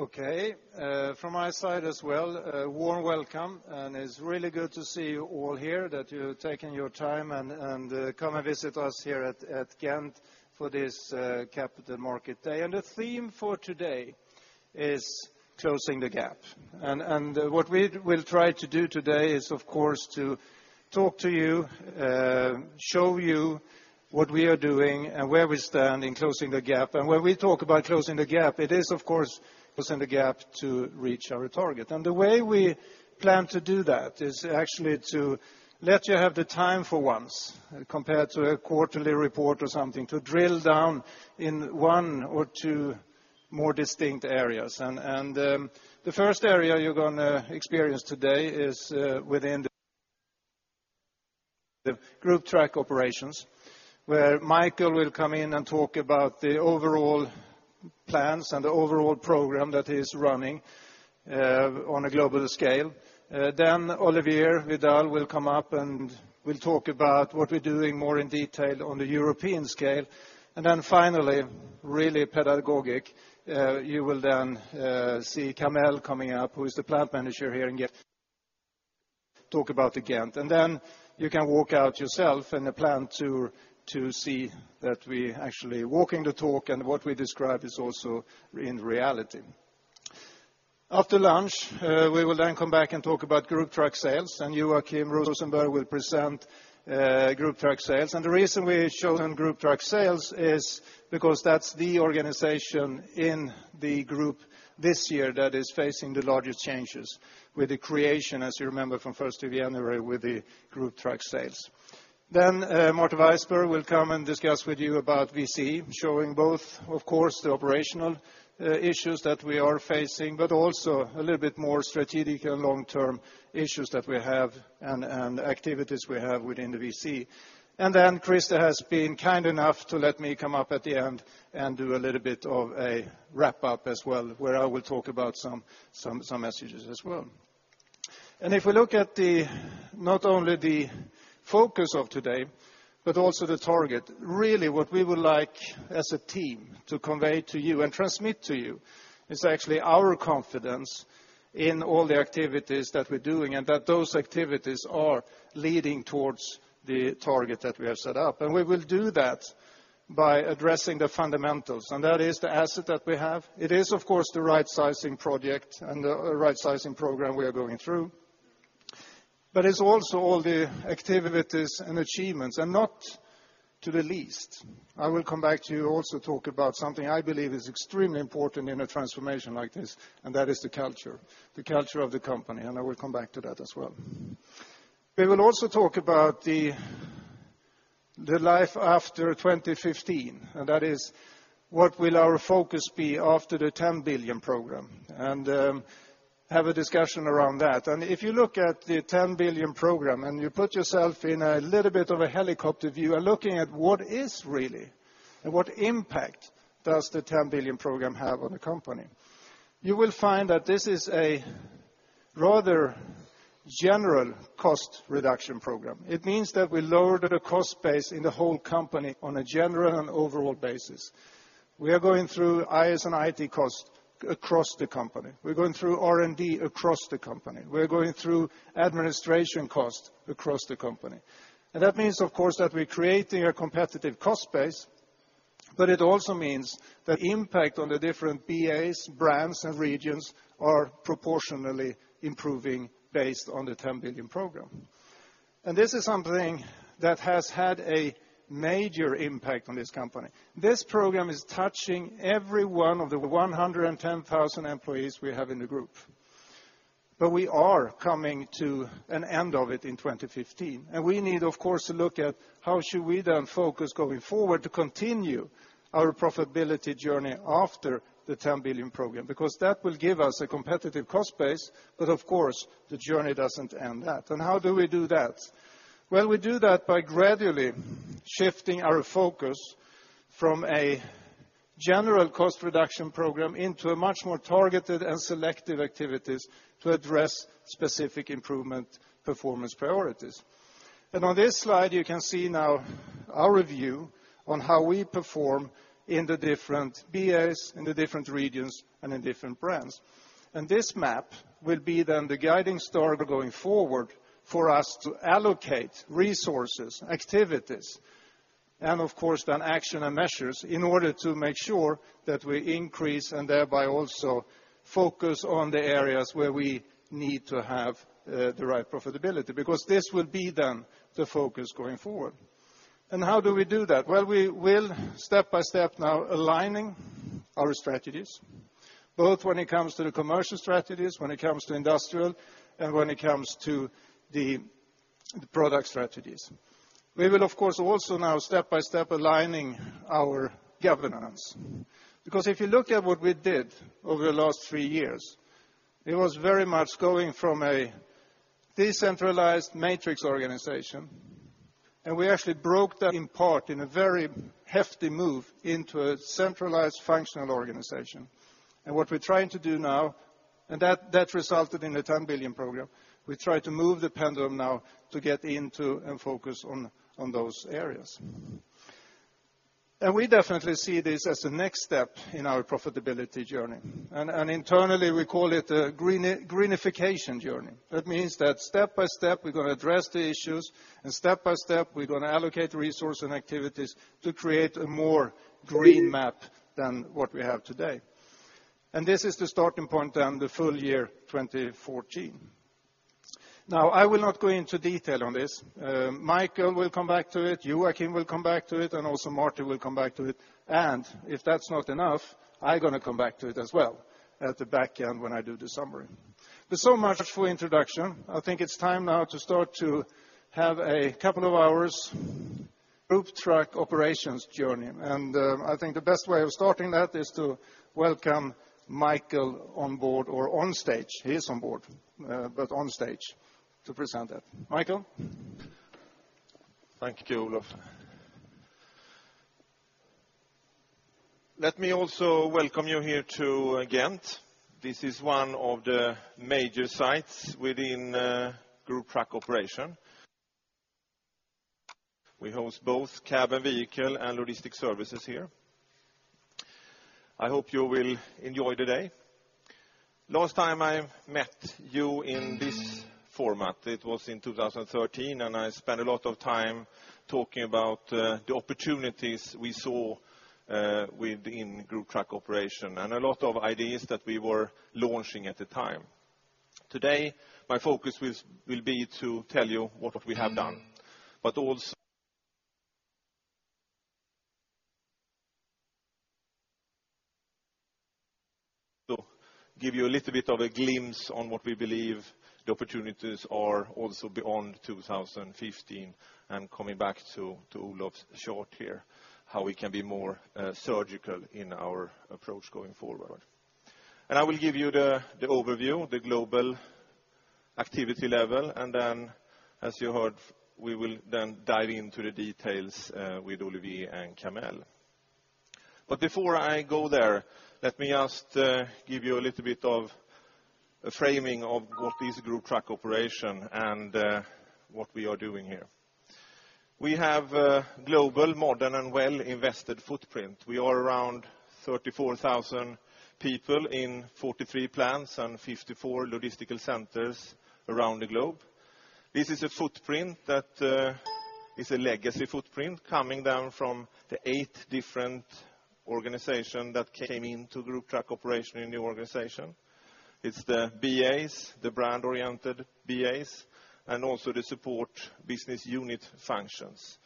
Okay. From my side as well, a warm welcome, it's really good to see you all here, that you've taken your time and come and visit us here at Ghent for this Capital Market Day. The theme for today is closing the gap. What we'll try to do today is, of course, to talk to you, show you what we are doing, and where we stand in closing the gap. When we talk about closing the gap, it is, of course, closing the gap to reach our target. The way we plan to do that is actually to let you have the time for once, compared to a quarterly report or something, to drill down in one or two more distinct areas. The first area you're going to experience today is within the Group Trucks Operations, where Mikael will come in and talk about the overall plans and the overall program that he is running on a global scale. Olivier Vidal will come up and will talk about what we're doing more in detail on the European scale. Finally, really pedagogic, you will then see Kamel coming up, who is the plant manager here in Ghent, talk about the Ghent. Then you can walk out yourself in a plant tour to see that we are actually walking the talk and what we describe is also in reality. After lunch, we will then come back and talk about Group Trucks Sales. Joachim Rosenberg will present Group Trucks Sales. The reason we have chosen Group Trucks Sales is because that's the organization in the group this year that is facing the largest changes with the creation, as you remember, from 1st of January, with the Group Trucks Sales. Martin Weissburg will come and discuss with you about Volvo CE, showing both, of course, the operational issues that we are facing, but also a little bit more strategic and long-term issues that we have and activities we have within the Volvo CE. Then Krista has been kind enough to let me come up at the end and do a little bit of a wrap-up as well, where I will talk about some messages as well. If we look at not only the focus of today, but also the target, really what we would like as a team to convey to you and transmit to you is actually our confidence in all the activities that we're doing, and that those activities are leading towards the target that we have set up. We will do that by addressing the fundamentals, and that is the asset that we have. It is, of course, the right sizing project and the right sizing program we are going through. But it's also all the activities and achievements, and not to the least, I will come back to you also talk about something I believe is extremely important in a transformation like this, and that is the culture, the culture of the company. I will come back to that as well. We will also talk about the life after 2015, that is what will our focus be after the 10 billion program, have a discussion around that. If you look at the 10 billion program and you put yourself in a little bit of a helicopter view and looking at what is really and what impact does the 10 billion program have on the company, you will find that this is a rather general cost reduction program. It means that we lowered the cost base in the whole company on a general and overall basis. We are going through IS/IT cost across the company. We're going through R&D across the company. We're going through administration cost across the company. That means, of course, that we're creating a competitive cost base, but it also means the impact on the different BAs, brands, and regions are proportionally improving based on the 10 billion program. This is something that has had a major impact on this company. This program is touching every one of the 110,000 employees we have in the group. We are coming to an end of it in 2015. We need, of course, to look at how should we then focus going forward to continue our profitability journey after the 10 billion program, because that will give us a competitive cost base, but of course, the journey doesn't end that. How do we do that? Well, we do that by gradually shifting our focus from a general cost reduction program into a much more targeted and selective activities to address specific improvement performance priorities. On this slide, you can see now our review on how we perform in the different BAs, in the different regions, in different brands. This map will be then the guiding star going forward for us to allocate resources, activities, of course, then action and measures in order to make sure that we increase and thereby also focus on the areas where we need to have the right profitability, because this will be then the focus going forward. How do we do that? Well, we will step-by-step now aligning our strategies, both when it comes to the commercial strategies, when it comes to industrial, when it comes to the product strategies. We will, of course, also now step-by-step aligning our governance. Because if you look at what we did over the last three years, it was very much going from a decentralized matrix organization, we actually broke that in part in a very hefty move into a centralized functional organization. What we're trying to do now, and that resulted in the 10 billion program, we try to move the pendulum now to get into and focus on those areas. We definitely see this as the next step in our profitability journey. Internally we call it a greenification journey. That means that step by step we're going to address the issues, and step by step we're going to allocate resource and activities to create a more green map than what we have today. This is the starting point, then the full year 2014. Now, I will not go into detail on this. Mikael will come back to it, Joachim will come back to it, and also Martin will come back to it. If that's not enough, I'm going to come back to it as well at the back end when I do the summary. Much for introduction. I think it's time now to start to have a couple of hours Group Trucks Operations journey, and I think the best way of starting that is to welcome Mikael on board or on stage. He is on board, but on stage to present it. Mikael? Thank you, Olof. Let me also welcome you here to Ghent. This is one of the major sites within Group Trucks Operations. We host both cab and vehicle and logistic services here. I hope you will enjoy the day. Last time I met you in this format, it was in 2013, and I spent a lot of time talking about the opportunities we saw within Group Trucks Operations and a lot of ideas that we were launching at the time. Today, my focus will be to tell you what we have done, but also give you a little bit of a glimpse on what we believe the opportunities are also beyond 2015, and coming back to Olof's chart here, how we can be more surgical in our approach going forward. I will give you the overview, the global activity level, and then as you heard, we will then dive into the details with Olivier and Kamel. Before I go there, let me just give you a little bit of a framing of what is Group Trucks Operations and what we are doing here. We have a global, modern, and well invested footprint. We are around 34,000 people in 43 plants and 54 logistical centers around the globe. This is a footprint that is a legacy footprint coming down from the eight different organizations that came into Group Trucks Operations in the organization. It's the BAs, the brand oriented BAs, and also the support business unit functions.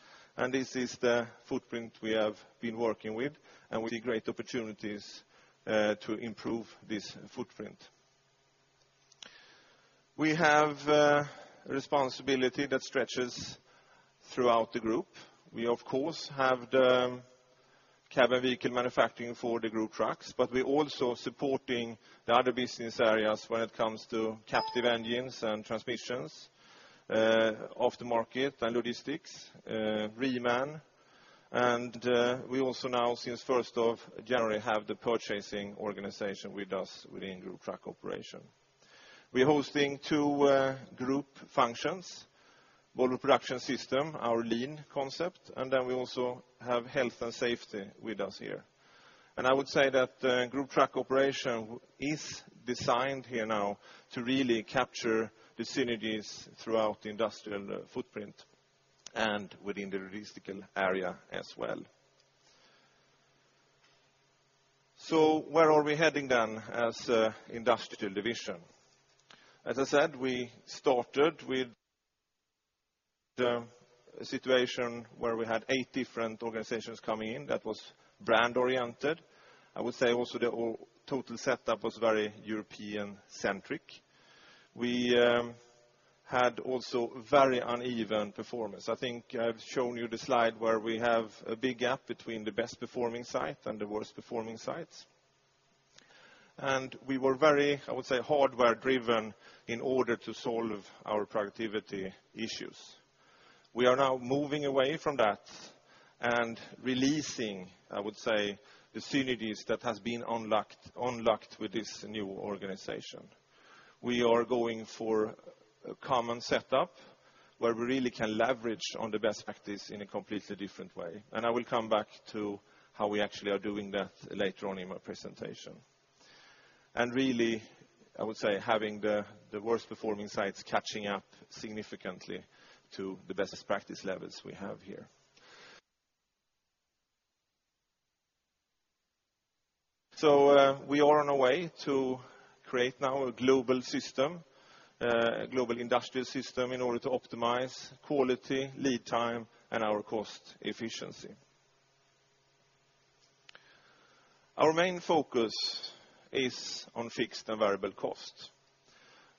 This is the footprint we have been working with, and we see great opportunities to improve this footprint. We have a responsibility that stretches throughout the group. We of course have the cabin vehicle manufacturing for the Group Trucks, but we're also supporting the other business areas when it comes to captive engines and transmissions, aftermarket and logistics, Reman. We also now, since 1st of January, have the purchasing organization with us within Group Trucks Operations. We're hosting two group functions, Volvo Production System, our lean concept, and then we also have health and safety with us here. I would say that Group Trucks Operations is designed here now to really capture the synergies throughout the industrial footprint and within the logistical area as well. Where are we heading then as industrial division? As I said, we started with the situation where we had eight different organizations coming in that was brand oriented. I would say also the total setup was very European-centric. We had also very uneven performance. I think I've shown you the slide where we have a big gap between the best performing site and the worst performing sites. We were very, I would say, hardware driven in order to solve our productivity issues. We are now moving away from that and releasing, I would say, the synergies that has been unlocked with this new organization. We are going for a common setup where we really can leverage on the best practice in a completely different way. I will come back to how we actually are doing that later on in my presentation. Really, I would say, having the worst performing sites catching up significantly to the best practice levels we have here. We are on our way to create now a global industrial system in order to optimize quality, lead time, and our cost efficiency. Our main focus is on fixed and variable cost.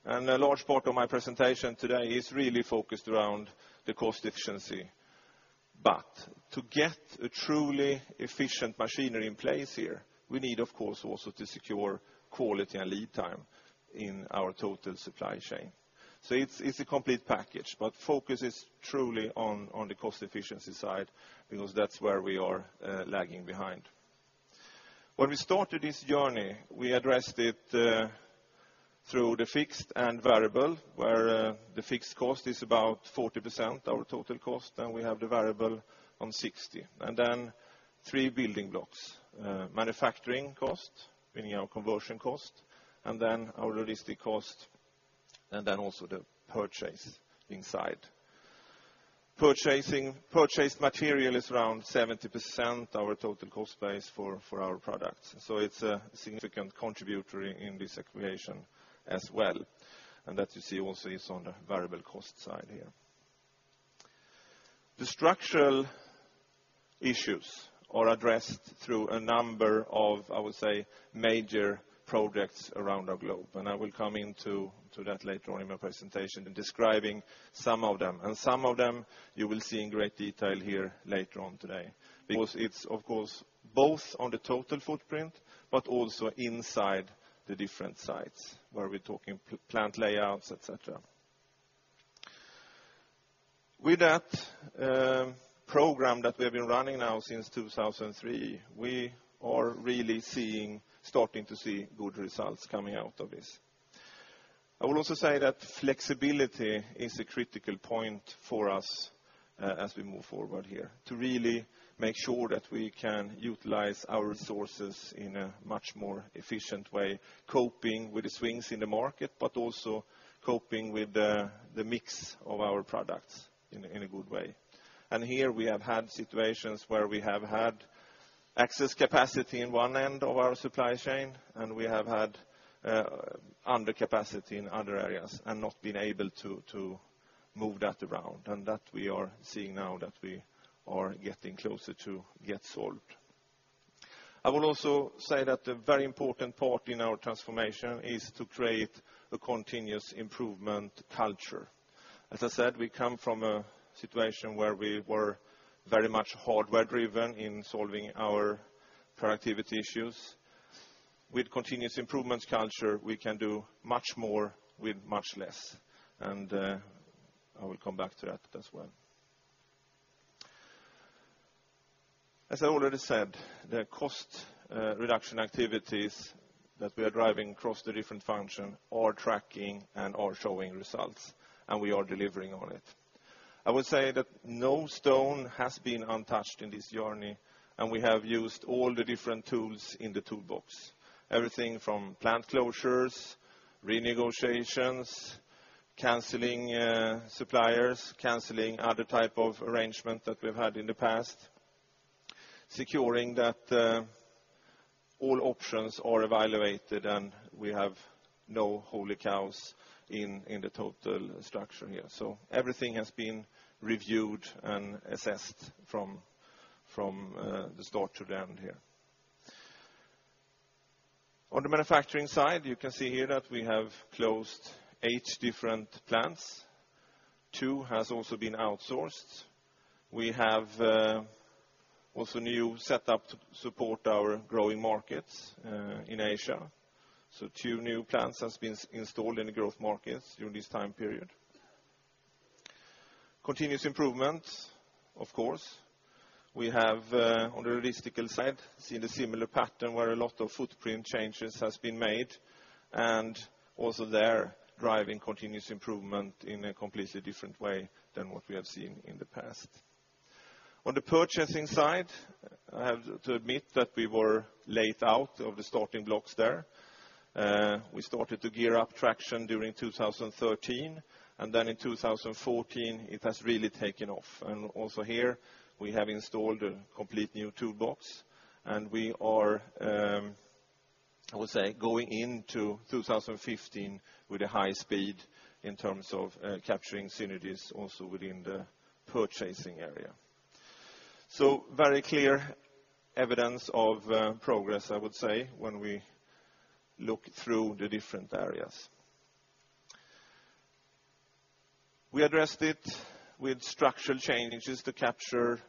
A large part of my presentation today is really focused around the cost efficiency. To get a truly efficient machinery in place here, we need of course also to secure quality and lead time in our total supply chain. It's a complete package, but focus is truly on the cost efficiency side because that's where we are lagging behind. When we started this journey, we addressed it through the fixed and variable, where the fixed cost is about 40% our total cost, and we have the variable on 60%. Three building blocks, manufacturing cost, meaning our conversion cost, then our logistics cost, and then also the purchase inside. Purchased material is around 70% our total cost base for our products. It's a significant contributor in this equation as well. That you see also is on the variable cost side here. The structural issues are addressed through a number of, I would say, major projects around our globe, and I will come into that later on in my presentation in describing some of them. Some of them you will see in great detail here later on today, because it's of course both on the total footprint, but also inside the different sites where we're talking plant layouts, et cetera. With that program that we have been running now since 2003, we are really starting to see good results coming out of this. I will also say that flexibility is a critical point for us, as we move forward here, to really make sure that we can utilize our resources in a much more efficient way, coping with the swings in the market, but also coping with the mix of our products in a good way. Here we have had situations where we have had excess capacity in one end of our supply chain, and we have had under capacity in other areas and not been able to move that around, and that we are seeing now that we are getting closer to get solved. I will also say that a very important part in our transformation is to create a continuous improvement culture. As I said, we come from a situation where we were very much hardware driven in solving our productivity issues. With continuous improvement culture, we can do much more with much less, I will come back to that as well. As I already said, the cost reduction activities that we are driving across the different function are tracking and are showing results, We are delivering on it. I will say that no stone has been untouched in this journey, and we have used all the different tools in the toolbox. Everything from plant closures, renegotiations, canceling suppliers, canceling other type of arrangement that we've had in the past, securing that all options are evaluated, and we have no holy cows in the total structure here. Everything has been reviewed and assessed from the start to the end here. On the manufacturing side, you can see here that we have closed eight different plants. Two has also been outsourced. We have also new setup to support our growing markets in Asia. Two new plants has been installed in the growth markets during this time period. Continuous improvements, of course. We have, on the logistical side, seen a similar pattern where a lot of footprint changes has been made, Also there, driving continuous improvement in a completely different way than what we have seen in the past. On the purchasing side, I have to admit that we were late out of the starting blocks there. We started to gear up traction during 2013, Then in 2014, it has really taken off. Also here, we have installed a complete new toolbox, We are, I would say, going into 2015 with a high speed in terms of capturing synergies also within the purchasing area. Very clear evidence of progress, I would say, when we look through the different areas. We addressed it with structural changes to capture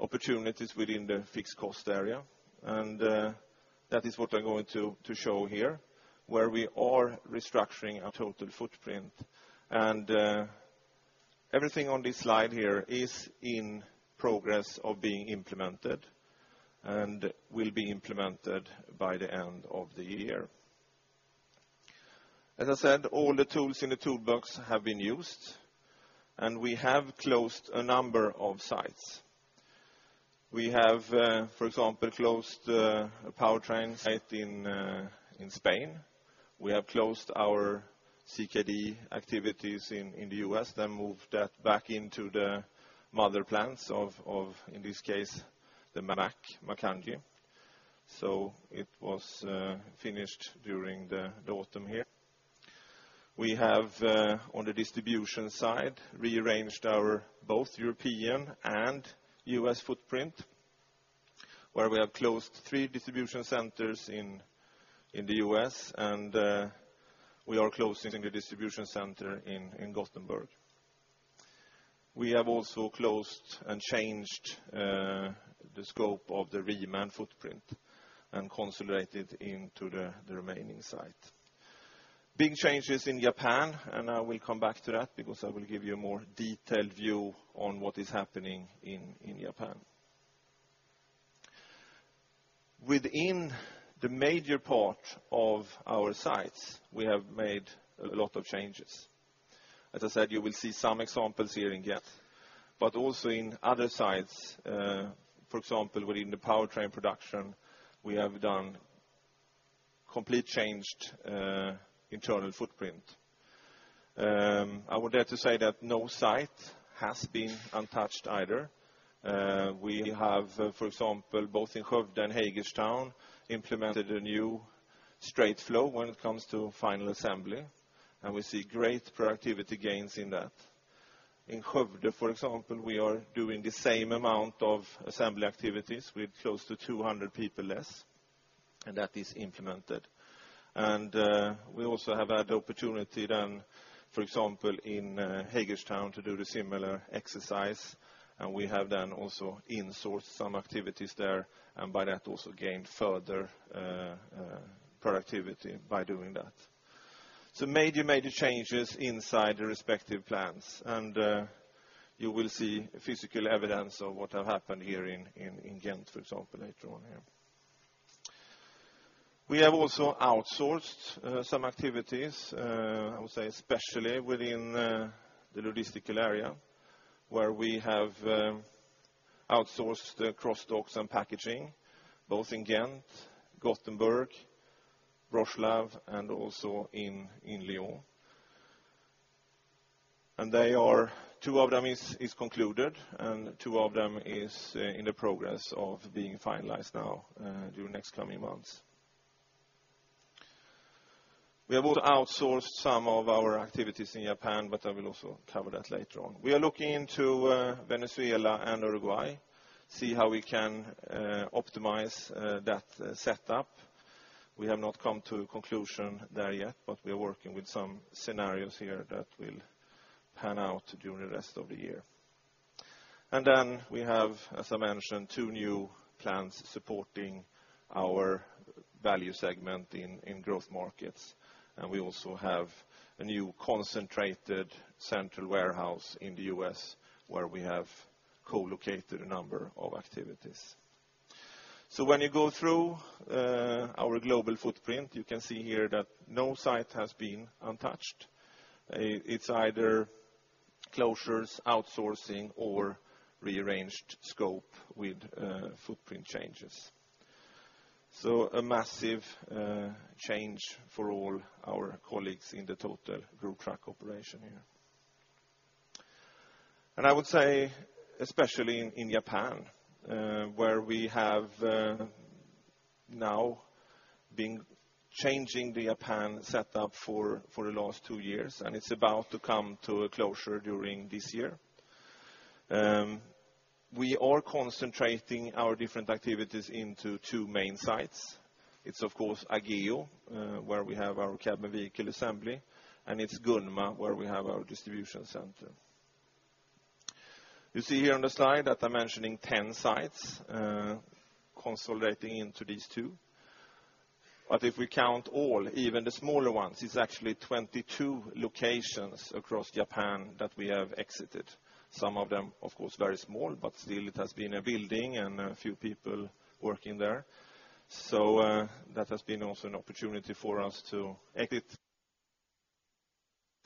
opportunities within the fixed cost area, That is what I'm going to show here, where we are restructuring our total footprint. Everything on this slide here is in progress of being implemented and will be implemented by the end of the year. As I said, all the tools in the toolbox have been used, We have closed a number of sites. We have, for example, closed a powertrain site in Spain. We have closed our CKD activities in the U.S., then moved that back into the mother plants of, in this case, the Mack, Macungie. It was finished during the autumn here. We have, on the distribution side, rearranged our both European and U.S. footprint, where we have closed three distribution centers in the U.S., We are closing the distribution center in Gothenburg. We have also closed and changed the scope of the Reman footprint and consolidated into the remaining site. Big changes in Japan, I will come back to that because I will give you a more detailed view on what is happening in Japan. Within the major part of our sites, we have made a lot of changes. As I said, you will see some examples here in Ghent, but also in other sites. For example, within the powertrain production, we have done complete changed internal footprint. I would dare to say that no site has been untouched either. We have, for example, both in Skövde and Hagerstown, implemented a new straight flow when it comes to final assembly. We see great productivity gains in that. In Skövde, for example, we are doing the same amount of assembly activities with close to 200 people less, and that is implemented. We also have had the opportunity then, for example, in Hagerstown to do the similar exercise. We have then also insourced some activities there. By that also gained further productivity by doing that. Major, major changes inside the respective plants, and you will see physical evidence of what have happened here in Ghent, for example, later on here. We have also outsourced some activities, I would say especially within the logistical area, where we have outsourced the cross docks and packaging, both in Ghent, Gothenburg, Wroclaw, and also in Lyon. Two of them is concluded, and two of them is in the progress of being finalized now during next coming months. We have also outsourced some of our activities in Japan. I will also cover that later on. We are looking into Venezuela and Uruguay, see how we can optimize that setup. We have not come to a conclusion there yet. We are working with some scenarios here that will pan out during the rest of the year. Then we have, as I mentioned, two new plants supporting our value segment in growth markets. We also have a new concentrated central warehouse in the U.S. where we have co-located a number of activities. When you go through our global footprint, you can see here that no site has been untouched. It's either closures, outsourcing, or rearranged scope with footprint changes. A massive change for all our colleagues in the total Group Trucks Operations here. I would say especially in Japan, where we have now been changing the Japan setup for the last two years. It's about to come to a closure during this year. We are concentrating our different activities into two main sites. It's, of course, Ageo, where we have our cabin vehicle assembly. It's Gunma, where we have our distribution center. You see here on the slide that I'm mentioning 10 sites consolidating into these two. If we count all, even the smaller ones, it's actually 22 locations across Japan that we have exited. Some of them, of course, very small, but still it has been a building and a few people working there. That has been also an opportunity for us to exit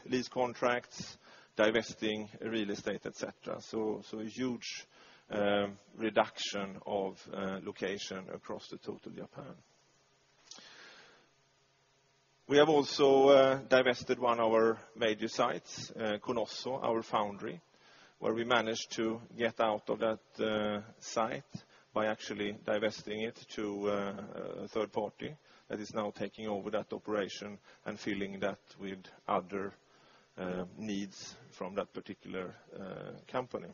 lease contracts, divesting real estate, et cetera. A huge reduction of location across the total Japan. We have also divested one of our major sites, Konosu, our foundry, where we managed to get out of that site by actually divesting it to a third party that is now taking over that operation and filling that with other needs from that particular company.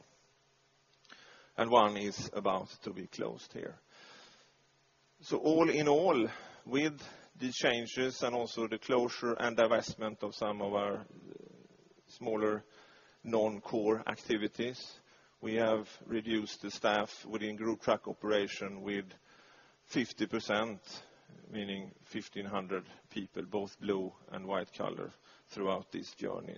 One is about to be closed here. All in all, with the changes and also the closure and divestment of some of our smaller non-core activities, we have reduced the staff within Group Trucks Operations with 50%, meaning 1,500 people, both blue and white collar, throughout this journey.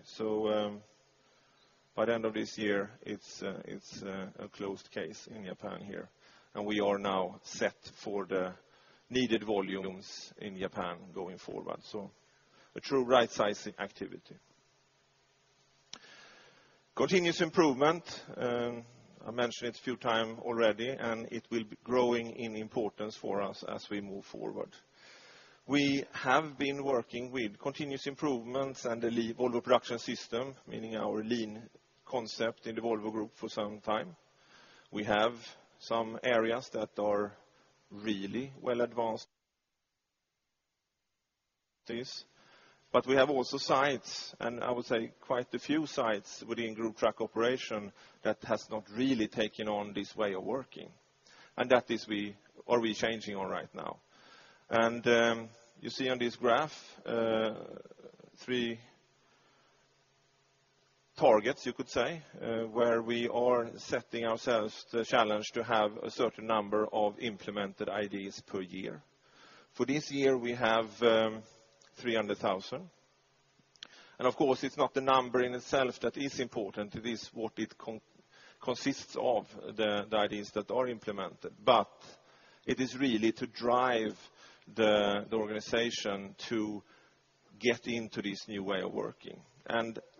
By the end of this year, it's a closed case in Japan here. We are now set for the needed volumes in Japan going forward. A true right-sizing activity. Continuous improvement, I mentioned it a few times already. It will be growing in importance for us as we move forward. We have been working with continuous improvements and the Volvo Production System, meaning our lean concept in the Volvo Group, for some time. We have some areas that are really well advanced this, but we have also sites, I would say quite a few sites within Group Trucks Operations that has not really taken on this way of working. That is what we are changing right now. You see on this graph 3 targets, you could say, where we are setting ourselves the challenge to have a certain number of implemented ideas per year. For this year, we have 300,000. Of course, it's not the number in itself that is important, it is what it consists of, the ideas that are implemented. It is really to drive the organization to get into this new way of working.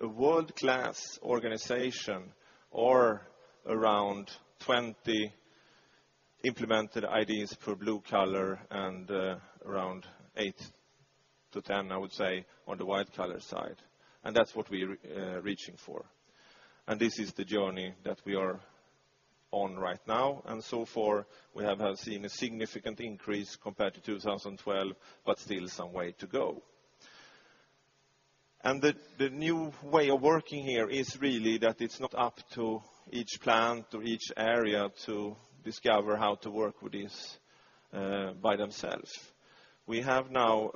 A world-class organization or around 20 implemented ideas per blue collar and around 8 to 10, I would say, on the white collar side. That's what we're reaching for. This is the journey that we are on right now. So far we have seen a significant increase compared to 2012, but still some way to go. The new way of working here is really that it's not up to each plant or each area to discover how to work with this by themselves. We have now,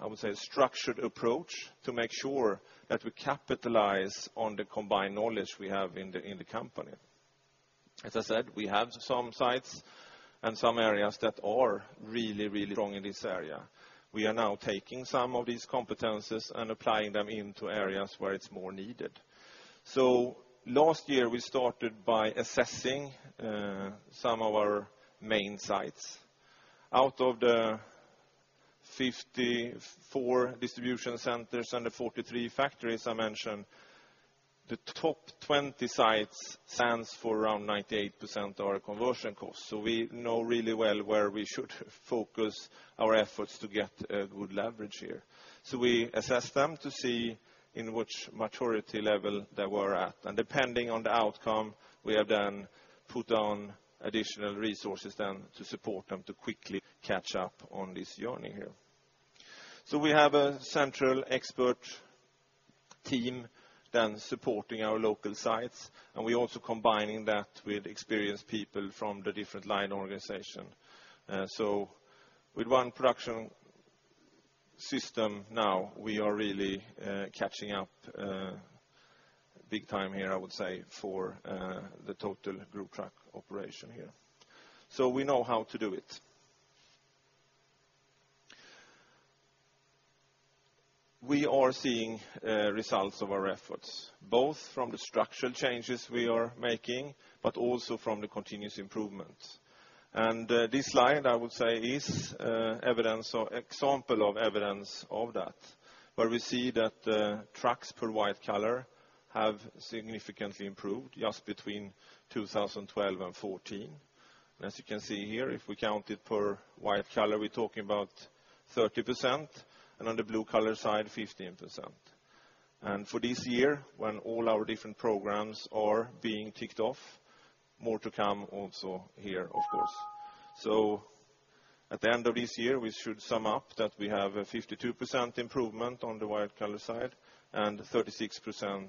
I would say, a structured approach to make sure that we capitalize on the combined knowledge we have in the company. As I said, we have some sites and some areas that are really strong in this area. We are now taking some of these competencies and applying them into areas where it's more needed. Last year we started by assessing some of our main sites. Out of the 54 distribution centers and the 43 factories I mentioned, the top 20 sites stands for around 98% of our conversion costs. We know really well where we should focus our efforts to get a good leverage here. We assess them to see in which maturity level they were at. Depending on the outcome, we have then put on additional resources then to support them to quickly catch up on this journey here. We have a central expert team then supporting our local sites, and we're also combining that with experienced people from the different line organization. With one production system now, we are really catching up big time here, I would say, for the total Group Trucks Operations here. We know how to do it. We are seeing results of our efforts, both from the structural changes we are making, but also from the continuous improvements. This slide, I would say, is example of evidence of that, where we see that trucks per white collar have significantly improved just between 2012 and 2014. As you can see here, if we count it per white collar, we're talking about 30%, and on the blue collar side, 15%. For this year, when all our different programs are being ticked off, more to come also here, of course. At the end of this year, we should sum up that we have a 52% improvement on the white collar side and 36%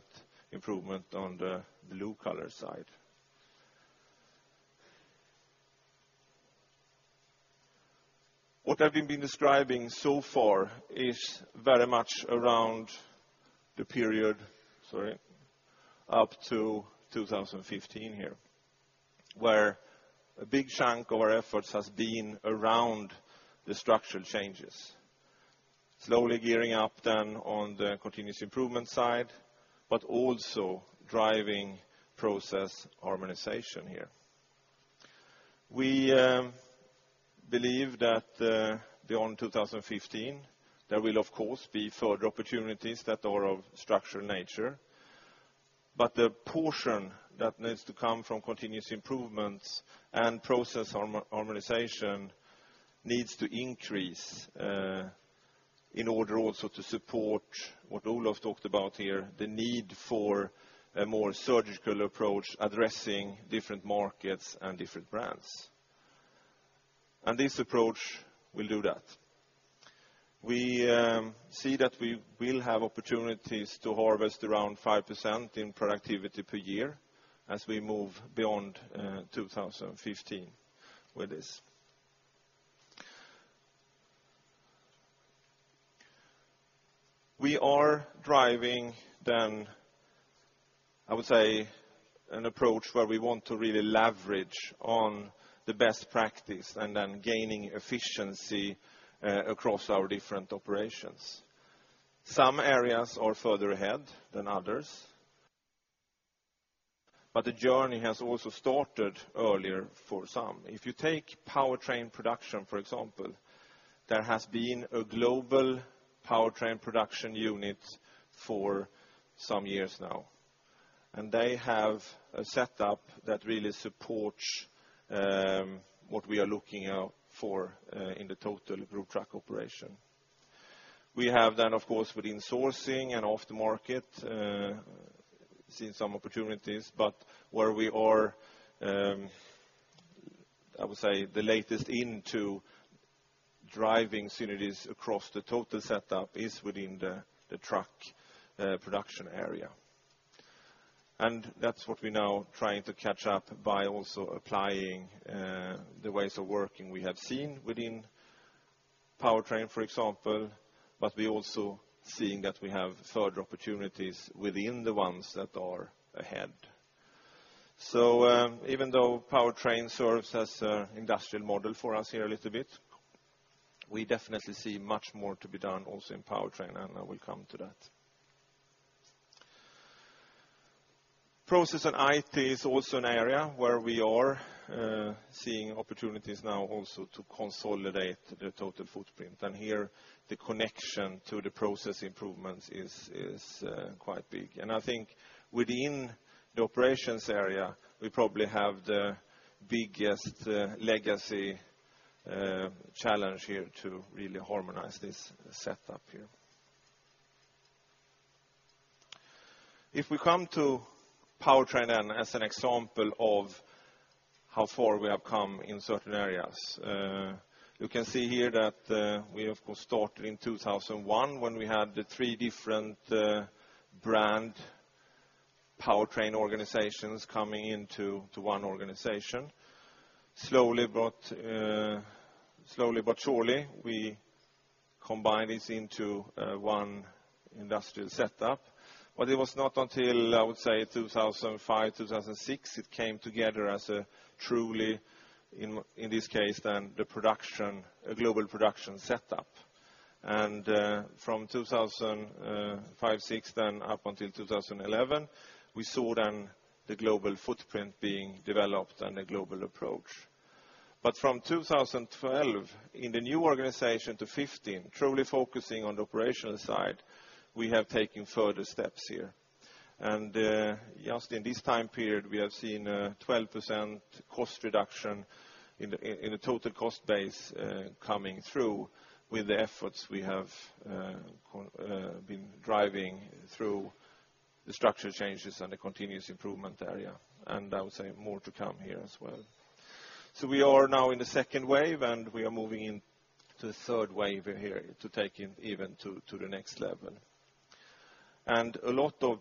improvement on the blue collar side. What I've been describing so far is very much around the period up to 2015, where a big chunk of our efforts has been around the structural changes. Slowly gearing up then on the continuous improvement side, but also driving process harmonization. We believe that beyond 2015, there will of course be further opportunities that are of structural nature, but the portion that needs to come from continuous improvements and process harmonization needs to increase in order also to support what Olof talked about, the need for a more surgical approach addressing different markets and different brands. This approach will do that. We see that we will have opportunities to harvest around 5% in productivity per year as we move beyond 2015 with this. We are driving then, an approach where we want to really leverage on the best practice and then gaining efficiency across our different operations. Some areas are further ahead than others, but the journey has also started earlier for some. If you take powertrain production, for example, there has been a global powertrain production unit for some years now. They have a setup that really supports what we are looking out for in the total Group Trucks Operations. We have then, of course, with insourcing and off the market, seen some opportunities, but where we are, the latest into driving synergies across the total setup is within the truck production area. That's what we're now trying to catch up by also applying the ways of working we have seen within Powertrain, for example, but we also seeing that we have further opportunities within the ones that are ahead. Even though powertrain serves as an industrial model for us a little bit, we definitely see much more to be done also in powertrain, and I will come to that. Process and IT is also an area where we are seeing opportunities now also to consolidate the total footprint. Here the connection to the process improvements is quite big. I think within the operations area, we probably have the biggest legacy challenge to really harmonize this setup. If we come to powertrain, as an example of how far we have come in certain areas. We, of course, started in 2001, when we had the three different brand powertrain organizations coming into one organization. Slowly but surely, we combined this into one industrial setup. It was not until 2005, 2006, it came together as a truly, in this case then, a global production setup. From 2005, 2006 then up until 2011, we saw then the global footprint being developed and a global approach. From 2012 in the new organization to 2015, truly focusing on the operational side, we have taken further steps. Just in this time period, we have seen a 12% cost reduction in the total cost base coming through with the efforts we have been driving through the structure changes and the continuous improvement area, and more to come as well. We are now in the second wave, we are moving into the third wave here to take it even to the next level. A lot of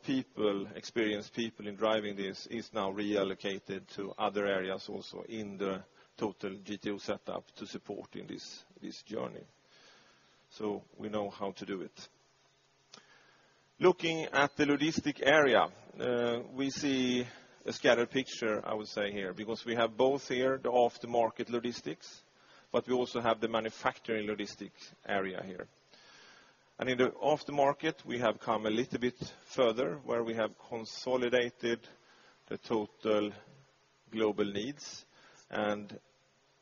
experienced people in driving this is now reallocated to other areas also in the total GTO setup to support in this journey. We know how to do it. Looking at the logistic area, we see a scattered picture, I would say here, because we have both here the off the market logistics, but we also have the manufacturing logistics area here. In the off the market, we have come a little bit further, where we have consolidated the total global needs and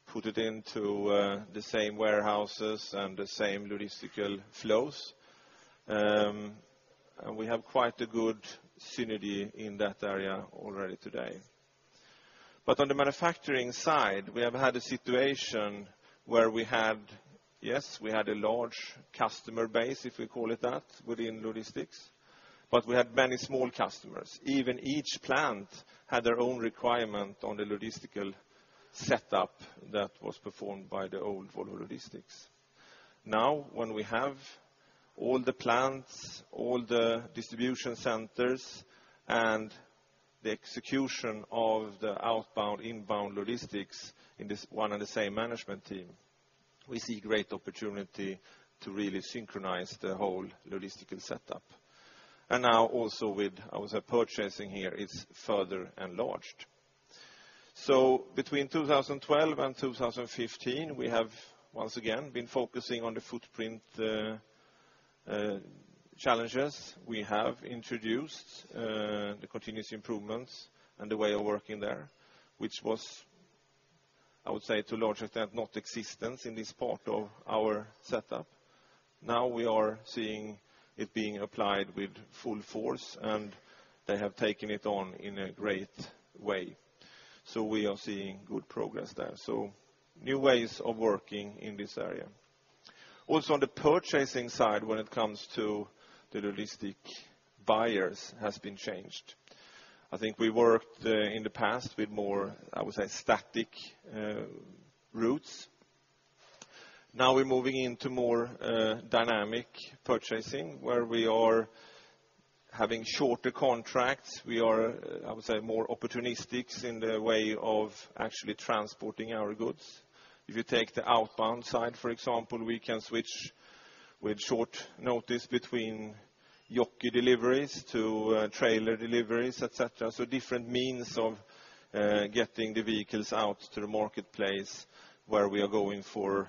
put it into the same warehouses and the same logistical flows. We have quite a good synergy in that area already today. On the manufacturing side, we have had a situation where we had, yes, we had a large customer base, if we call it that, within logistics, but we had many small customers. Even each plant had their own requirement on the logistical setup that was performed by the old Volvo Logistics. When we have all the plants, all the distribution centers, and the execution of the outbound, inbound logistics in this one and the same management team, we see great opportunity to really synchronize the whole logistical setup. Now also with, I would say, purchasing here is further enlarged. Between 2012 and 2015, we have once again been focusing on the footprint challenges. We have introduced the continuous improvements and the way of working there, which was, I would say to a large extent, not existent in this part of our setup. We are seeing it being applied with full force, they have taken it on in a great way. We are seeing good progress there. New ways of working in this area. On the purchasing side, when it comes to the logistic buyers has been changed. I think we worked in the past with more, I would say, static routes. We're moving into more dynamic purchasing where we are having shorter contracts. We are, I would say, more opportunistic in the way of actually transporting our goods. If you take the outbound side, for example, we can switch with short notice between jockey deliveries to trailer deliveries, et cetera. Different means of getting the vehicles out to the marketplace where we are going for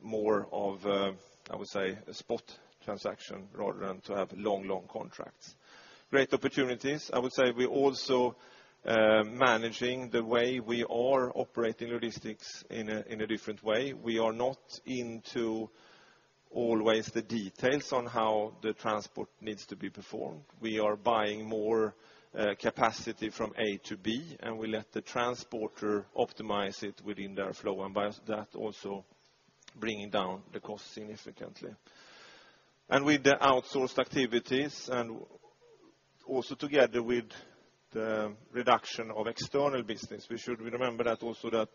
more of, I would say, a spot transaction rather than to have long contracts. Great opportunities. I would say we're also managing the way we are operating logistics in a different way. We are not into always the details on how the transport needs to be performed. We are buying more capacity from A to B, we let the transporter optimize it within their flow, by that also bringing down the cost significantly. With the outsourced activities and also together with the reduction of external business, we should remember that also that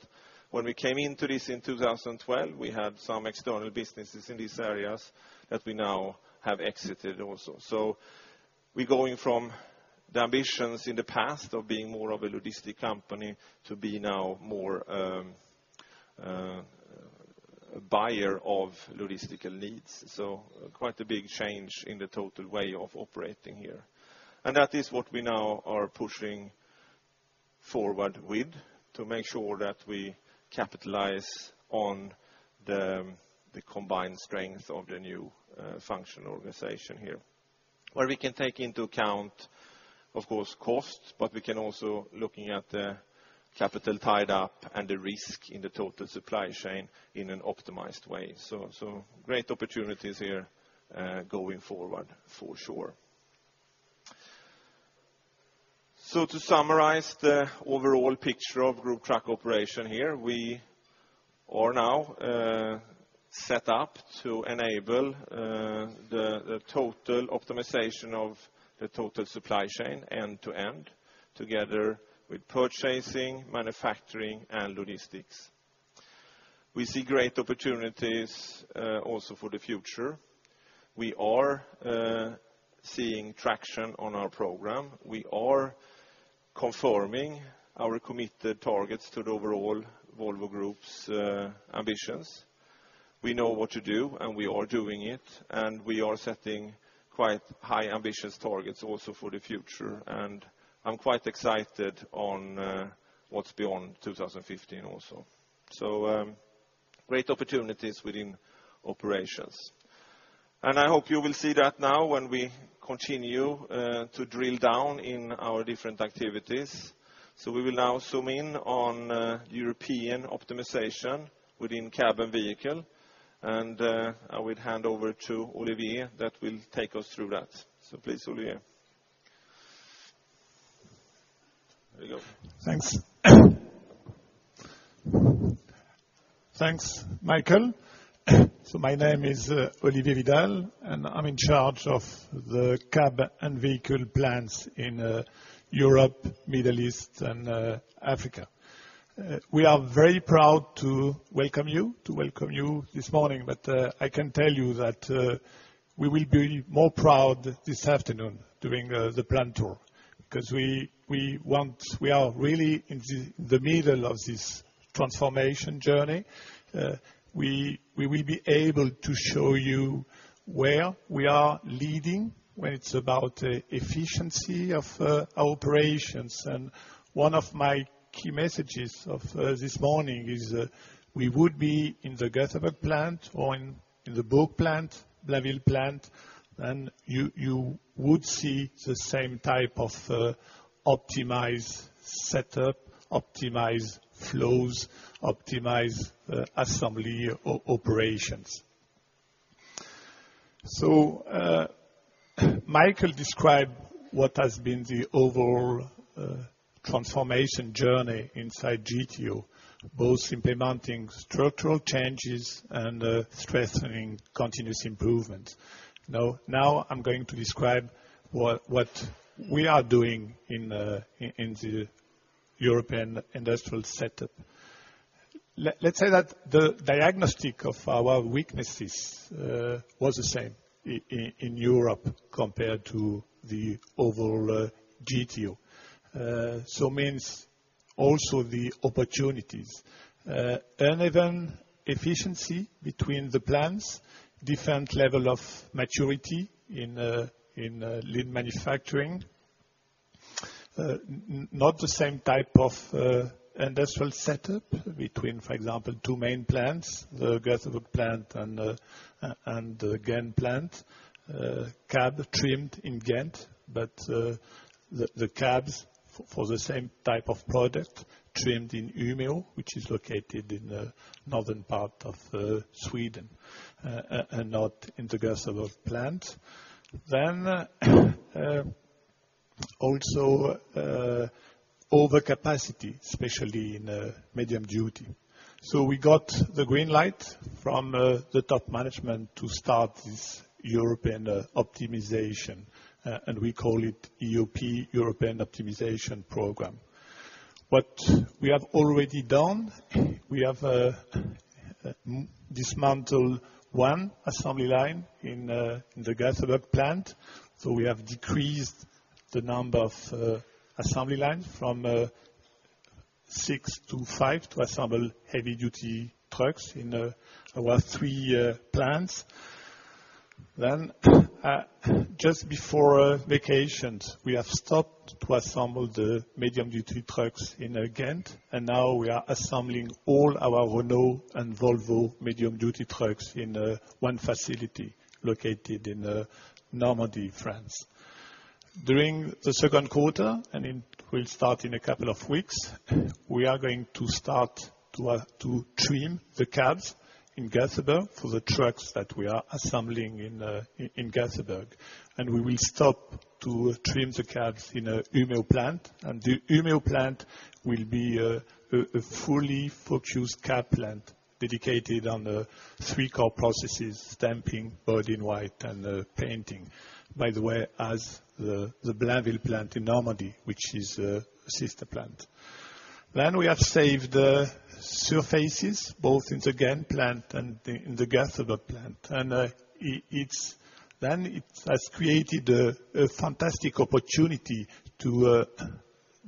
when we came into this in 2012, we had some external businesses in these areas that we now have exited also. We're going from the ambitions in the past of being more of a logistic company to be now more a buyer of logistical needs. Quite a big change in the total way of operating here. That is what we now are pushing forward with to make sure that we capitalize on the combined strength of the new functional organization here. Where we can take into account, of course, costs, but we can also looking at the capital tied up and the risk in the total supply chain in an optimized way. Great opportunities here, going forward for sure. To summarize the overall picture of Group Trucks Operations here, we are now set up to enable the total optimization of the total supply chain end to end, together with purchasing, manufacturing, and logistics. We see great opportunities, also for the future. We are seeing traction on our program. We are confirming our committed targets to the overall Volvo Group's ambitions. We know what to do, and we are doing it, and we are setting quite high ambitious targets also for the future. I'm quite excited on what's beyond 2015 also. Great opportunities within operations. I hope you will see that now when we continue, to drill down in our different activities. We will now zoom in on European optimization within cab and vehicle, and, I would hand over to Olivier, that will take us through that. Please, Olivier. There you go. Thanks. Thanks, Mikael. My name is Olivier Vidal, and I'm in charge of the cab and vehicle plants in Europe, Middle East, and Africa. We are very proud to welcome you this morning. I can tell you that, we will be more proud this afternoon during the plant tour because we are really in the middle of this transformation journey. We will be able to show you where we are leading when it's about efficiency of operations. One of my key messages of this morning is we would be in the Gothenburg plant or in the Bourg-en-Bresse plant, Blainville plant, and you would see the same type of optimized setup, optimized flows, optimized assembly operations. Mikael described what has been the overall transformation journey inside GTO, both implementing structural changes and, strengthening continuous improvements. Now I'm going to describe what we are doing in the European industrial setup. Let's say that the diagnostic of our weaknesses was the same in Europe compared to the overall GTO. Means also the opportunities. Uneven efficiency between the plants, different level of maturity in lean manufacturing. Not the same type of industrial setup between, for example, two main plants, the Gothenburg plant and the Ghent plant, cab trimmed in Ghent, but the cabs for the same type of product trimmed in Umeå, which is located in the northern part of Sweden, and not in the Gothenburg plant. Also, overcapacity, especially in medium duty. We got the green light from the top management to start this European optimization, and we call it EOP, European Optimization Program. What we have already done, we have dismantled one assembly line in the Gothenburg plant. We have decreased the number of assembly lines from six to five to assemble heavy-duty trucks in our three plants. Just before vacations, we have stopped to assemble the medium-duty trucks in Ghent. Now we are assembling all our Renault and Volvo medium-duty trucks in one facility located in Normandy, France. During the second quarter, and it will start in a couple of weeks, we are going to start to trim the cabs in Gothenburg for the trucks that we are assembling in Gothenburg. We will stop to trim the cabs in Umeå plant. The Umeå plant will be a fully focused cab plant dedicated on the three core processes, stamping, body-in-white, and painting. By the way, as the Blainville plant in Normandy, which is a sister plant. We have saved the surfaces both in the Ghent plant and in the Ghent plant. It has created a fantastic opportunity to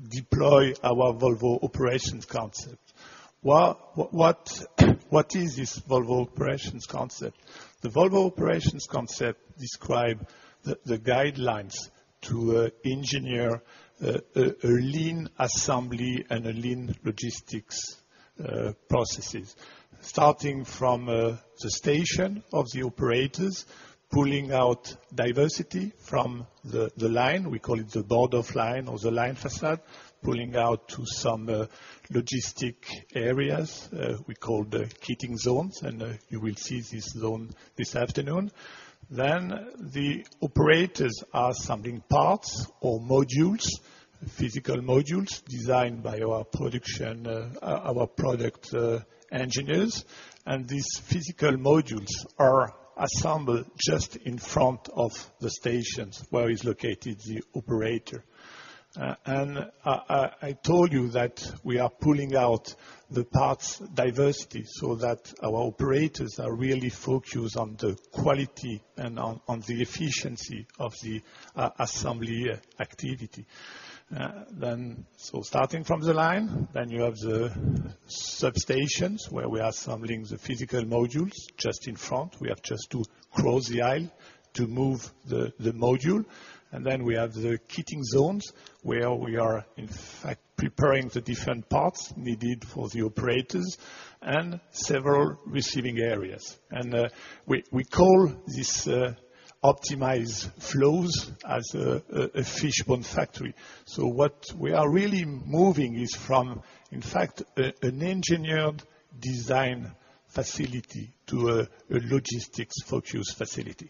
deploy our Volvo Operations Concept. What is this Volvo Operations Concept? The Volvo Operations Concept describe the guidelines to engineer a lean assembly and lean logistics processes, starting from the station of the operators, pulling out diversity from the line, we call it the board-of-line or the line façade, pulling out to some logistic areas we call the kitting zones, and you will see this zone this afternoon. The operators are assembling parts or modules, physical modules designed by our product engineers. These physical modules are assembled just in front of the stations where is located the operator. I told you that we are pulling out the parts diversity so that our operators are really focused on the quality and on the efficiency of the assembly activity. Starting from the line, then you have the sub-stations where we are assembling the physical modules just in front. We have just to cross the aisle to move the module. Then we have the kitting zones where we are, in fact, preparing the different parts needed for the operators and several receiving areas. We call this optimized flows as a fishbone factory. What we are really moving is from, in fact, an engineered design facility to a logistics-focused facility.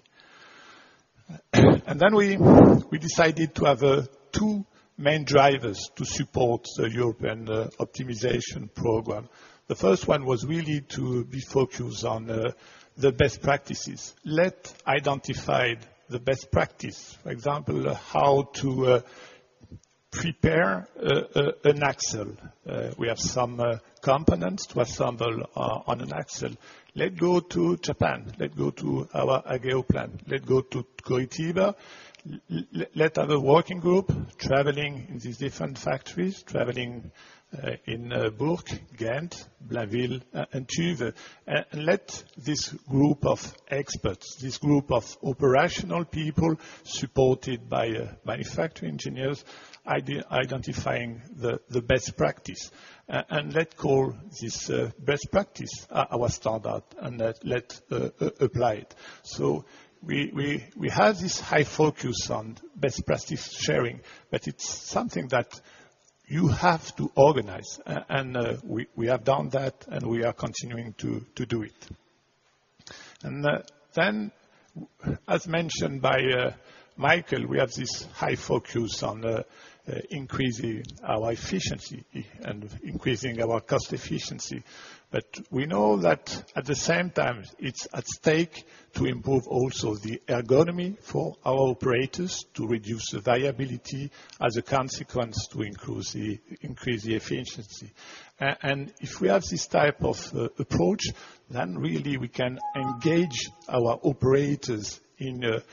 We decided to have two main drivers to support the European Optimization Program. The first one was really to be focused on the best practices. Let identify the best practice, for example, how to prepare an axle. We have some components to assemble on an axle. Let go to Japan. Let go to our Ageo plant. Let go to Curitiba. Let have a working group traveling these different factories, traveling in Bourg-en-Bresse, Ghent, Blainville, and Tuve. Let this group of experts, this group of operational people supported by manufacturing engineers, identifying the best practice. Let call this best practice our standard and let apply it. We have this high focus on best-practice sharing, but it's something that you have to organize, and we have done that, and we are continuing to do it. As mentioned by Mikael, we have this high focus on increasing our efficiency and increasing our cost-efficiency. We know that at the same time, it's at stake to improve also the ergonomy for our operators to reduce the variability as a consequence to increase the efficiency. If we have this type of approach, then really we can engage our operators and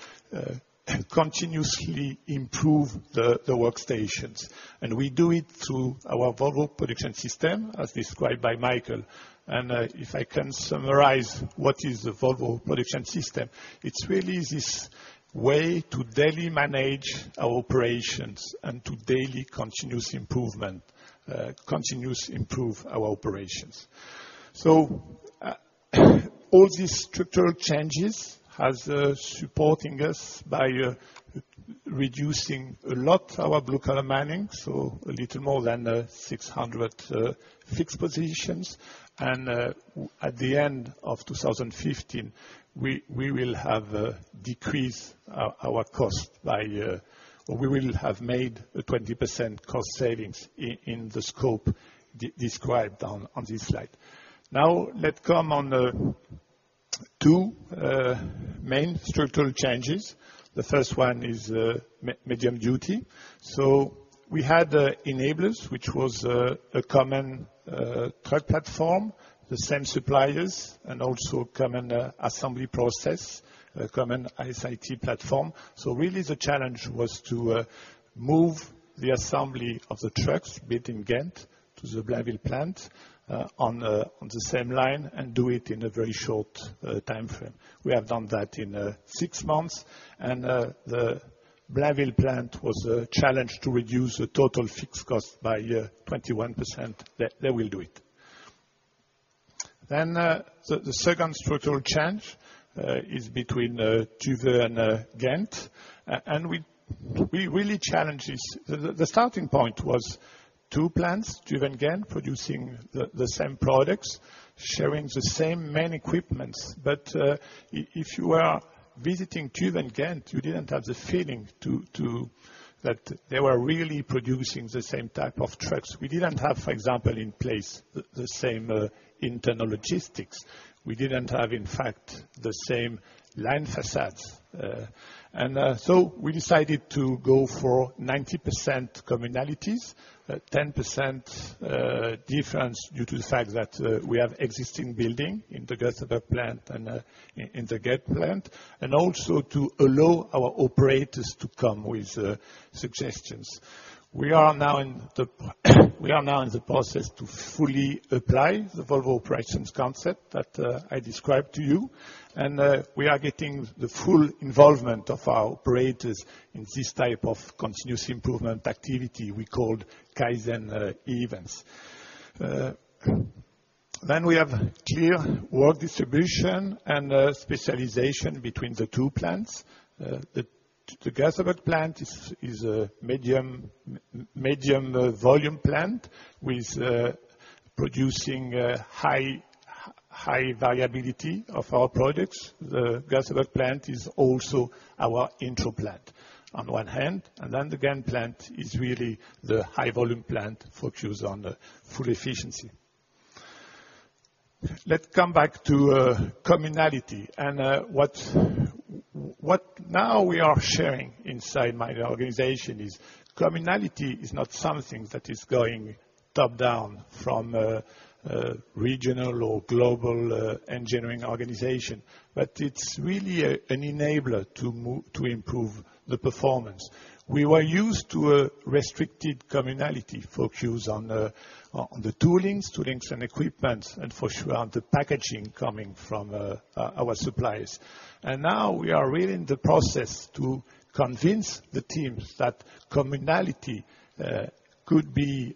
continuously improve the workstations. We do it through our Volvo Production System, as described by Mikael. If I can summarize what is a Volvo Production System, it's really this way to daily manage our operations and to daily continuous improve our operations. All these structural changes has supporting us by reducing a lot our blue-collar manning, a little more than 600 fixed positions. At the end of 2015, we will have decreased our cost by, or we will have made a 20% cost savings in the scope described on this slide. Let come on the two main structural changes. The first one is medium duty. We had enablers, which was a common truck platform, the same suppliers, also common assembly process, a common IS/IT platform. Really the challenge was to move the assembly of the trucks built in Ghent to the Blainville plant on the same line and do it in a very short timeframe. We have done that in six months, and the Blainville plant was challenged to reduce the total fixed cost by 21%. They will do it. The second structural change is between Tuve and Ghent. We really challenge this. The starting point was two plants, Tuve and Ghent, producing the same products, sharing the same main equipments. If you are visiting Tuve and Ghent, you didn't have the feeling that they were really producing the same type of trucks. We didn't have, for example, in place the same internal logistics. We didn't have, in fact, the same line facades. We decided to go for 90% commonalities, 10% difference due to the fact that we have existing building in the Ghent plant and also to allow our operators to come with suggestions. We are now in the process to fully apply the Volvo Operations Concept that I described to you, and we are getting the full involvement of our operators in this type of continuous improvement activity we call Kaizen events. We have clear work distribution and specialization between the two plants. The Gothenburg plant is a medium volume plant with producing high variability of our products. The Gothenburg plant is also our intro plant on one hand, then the Ghent plant is really the high volume plant focused on full efficiency. Let's come back to commonality, what now we are sharing inside my organization is commonality is not something that is going top-down from regional or global engineering organization, but it's really an enabler to improve the performance. We were used to a restricted commonality focus on the toolings and equipment, and for sure on the packaging coming from our suppliers. Now we are really in the process to convince the teams that commonality could be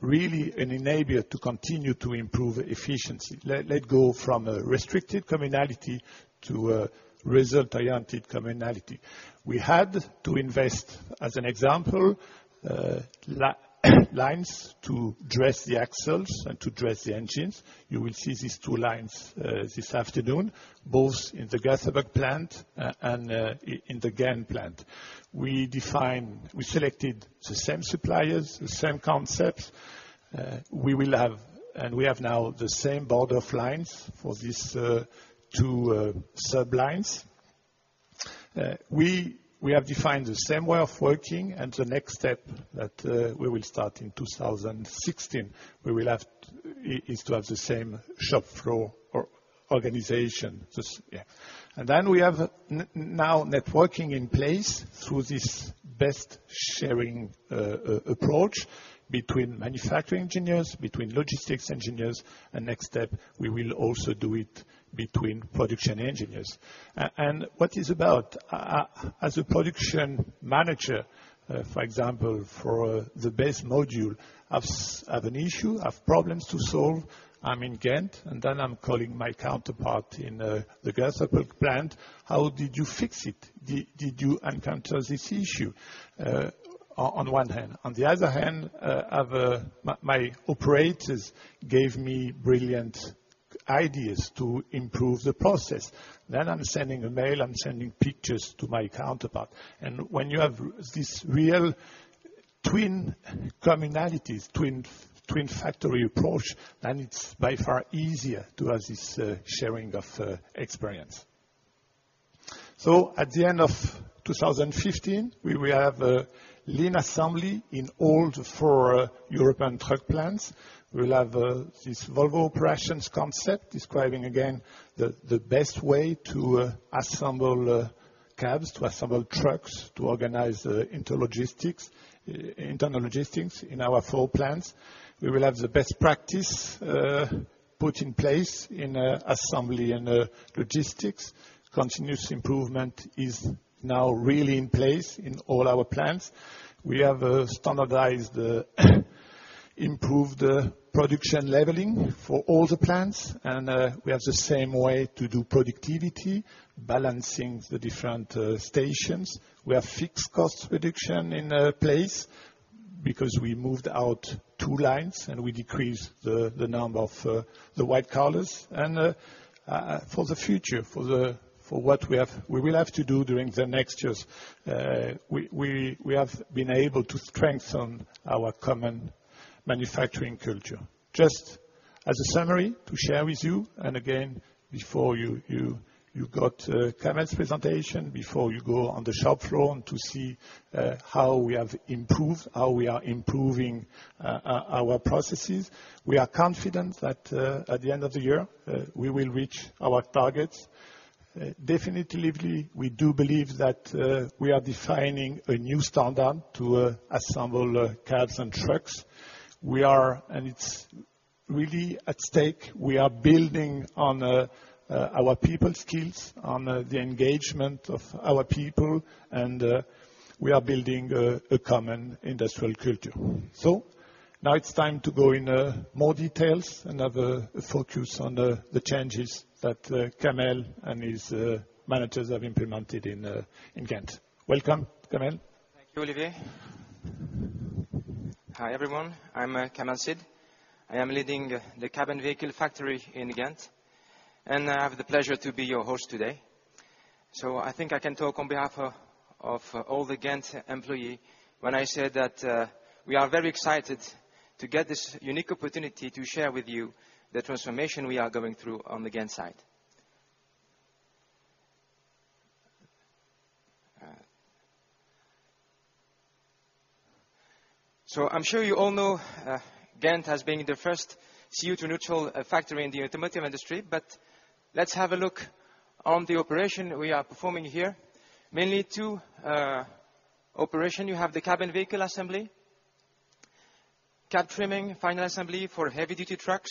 really an enabler to continue to improve efficiency. Let go from a restricted commonality to a result-oriented commonality. We had to invest, as an example, lines to dress the axles and to dress the engines. You will see these two lines this afternoon, both in the Gothenburg plant and in the Ghent plant. We selected the same suppliers, the same concepts. We have now the same board-of-line for these two sub-lines. We have defined the same way of working. The next step that we will start in 2016 is to have the same shop floor organization. We have now networking in place through this best sharing approach between manufacturing engineers, between logistics engineers. Next step, we will also do it between production engineers. What is about, as a production manager, for example, for the base module, I have an issue, I have problems to solve. I'm in Ghent, I'm calling my counterpart in the Gothenburg plant. How did you fix it? Did you encounter this issue, on one hand. On the other hand, my operators gave me brilliant ideas to improve the process. I'm sending a mail, I'm sending pictures to my counterpart. When you have this real twin commonalities, twin factory approach, then it's by far easier to have this sharing of experience. At the end of 2015, we will have a lean assembly in all four European truck plants. We'll have this Volvo Operations Concept describing again the best way to assemble cabs, to assemble trucks, to organize internal logistics in our four plants. We will have the best practice put in place in assembly and logistics. Continuous improvement is now really in place in all our plants. We have standardized improved production leveling for all the plants. We have the same way to do productivity, balancing the different stations. We have fixed cost reduction in place because we moved out two lines. We decreased the number of the white collars. For the future, for what we will have to do during the next years, we have been able to strengthen our common manufacturing culture. Just as a summary to share with you, again, before you got Kamel's presentation, before you go on the shop floor and to see how we have improved, how we are improving our processes. We are confident that at the end of the year, we will reach our targets. Definitely, we do believe that we are defining a new standard to assemble cabs and trucks. It's really at stake. We are building on our people skills, on the engagement of our people. We are building a common industrial culture. Now it's time to go in more details and have a focus on the changes that Kamel and his managers have implemented in Ghent. Welcome, Kamel. Thank you, Olivier. Hi, everyone. I'm Kamel Sid. I am leading the cabin vehicle factory in Ghent, and I have the pleasure to be your host today. I think I can talk on behalf of all the Ghent employee when I say that we are very excited to get this unique opportunity to share with you the transformation we are going through on the Ghent side. I'm sure you all know Ghent has been the first CO2 neutral factory in the automotive industry. Let's have a look on the operation we are performing here. Mainly two operation. You have the cabin vehicle assembly, cab trimming, final assembly for heavy duty trucks,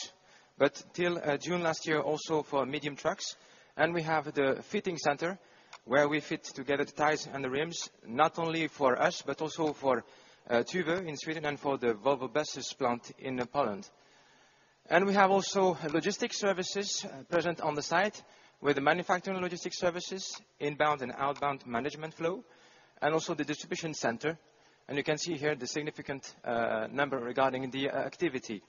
but till June last year, also for medium trucks. We have the fitting center where we fit together the tires and the rims, not only for us, but also for Tuve in Sweden and for the Volvo Buses plant in Poland. We have also logistic services present on the site with the manufacturing logistic services, inbound and outbound management flow, and also the distribution center. You can see here the significant number regarding the activity.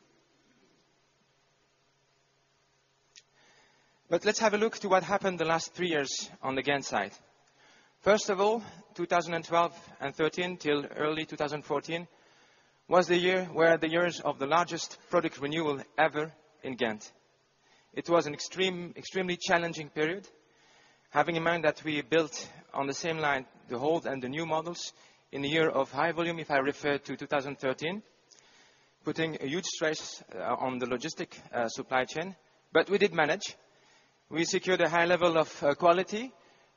Let's have a look to what happened the last three years on the Ghent site. First of all, 2012 and 2013 till early 2014, were the years of the largest product renewal ever in Ghent. It was an extremely challenging period, having in mind that we built on the same line, the old and the new models in a year of high volume, if I refer to 2013, putting a huge stress on the logistic supply chain, but we did manage. We secured a high level of quality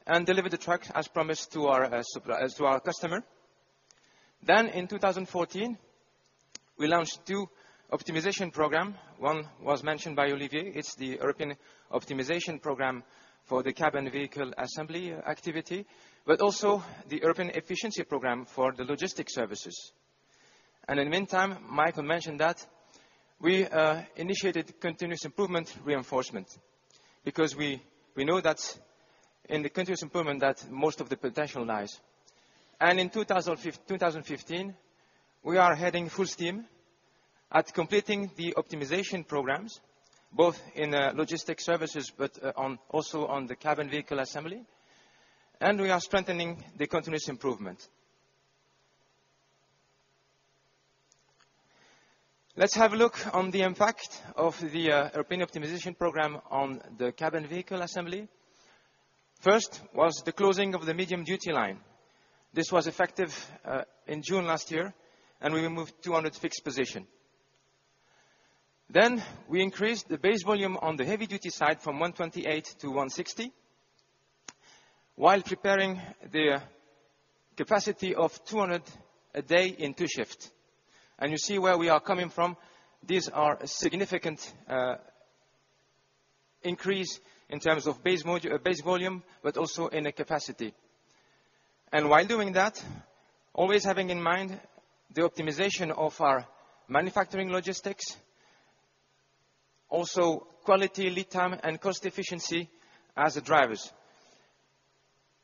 and delivered the truck as promised to our customer. In 2014, we launched two optimization program. One was mentioned by Olivier. It's the European Optimization Program for the cabin vehicle assembly activity, but also the European Efficiency Program for the logistic services. In the meantime, Mikael mentioned that we initiated continuous improvement reinforcement because we know that in the continuous improvement, that most of the potential lies. In 2015, we are heading full steam at completing the optimization programs, both in logistic services, but also on the cabin vehicle assembly, and we are strengthening the continuous improvement. Let's have a look on the impact of the European Optimization Program on the cabin vehicle assembly. First was the closing of the medium duty line. This was effective in June last year, and we removed 200 fixed position. We increased the base volume on the heavy duty side from 128 to 160, while preparing the capacity of 200 a day in two shift. You see where we are coming from. These are a significant increase in terms of base volume, but also in a capacity. While doing that, always having in mind the optimization of our manufacturing logistics, also quality, lead time, and cost efficiency as the drivers.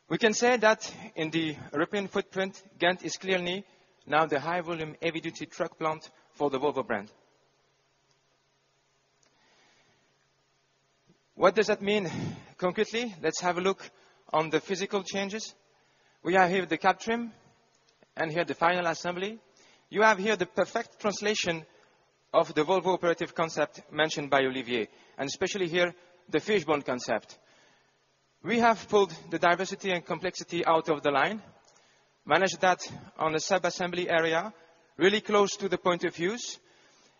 We can say that in the European footprint, Ghent is clearly now the high volume, heavy duty truck plant for the Volvo brand. What does that mean concretely? Let's have a look on the physical changes. We are here at the cab trim, and here the final assembly. You have here the perfect translation of the Volvo Operations Concept mentioned by Olivier, and especially here, the fishbone concept. We have pulled the diversity and complexity out of the line, managed that on a subassembly area really close to the point of use,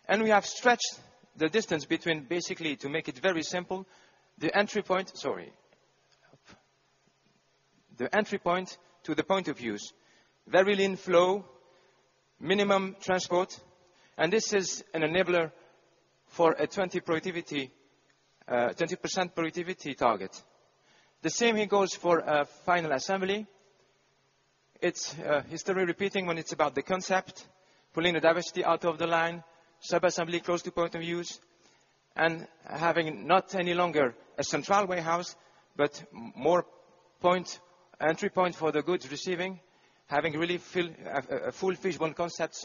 and we have stretched the distance between, basically, to make it very simple, the entry point to the point of use. Very lean flow, minimum transport, this is an enabler for a 20% productivity target. The same here goes for final assembly. It's history repeating when it's about the concept, pulling the diversity out of the line, subassembly close to point of use, and having not any longer a central warehouse, but more entry point for the goods receiving, having really a full fishbone concept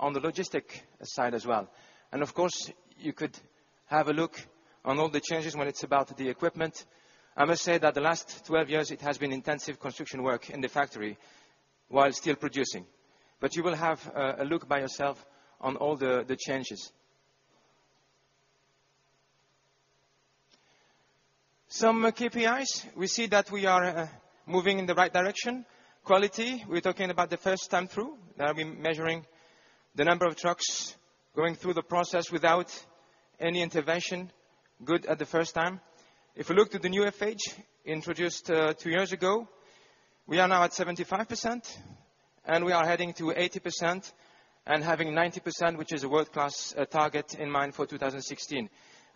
on the logistic side as well. Of course, you could have a look on all the changes when it's about the equipment. I must say that the last 12 years it has been intensive construction work in the factory while still producing. You will have a look by yourself on all the changes. Some KPIs. We see that we are moving in the right direction. Quality, we're talking about the first time through. I've been measuring the number of trucks going through the process without any intervention, good at the first time. If we look to the new FH, introduced 2 years ago, we are now at 75%, we are heading to 80%, having 90%, which is a world-class target in mind for 2016.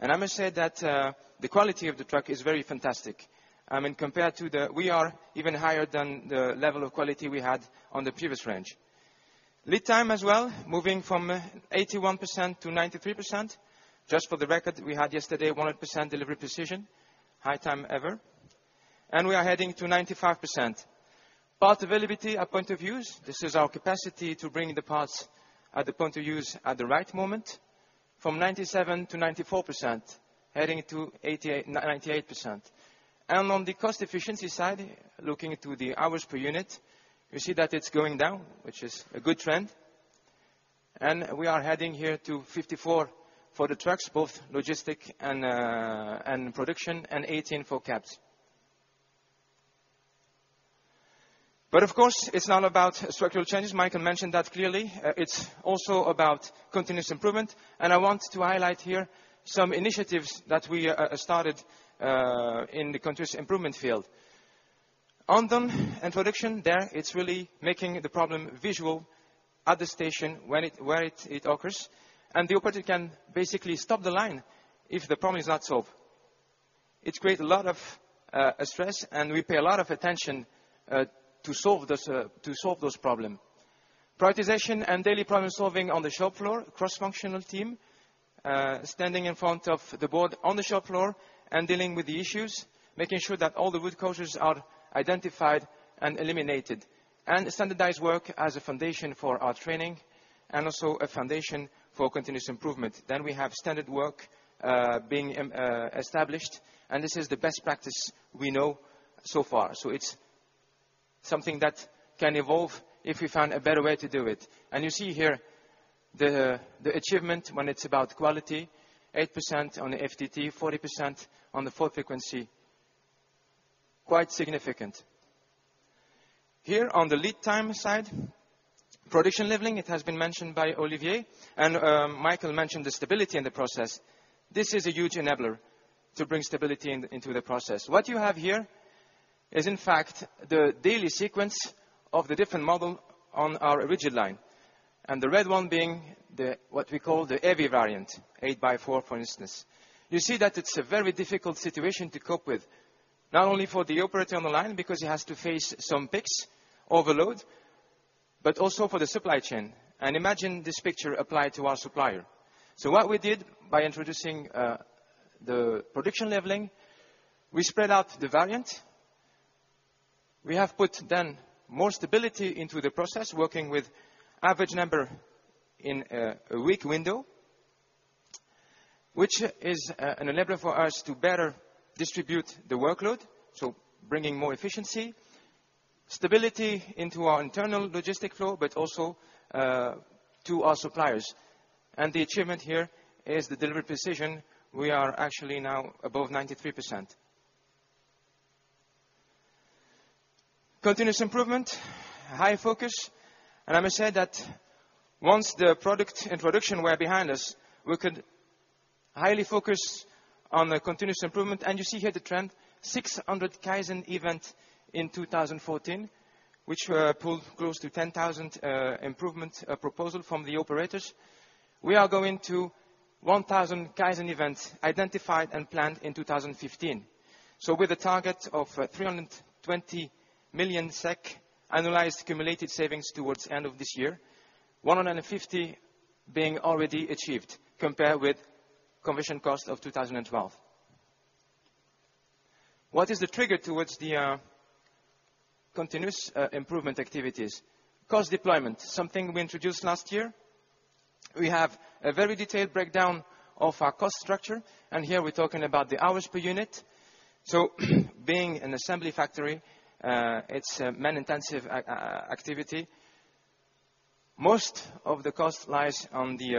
I must say that the quality of the truck is very fantastic. We are even higher than the level of quality we had on the previous range. Lead time as well, moving from 81% to 93%. Just for the record, we had yesterday 100% delivery precision, high time ever. We are heading to 95%. Part availability at point of use, this is our capacity to bring the parts at the point of use at the right moment, from 97 to 94%, heading to 98%. On the cost efficiency side, looking to the hours per unit, you see that it's going down, which is a good trend. We are heading here to 54 for the trucks, both logistic and production, and 18 for cabs. Of course, it's not about structural changes. Mikael mentioned that clearly. It's also about continuous improvement, and I want to highlight here some initiatives that we started in the continuous improvement field. Andon and production, there it's really making the problem visual at the station where it occurs. The operator can basically stop the line if the problem is not solved. It creates a lot of stress, and we pay a lot of attention to solve those problems. Prioritization and daily problem-solving on the shop floor, cross-functional team, standing in front of the board on the shop floor and dealing with the issues, making sure that all the root causes are identified and eliminated. Standardized work as a foundation for our training and also a foundation for continuous improvement. We have standard work being established, and this is the best practice we know so far. It's something that can evolve if we find a better way to do it. You see here the achievement when it's about quality, 8% on the FTT, 40% on the fault frequency, quite significant. Here on the lead time side, production leveling, it has been mentioned by Olivier, and Mikael mentioned the stability in the process. This is a huge enabler to bring stability into the process. What you have here is in fact the daily sequence of the different model on our rigid line, and the red one being what we call the heavy variant, eight by four, for instance. It's a very difficult situation to cope with, not only for the operator on the line because he has to face some peaks, overload, but also for the supply chain. Imagine this picture applied to our supplier. What we did by introducing the production leveling, we spread out the variant. We have put then more stability into the process, working with average number in a week window, which is an enabler for us to better distribute the workload, bringing more efficiency, stability into our internal logistics flow, but also to our suppliers. The achievement here is the delivery precision. We are actually now above 93%. Continuous improvement, high focus. I must say that once the product introduction were behind us, we could highly focus on the continuous improvement. You see here the trend, 600 Kaizen event in 2014, which pulled close to 10,000 improvement proposal from the operators. We are going to 1,000 Kaizen events identified and planned in 2015. With a target of 320 million SEK analyzed accumulated savings towards end of this year, 150 million being already achieved compared with comparison cost of 2012. What is the trigger towards the continuous improvement activities? Cost deployment, something we introduced last year. We have a very detailed breakdown of our cost structure, and here we're talking about the hours per unit. Being an assembly factory, it's a man-intensive activity. Most of the cost lies on the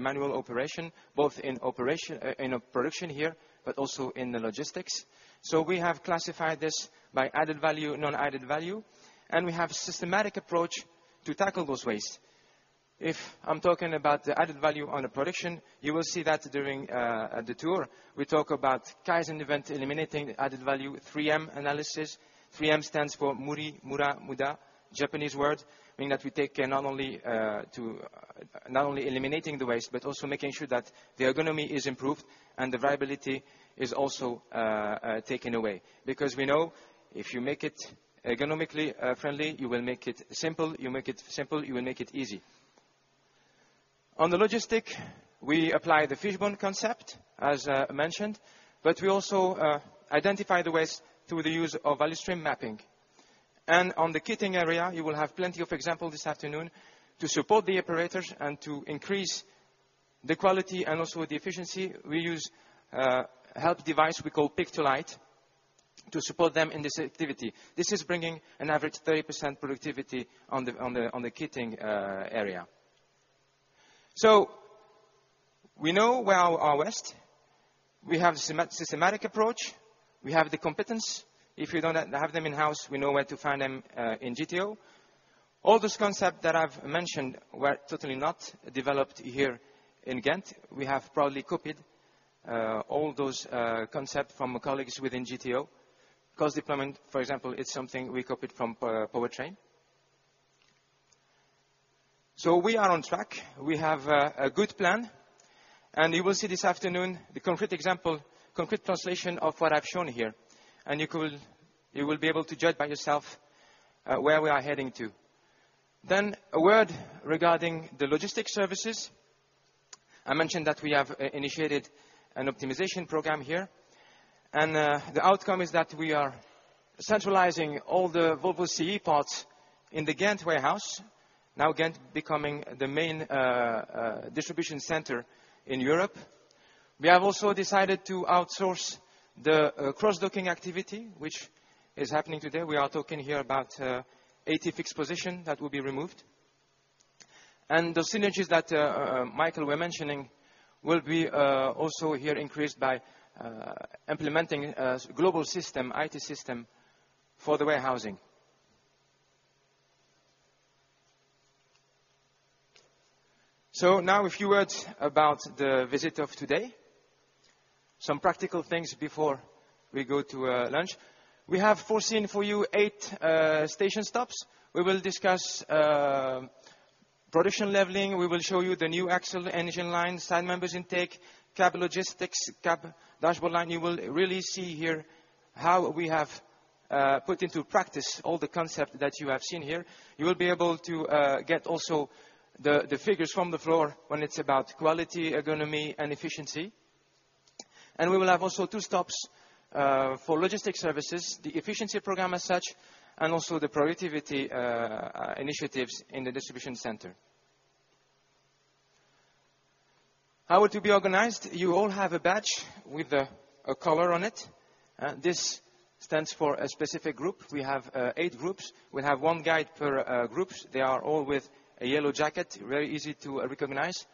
manual operation, both in production here, but also in the logistics. We have classified this by added value, non-added value, and we have systematic approach to tackle those waste. I'm talking about the added value on the production, you will see that during the tour. We talk about Kaizen event eliminating added value, 3M analysis. 3M stands for Muri, Mura, Muda, Japanese word, meaning that we take care not only eliminating the waste, but also making sure that the ergonomy is improved and the variability is also taken away. Because we know if you make it ergonomically friendly, you will make it simple. You make it simple, you will make it easy. On the logistics, we apply the fishbone concept as mentioned, but we also identify the waste through the use of value stream mapping. On the kitting area, you will have plenty of example this afternoon to support the operators and to increase the quality and also the efficiency. We use a help device we call Pick-to-Light to support them in this activity. This is bringing an average 30% productivity on the kitting area. We know where are waste. We have systematic approach. We have the competence. If we don't have them in-house, we know where to find them in GTO. All those concept that I've mentioned were totally not developed here in Ghent. We have probably copied all those concept from colleagues within GTO. Cost deployment, for example, is something we copied from powertrain. We are on track. We have a good plan, and you will see this afternoon the concrete example, concrete translation of what I've shown here, and you will be able to judge by yourself where we are heading to. A word regarding the logistic services. I mentioned that we have initiated an optimization program here, and the outcome is that we are centralizing all the Volvo CE parts in the Ghent warehouse. Ghent becoming the main distribution center in Europe. We have also decided to outsource the cross-docking activity, which is happening today. We are talking here about 80 fixed position that will be removed. The synergies that Mikael were mentioning will be also here increased by implementing a global system, IT system for the warehousing. A few words about the visit of today. Some practical things before we go to lunch. We have foreseen for you eight station stops. We will discuss production leveling. We will show you the new axle engine line, side members intake, cab logistics, cab dashboard line. You will really see here how we have put into practice all the concept that you have seen here. You will be able to get also the figures from the floor when it's about quality, economy, and efficiency. We will have also two stops for logistic services, the efficiency program as such, and also the productivity initiatives in the distribution center. How it will be organized, you all have a badge with a color on it. This stands for a specific group. We have eight groups. We have one guide per groups. They are all with a yellow jacket, very easy to recognize.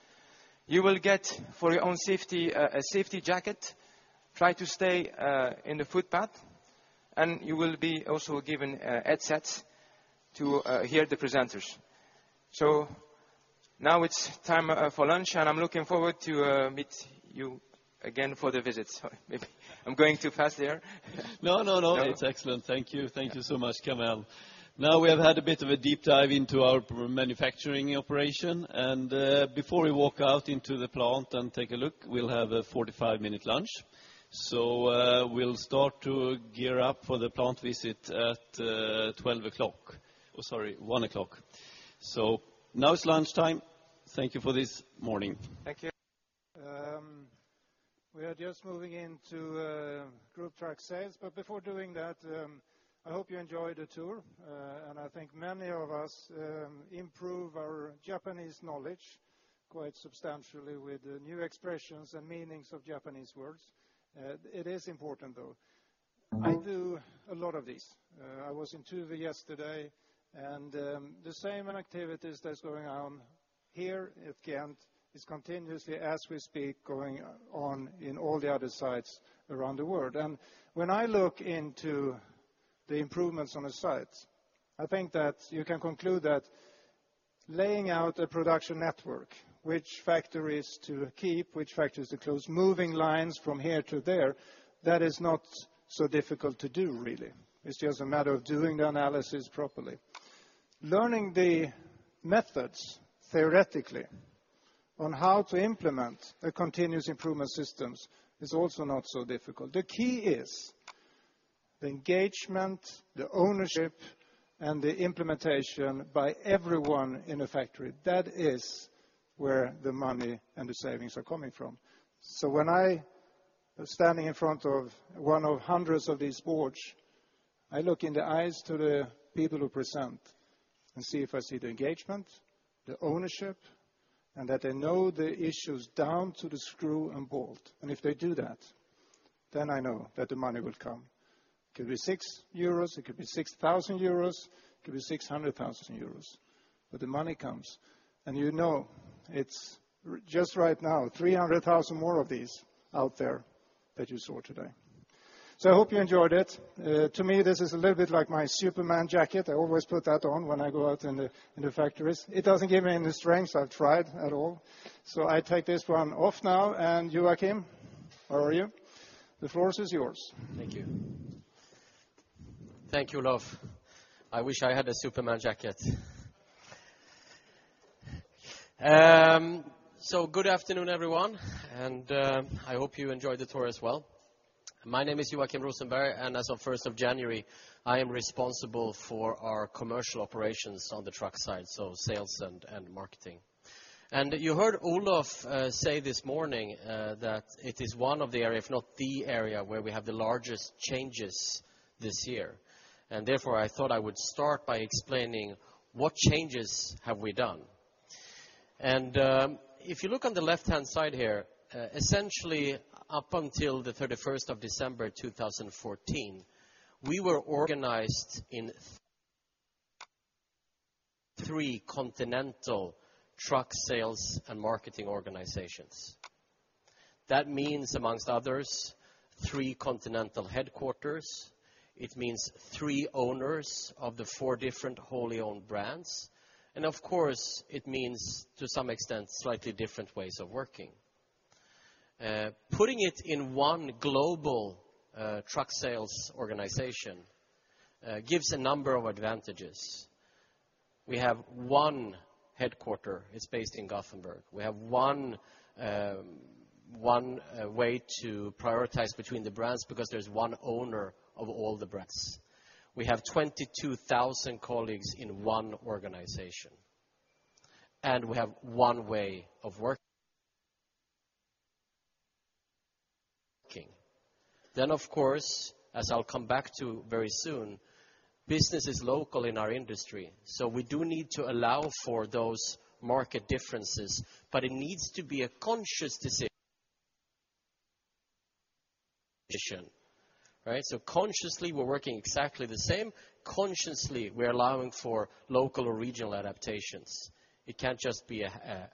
You will get, for your own safety, a safety jacket. Try to stay in the footpath. You will be also given headsets to hear the presenters. It's time for lunch, and I'm looking forward to meet you again for the visit. Sorry. Maybe I'm going too fast here. No, it's excellent. Thank you so much, Kamel. We have had a bit of a deep dive into our manufacturing operation, before we walk out into the plant and take a look, we'll have a 45-minute lunch. We'll start to gear up for the plant visit at 12:00 P.M. Oh, sorry, 1:00 P.M. It's lunchtime. Thank you for this morning. Thank you. We are just moving into Group Trucks Sales. Before doing that, I hope you enjoyed the tour. I think many of us improve our Japanese knowledge quite substantially with the new expressions and meanings of Japanese words. It is important, though. I do a lot of this. I was in Tuve yesterday, and the same activities that's going on here at Ghent is continuously, as we speak, going on in all the other sites around the world. When I look into the improvements on a site, I think that you can conclude that laying out a production network, which factories to keep, which factories to close, moving lines from here to there, that is not so difficult to do really. It's just a matter of doing the analysis properly. Learning the methods theoretically on how to implement a continuous improvement systems is also not so difficult. The key is the engagement, the ownership, and the implementation by everyone in a factory. That is where the money and the savings are coming from. When I was standing in front of one of hundreds of these boards, I look in the eyes to the people who present and see if I see the engagement, the ownership, and that they know the issues down to the screw and bolt. If they do that, then I know that the money will come. It could be 6 euros, it could be 6,000 euros, it could be 600,000 euros, but the money comes. You know it's just right now 300,000 more of these out there that you saw today. I hope you enjoyed it. To me, this is a little bit like my Superman jacket. I always put that on when I go out in the factories. It doesn't give me any strength, so I've tried at all. I take this one off now, and Joachim, where are you? The floor is yours. Thank you. Thank you, Olof. I wish I had a Superman jacket. Good afternoon, everyone, and I hope you enjoyed the tour as well. My name is Joachim Rosenberg, and as of 1st of January, I am responsible for our commercial operations on the truck side, so sales and marketing. You heard Olof say this morning that it is one of the areas, if not the area, where we have the largest changes this year. Therefore, I thought I would start by explaining what changes have we done. If you look on the left-hand side here, essentially up until the 31st of December 2014, we were organized in three continental truck sales and marketing organizations. That means, amongst others, three continental headquarters. It means three owners of the four different wholly owned brands. Of course, it means, to some extent, slightly different ways of working. Putting it in one global truck sales organization gives a number of advantages. We have one headquarter is based in Gothenburg. We have one way to prioritize between the brands because there's one owner of all the brands. We have 22,000 colleagues in one organization. We have one way of working. Of course, as I'll come back to very soon, business is local in our industry, we do need to allow for those market differences, it needs to be a conscious decision. Right. Consciously, we're working exactly the same. Consciously, we are allowing for local or regional adaptations. It can't just be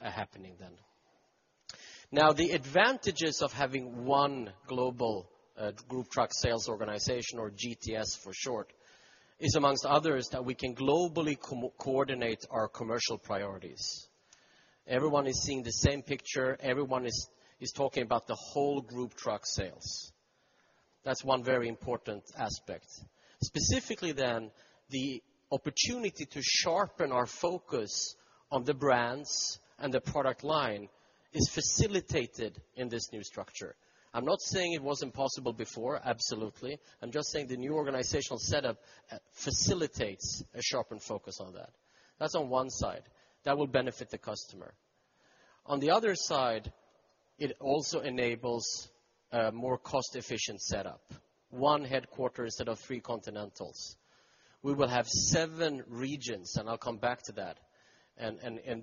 happening then. The advantages of having one global Group Trucks Sales organization, or GTS for short, is amongst others, that we can globally coordinate our commercial priorities. Everyone is seeing the same picture. Everyone is talking about the whole Group Trucks Sales. That's one very important aspect. Specifically, the opportunity to sharpen our focus on the brands and the product line is facilitated in this new structure. I'm not saying it wasn't possible before, absolutely. I'm just saying the new organizational setup facilitates a sharpened focus on that. That's on one side. That will benefit the customer. On the other side, it also enables a more cost-efficient setup, one headquarters instead of three continentals. We will have seven regions, and I'll come back to that.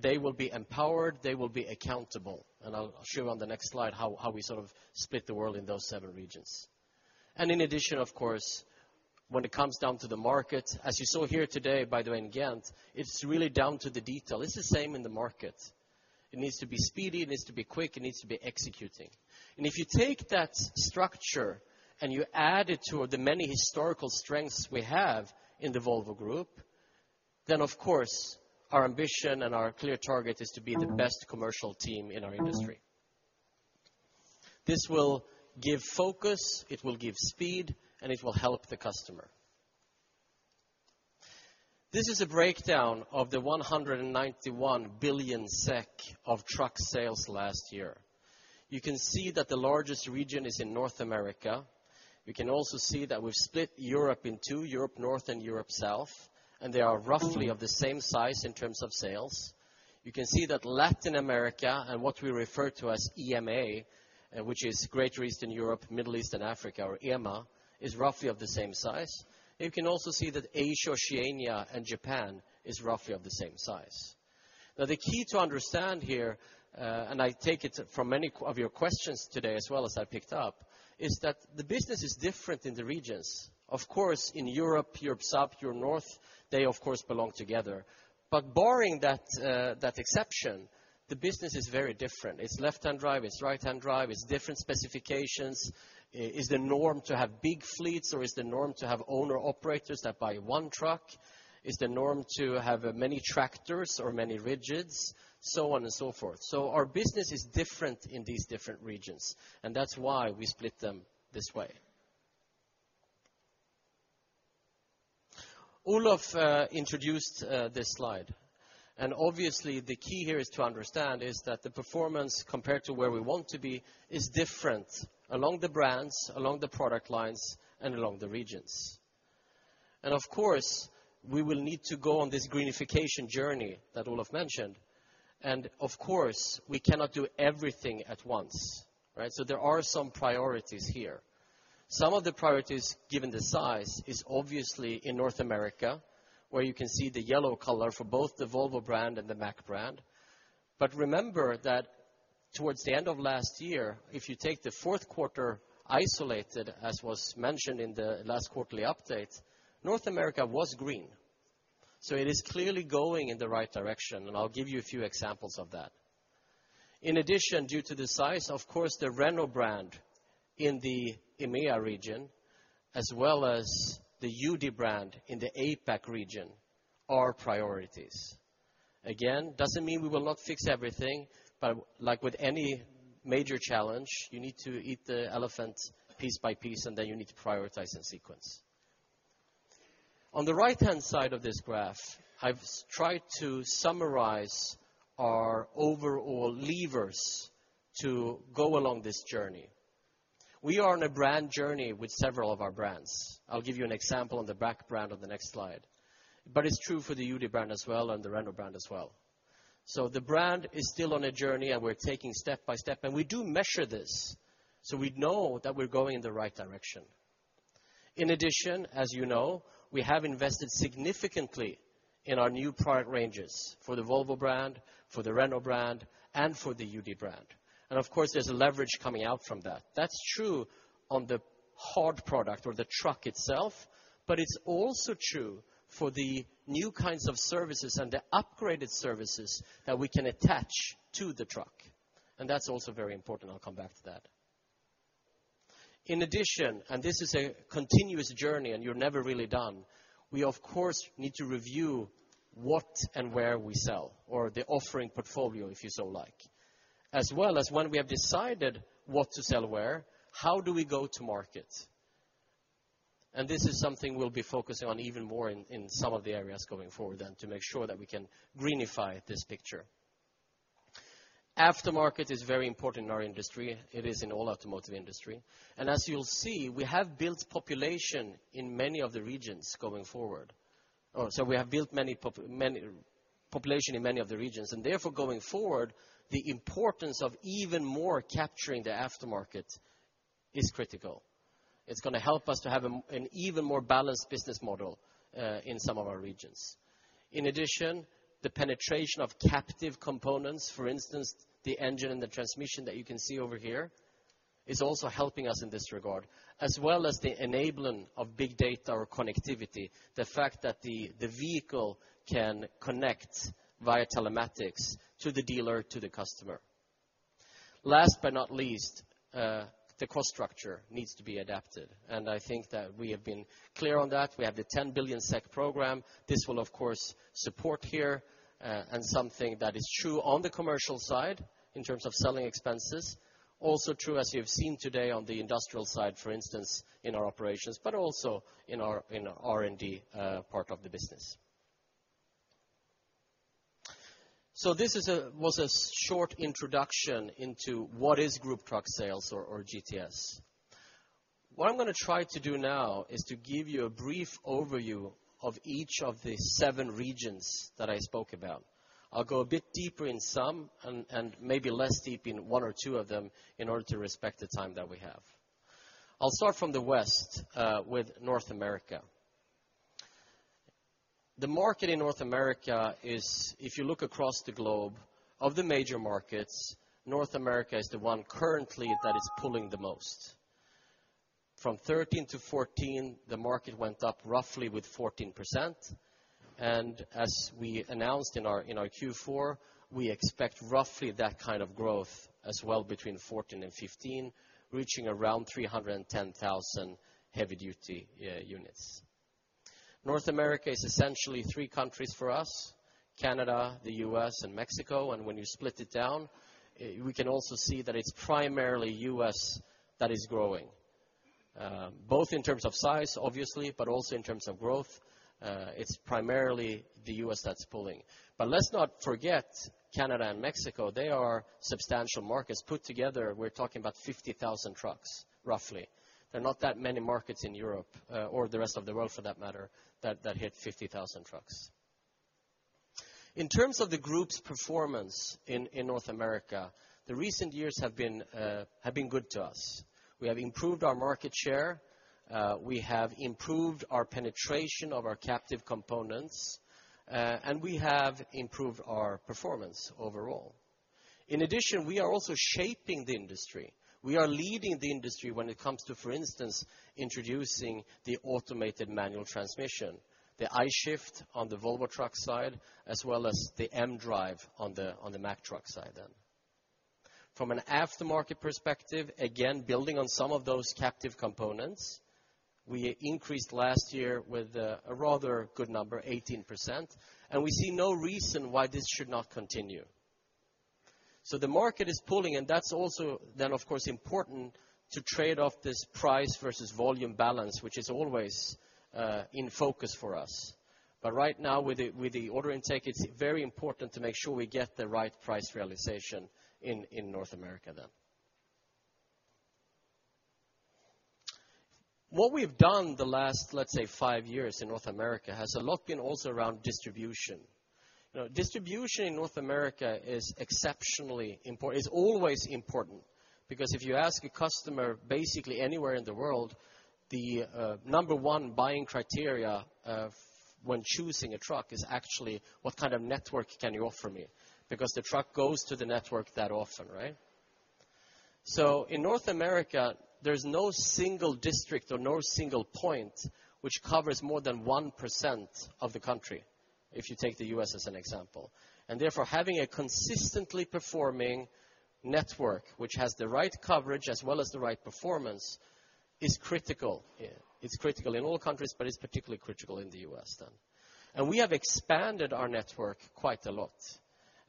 They will be empowered, they will be accountable, and I'll show on the next slide how we sort of split the world in those seven regions. In addition, of course, when it comes down to the market, as you saw here today by the Ghent, it's really down to the detail. It's the same in the market. It needs to be speedy, it needs to be quick, it needs to be executing. If you take that structure and you add it to the many historical strengths we have in the Volvo Group, of course, our ambition and our clear target is to be the best commercial team in our industry. This will give focus, it will give speed, and it will help the customer. This is a breakdown of the 191 billion SEK of truck sales last year. You can see that the largest region is in North America. You can also see that we've split Europe in two, Europe North and Europe South, they are roughly of the same size in terms of sales. You can see that Latin America and what we refer to as EMEA, which is Greater Eastern Europe, Middle East and Africa, or EMEA, is roughly of the same size. You can also see that Asia, Oceania and Japan is roughly of the same size. The key to understand here, and I take it from many of your questions today as well as I picked up, is that the business is different in the regions. Of course, in Europe South, Europe North, they of course belong together. Barring that exception, the business is very different. It's left-hand drive, it's right-hand drive, it's different specifications. Is the norm to have big fleets or is the norm to have owner-operators that buy one truck? Is the norm to have many tractors or many rigids? On and so forth. Our business is different in these different regions, and that's why we split them this way. Olof introduced this slide. Obviously the key here to understand is that the performance compared to where we want to be is different along the brands, along the product lines, and along the regions. Of course, we will need to go on this greenification journey that Olof mentioned. Of course, we cannot do everything at once, right? There are some priorities here. Some of the priorities, given the size, is obviously in North America, where you can see the yellow color for both the Volvo brand and the Mack brand. Remember that towards the end of last year, if you take the fourth quarter isolated, as was mentioned in the last quarterly update, North America was green. It is clearly going in the right direction, and I'll give you a few examples of that. In addition, due to the size, of course, the Renault brand in the EMEA region, as well as the UD brand in the APAC region, are priorities. Doesn't mean we will not fix everything, like with any major challenge, you need to eat the elephant piece by piece, and then you need to prioritize in sequence. On the right-hand side of this graph, I've tried to summarize our overall levers to go along this journey. We are on a brand journey with several of our brands. I'll give you an example on the Mack brand on the next slide. It's true for the UD brand as well and the Renault brand as well. The brand is still on a journey, and we're taking step by step, and we do measure this so we know that we're going in the right direction. In addition, as you know, we have invested significantly in our new product ranges for the Volvo brand, for the Renault brand, and for the UD brand. Of course, there's a leverage coming out from that. That's true on the hard product or the truck itself, but it's also true for the new kinds of services and the upgraded services that we can attach to the truck. That's also very important. I'll come back to that. In addition, this is a continuous journey and you're never really done, we of course need to review what and where we sell or the offering portfolio, if you so like. As well as when we have decided what to sell where, how do we go to market? This is something we'll be focusing on even more in some of the areas going forward then to make sure that we can greenify this picture. Aftermarket is very important in our industry. It is in all automotive industry. As you'll see, we have built population in many of the regions going forward. We have built population in many of the regions, and therefore going forward, the importance of even more capturing the aftermarket is critical. It's going to help us to have an even more balanced business model, in some of our regions. In addition, the penetration of captive components, for instance, the engine and the transmission that you can see over here, is also helping us in this regard, as well as the enabling of big data or connectivity, the fact that the vehicle can connect via telematics to the dealer, to the customer. Last but not least, the cost structure needs to be adapted. I think that we have been clear on that. We have the 10 billion SEK program. This will, of course, support here. Something that is true on the commercial side in terms of selling expenses, also true, as you have seen today, on the industrial side, for instance, in our operations, but also in our R&D part of the business. This was a short introduction into what is Group Trucks Sales or GTS. What I'm going to try to do now is to give you a brief overview of each of the seven regions that I spoke about. I'll go a bit deeper in some and maybe less deep in one or two of them in order to respect the time that we have. I'll start from the west with North America. The market in North America is, if you look across the globe, of the major markets, North America is the one currently that is pulling the most. From 2013 to 2014, the market went up roughly with 14%. As we announced in our Q4, we expect roughly that kind of growth as well between 2014 and 2015, reaching around 310,000 heavy-duty units. North America is essentially three countries for us, Canada, the U.S., and Mexico. When you split it down, we can also see that it's primarily U.S. that is growing. Both in terms of size, obviously, but also in terms of growth it's primarily the U.S. that's pulling. Let's not forget Canada and Mexico. They are substantial markets. Put together, we're talking about 50,000 trucks, roughly. There are not that many markets in Europe or the rest of the world for that matter that hit 50,000 trucks. In terms of the group's performance in North America, the recent years have been good to us. We have improved our market share, we have improved our penetration of our captive components. We have improved our performance overall. In addition, we are also shaping the industry. We are leading the industry when it comes to, for instance, introducing the automated manual transmission, the I-Shift on the Volvo Trucks side, as well as the mDRIVE on the Mack Trucks side. From an aftermarket perspective, again, building on some of those captive components, we increased last year with a rather good number, 18%. We see no reason why this should not continue. The market is pulling, that's also, of course, important to trade off this price versus volume balance, which is always in focus for us. Right now with the order intake, it's very important to make sure we get the right price realization in North America. What we've done the last, let's say, five years in North America has a lot been also around distribution. Distribution in North America is exceptionally important. It's always important because if you ask a customer basically anywhere in the world, the number 1 buying criteria of when choosing a truck is actually what kind of network can you offer me? The truck goes to the network that often, right? In North America, there's no single district or no single point which covers more than 1% of the country, if you take the U.S. as an example. Therefore, having a consistently performing network which has the right coverage as well as the right performance is critical. It's critical in all countries, but it's particularly critical in the U.S. We have expanded our network quite a lot.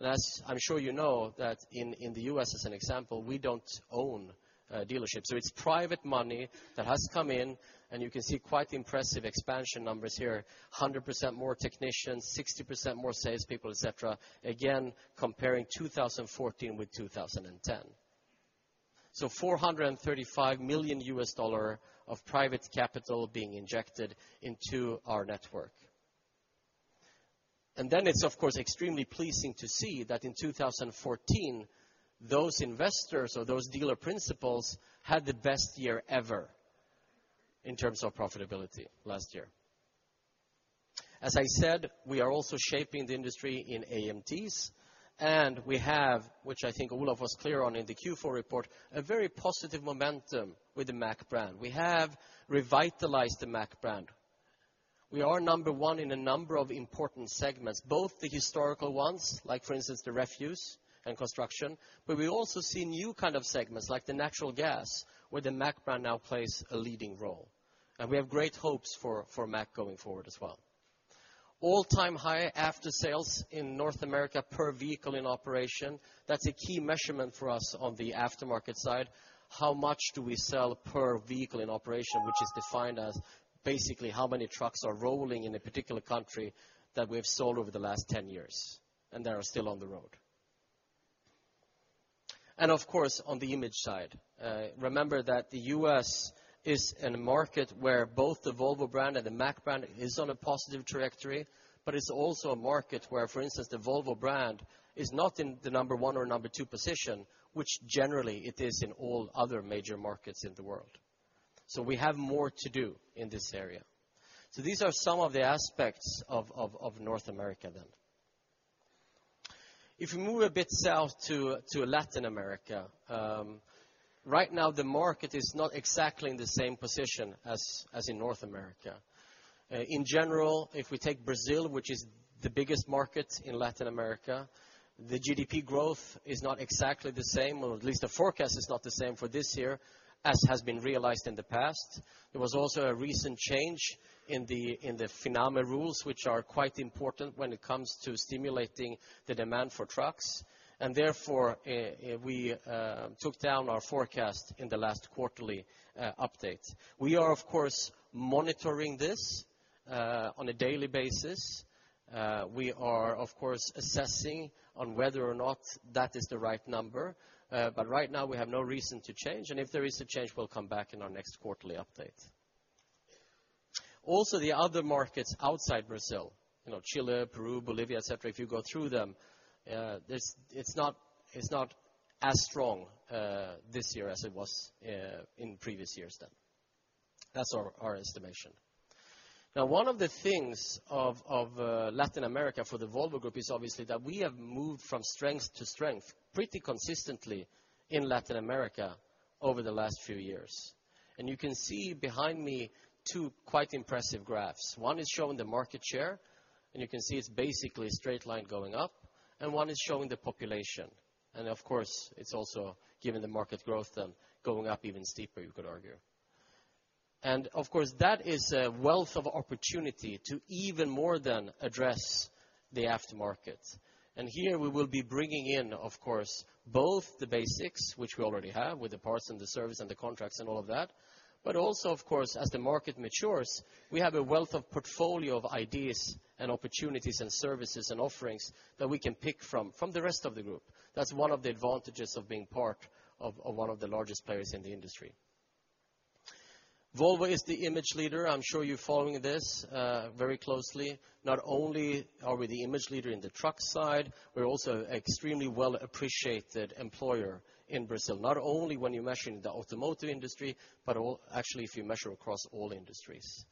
As I'm sure you know that in the U.S., as an example, we don't own a dealership. It's private money that has come in, and you can see quite impressive expansion numbers here, 100% more technicians, 60% more salespeople, et cetera, again, comparing 2014 with 2010. $435 million of private capital being injected into our network. It's, of course, extremely pleasing to see that in 2014, those investors or those dealer principals had the best year ever in terms of profitability last year. As I said, we are also shaping the industry in AMTs, and we have, which I think Olof was clear on in the Q4 report, a very positive momentum with the Mack brand. We have revitalized the Mack brand. We are number 1 in a number of important segments, both the historical ones, like for instance, the refuse and construction. We also see new kind of segments like the natural gas, where the Mack brand now plays a leading role. We have great hopes for Mack going forward as well. All-time high after-sales in North America per vehicle in operation. That's a key measurement for us on the aftermarket side. How much do we sell per vehicle in operation, which is defined as basically how many trucks are rolling in a particular country that we have sold over the last 10 years and that are still on the road. Of course, on the image side, remember that the U.S. is in a market where both the Volvo brand and the Mack brand is on a positive trajectory, but it's also a market where, for instance, the Volvo brand is not in the number 1 or number 2 position, which generally it is in all other major markets in the world. We have more to do in this area. These are some of the aspects of North America then. If you move a bit south to Latin America, right now the market is not exactly in the same position as in North America. In general, if we take Brazil, which is the biggest market in Latin America, the GDP growth is not exactly the same, or at least the forecast is not the same for this year as has been realized in the past. There was also a recent change in the Finame rules, which are quite important when it comes to stimulating the demand for trucks, therefore we took down our forecast in the last quarterly update. We are, of course, monitoring this on a daily basis. We are, of course, assessing on whether or not that is the right number. Right now we have no reason to change, and if there is a change, we'll come back in our next quarterly update. The other markets outside Brazil, Chile, Peru, Bolivia, et cetera, if you go through them, it's not as strong this year as it was in previous years then. That's our estimation. One of the things of Latin America for the Volvo Group is obviously that we have moved from strength to strength pretty consistently in Latin America over the last few years. You can see behind me two quite impressive graphs. One is showing the market share, you can see it's basically a straight line going up, one is showing the population. Of course, it's also given the market growth then going up even steeper, you could argue. Of course, that is a wealth of opportunity to even more than address the aftermarket. Here we will be bringing in, of course, both the basics, which we already have with the parts and the service and the contracts and all of that, but also, of course, as the market matures, we have a wealth of portfolio of ideas and opportunities and services and offerings that we can pick from the rest of the group. That's one of the advantages of being part of one of the largest players in the industry. Volvo is the image leader. I'm sure you're following this very closely. Not only are we the image leader in the truck side, we're also extremely well appreciated employer in Brazil. Not only when you're measuring the automotive industry, but actually if you measure across all industries.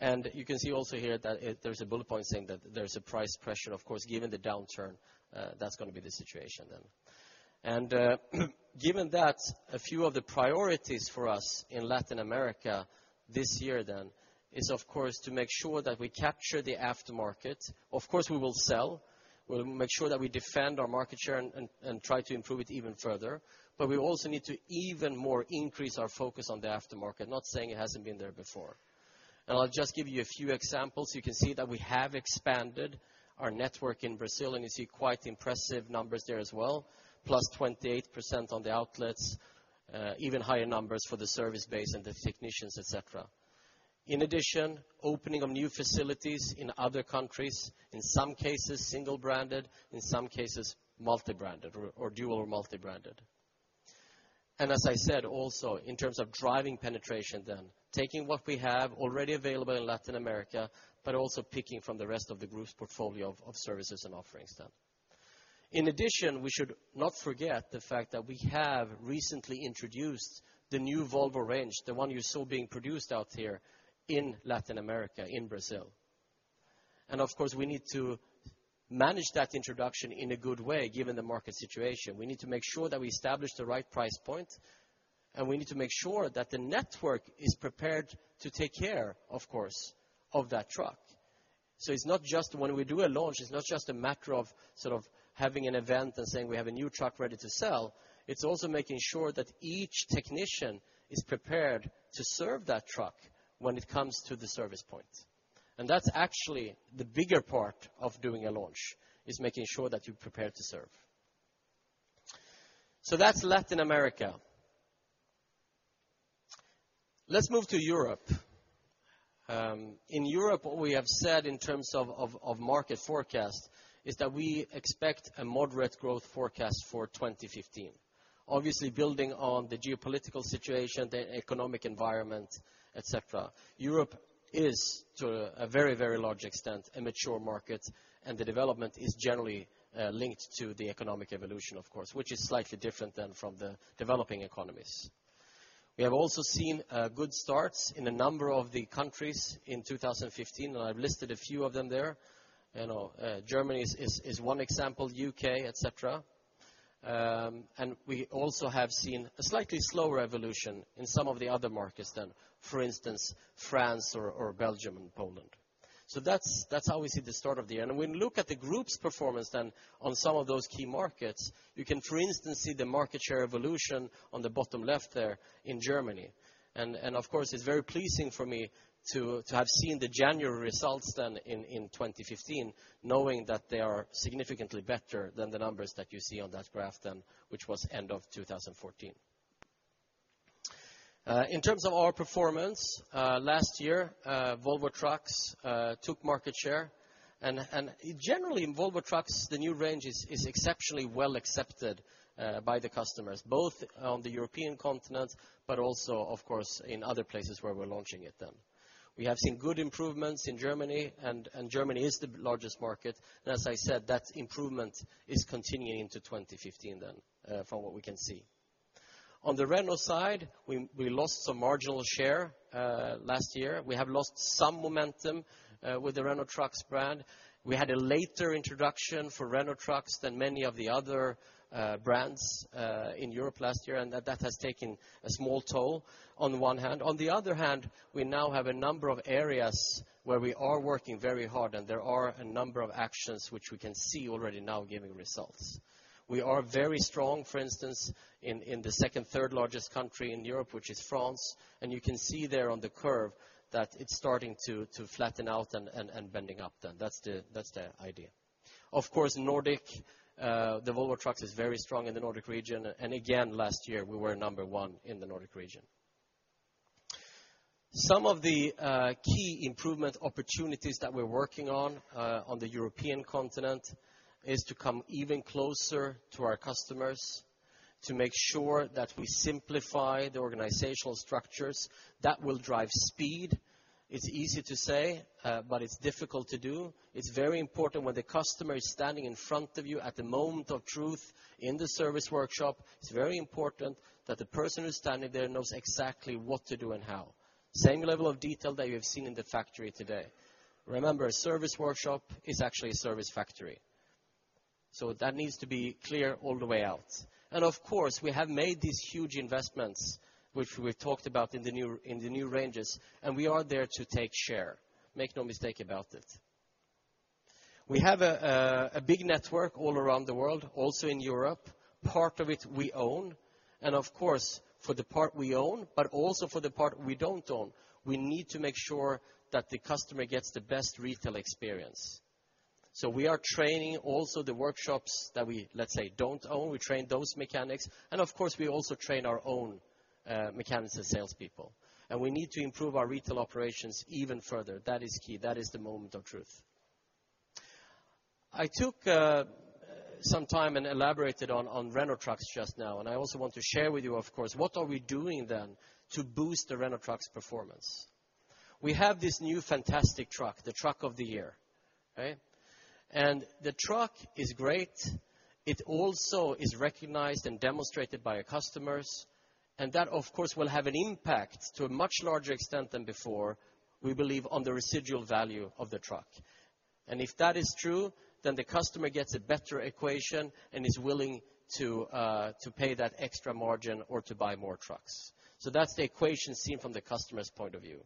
You can see also here that there's a bullet point saying that there's a price pressure, of course, given the downturn, that's going to be the situation then. Given that, a few of the priorities for us in Latin America this year then is, of course, to make sure that we capture the aftermarket. Of course, we will sell. We'll make sure that we defend our market share and try to improve it even further. We also need to even more increase our focus on the aftermarket. Not saying it hasn't been there before. I'll just give you a few examples. You can see that we have expanded our network in Brazil, and you see quite impressive numbers there as well, +28% on the outlets, even higher numbers for the service base and the technicians, et cetera. In addition, opening of new facilities in other countries, in some cases single branded, in some cases multi-branded or dual or multi-branded. As I said, also in terms of driving penetration then, taking what we have already available in Latin America, but also picking from the rest of the Group's portfolio of services and offerings then. In addition, we should not forget the fact that we have recently introduced the new Volvo range, the one you saw being produced out here in Latin America, in Brazil. And of course, we need to manage that introduction in a good way, given the market situation. We need to make sure that we establish the right price point, and we need to make sure that the network is prepared to take care, of course, of that truck. So when we do a launch, it is not just a matter of having an event and saying we have a new truck ready to sell. It is also making sure that each technician is prepared to serve that truck when it comes to the service point. And that is actually the bigger part of doing a launch, is making sure that you are prepared to serve. So that is Latin America. Let us move to Europe. In Europe, what we have said in terms of market forecast is that we expect a moderate growth forecast for 2015. Obviously, building on the geopolitical situation, the economic environment, et cetera. Europe is to a very large extent, a mature market, and the development is generally linked to the economic evolution, of course, which is slightly different then from the developing economies. We have also seen good starts in a number of the countries in 2015, and I have listed a few of them there. Germany is one example, U.K., et cetera. And we also have seen a slightly slower evolution in some of the other markets then, for instance, France or Belgium and Poland. So that is how we see the start of the end. When we look at the Group's performance then on some of those key markets, you can, for instance, see the market share evolution on the bottom left there in Germany. And of course, it is very pleasing for me to have seen the January results then in 2015, knowing that they are significantly better than the numbers that you see on that graph then, which was end of 2014. In terms of our performance, last year Volvo Trucks took market share, and generally in Volvo Trucks, the new range is exceptionally well accepted by the customers, both on the European continent, but also, of course, in other places where we are launching it then. We have seen good improvements in Germany, and Germany is the largest market. As I said, that improvement is continuing into 2015 then, from what we can see. On the Renault side, we lost some marginal share last year. We have lost some momentum with the Renault Trucks brand. We had a later introduction for Renault Trucks than many of the other brands in Europe last year. That has taken a small toll on one hand. The other hand, we now have a number of areas where we are working very hard, and there are a number of actions which we can see already now giving results. We are very strong, for instance, in the second, third largest country in Europe, which is France. You can see there on the curve that it's starting to flatten out and bending up then. That's the idea. Of course, Volvo Trucks is very strong in the Nordic region. Again, last year, we were number one in the Nordic region. Some of the key improvement opportunities that we're working on the European continent, is to come even closer to our customers, to make sure that we simplify the organizational structures that will drive speed. It's easy to say, but it's difficult to do. It's very important when the customer is standing in front of you at the moment of truth in the service workshop, it's very important that the person who's standing there knows exactly what to do and how. Same level of detail that you have seen in the factory today. Remember, a service workshop is actually a service factory. That needs to be clear all the way out. Of course, we have made these huge investments, which we've talked about in the new ranges, and we are there to take share. Make no mistake about it. We have a big network all around the world, also in Europe. Part of it we own. Of course, for the part we own, but also for the part we don't own, we need to make sure that the customer gets the best retail experience. We are training also the workshops that we, let's say, don't own. We train those mechanics. Of course, we also train our own mechanics and salespeople. We need to improve our retail operations even further. That is key. That is the moment of truth. I took some time and elaborated on Renault Trucks just now. I also want to share with you, of course, what are we doing then to boost the Renault Trucks performance? We have this new fantastic truck, the truck of the year. Okay? The truck is great. It also is recognized and demonstrated by our customers. That, of course, will have an impact to a much larger extent than before, we believe, on the residual value of the truck. If that is true, then the customer gets a better equation and is willing to pay that extra margin or to buy more trucks. That's the equation seen from the customer's point of view.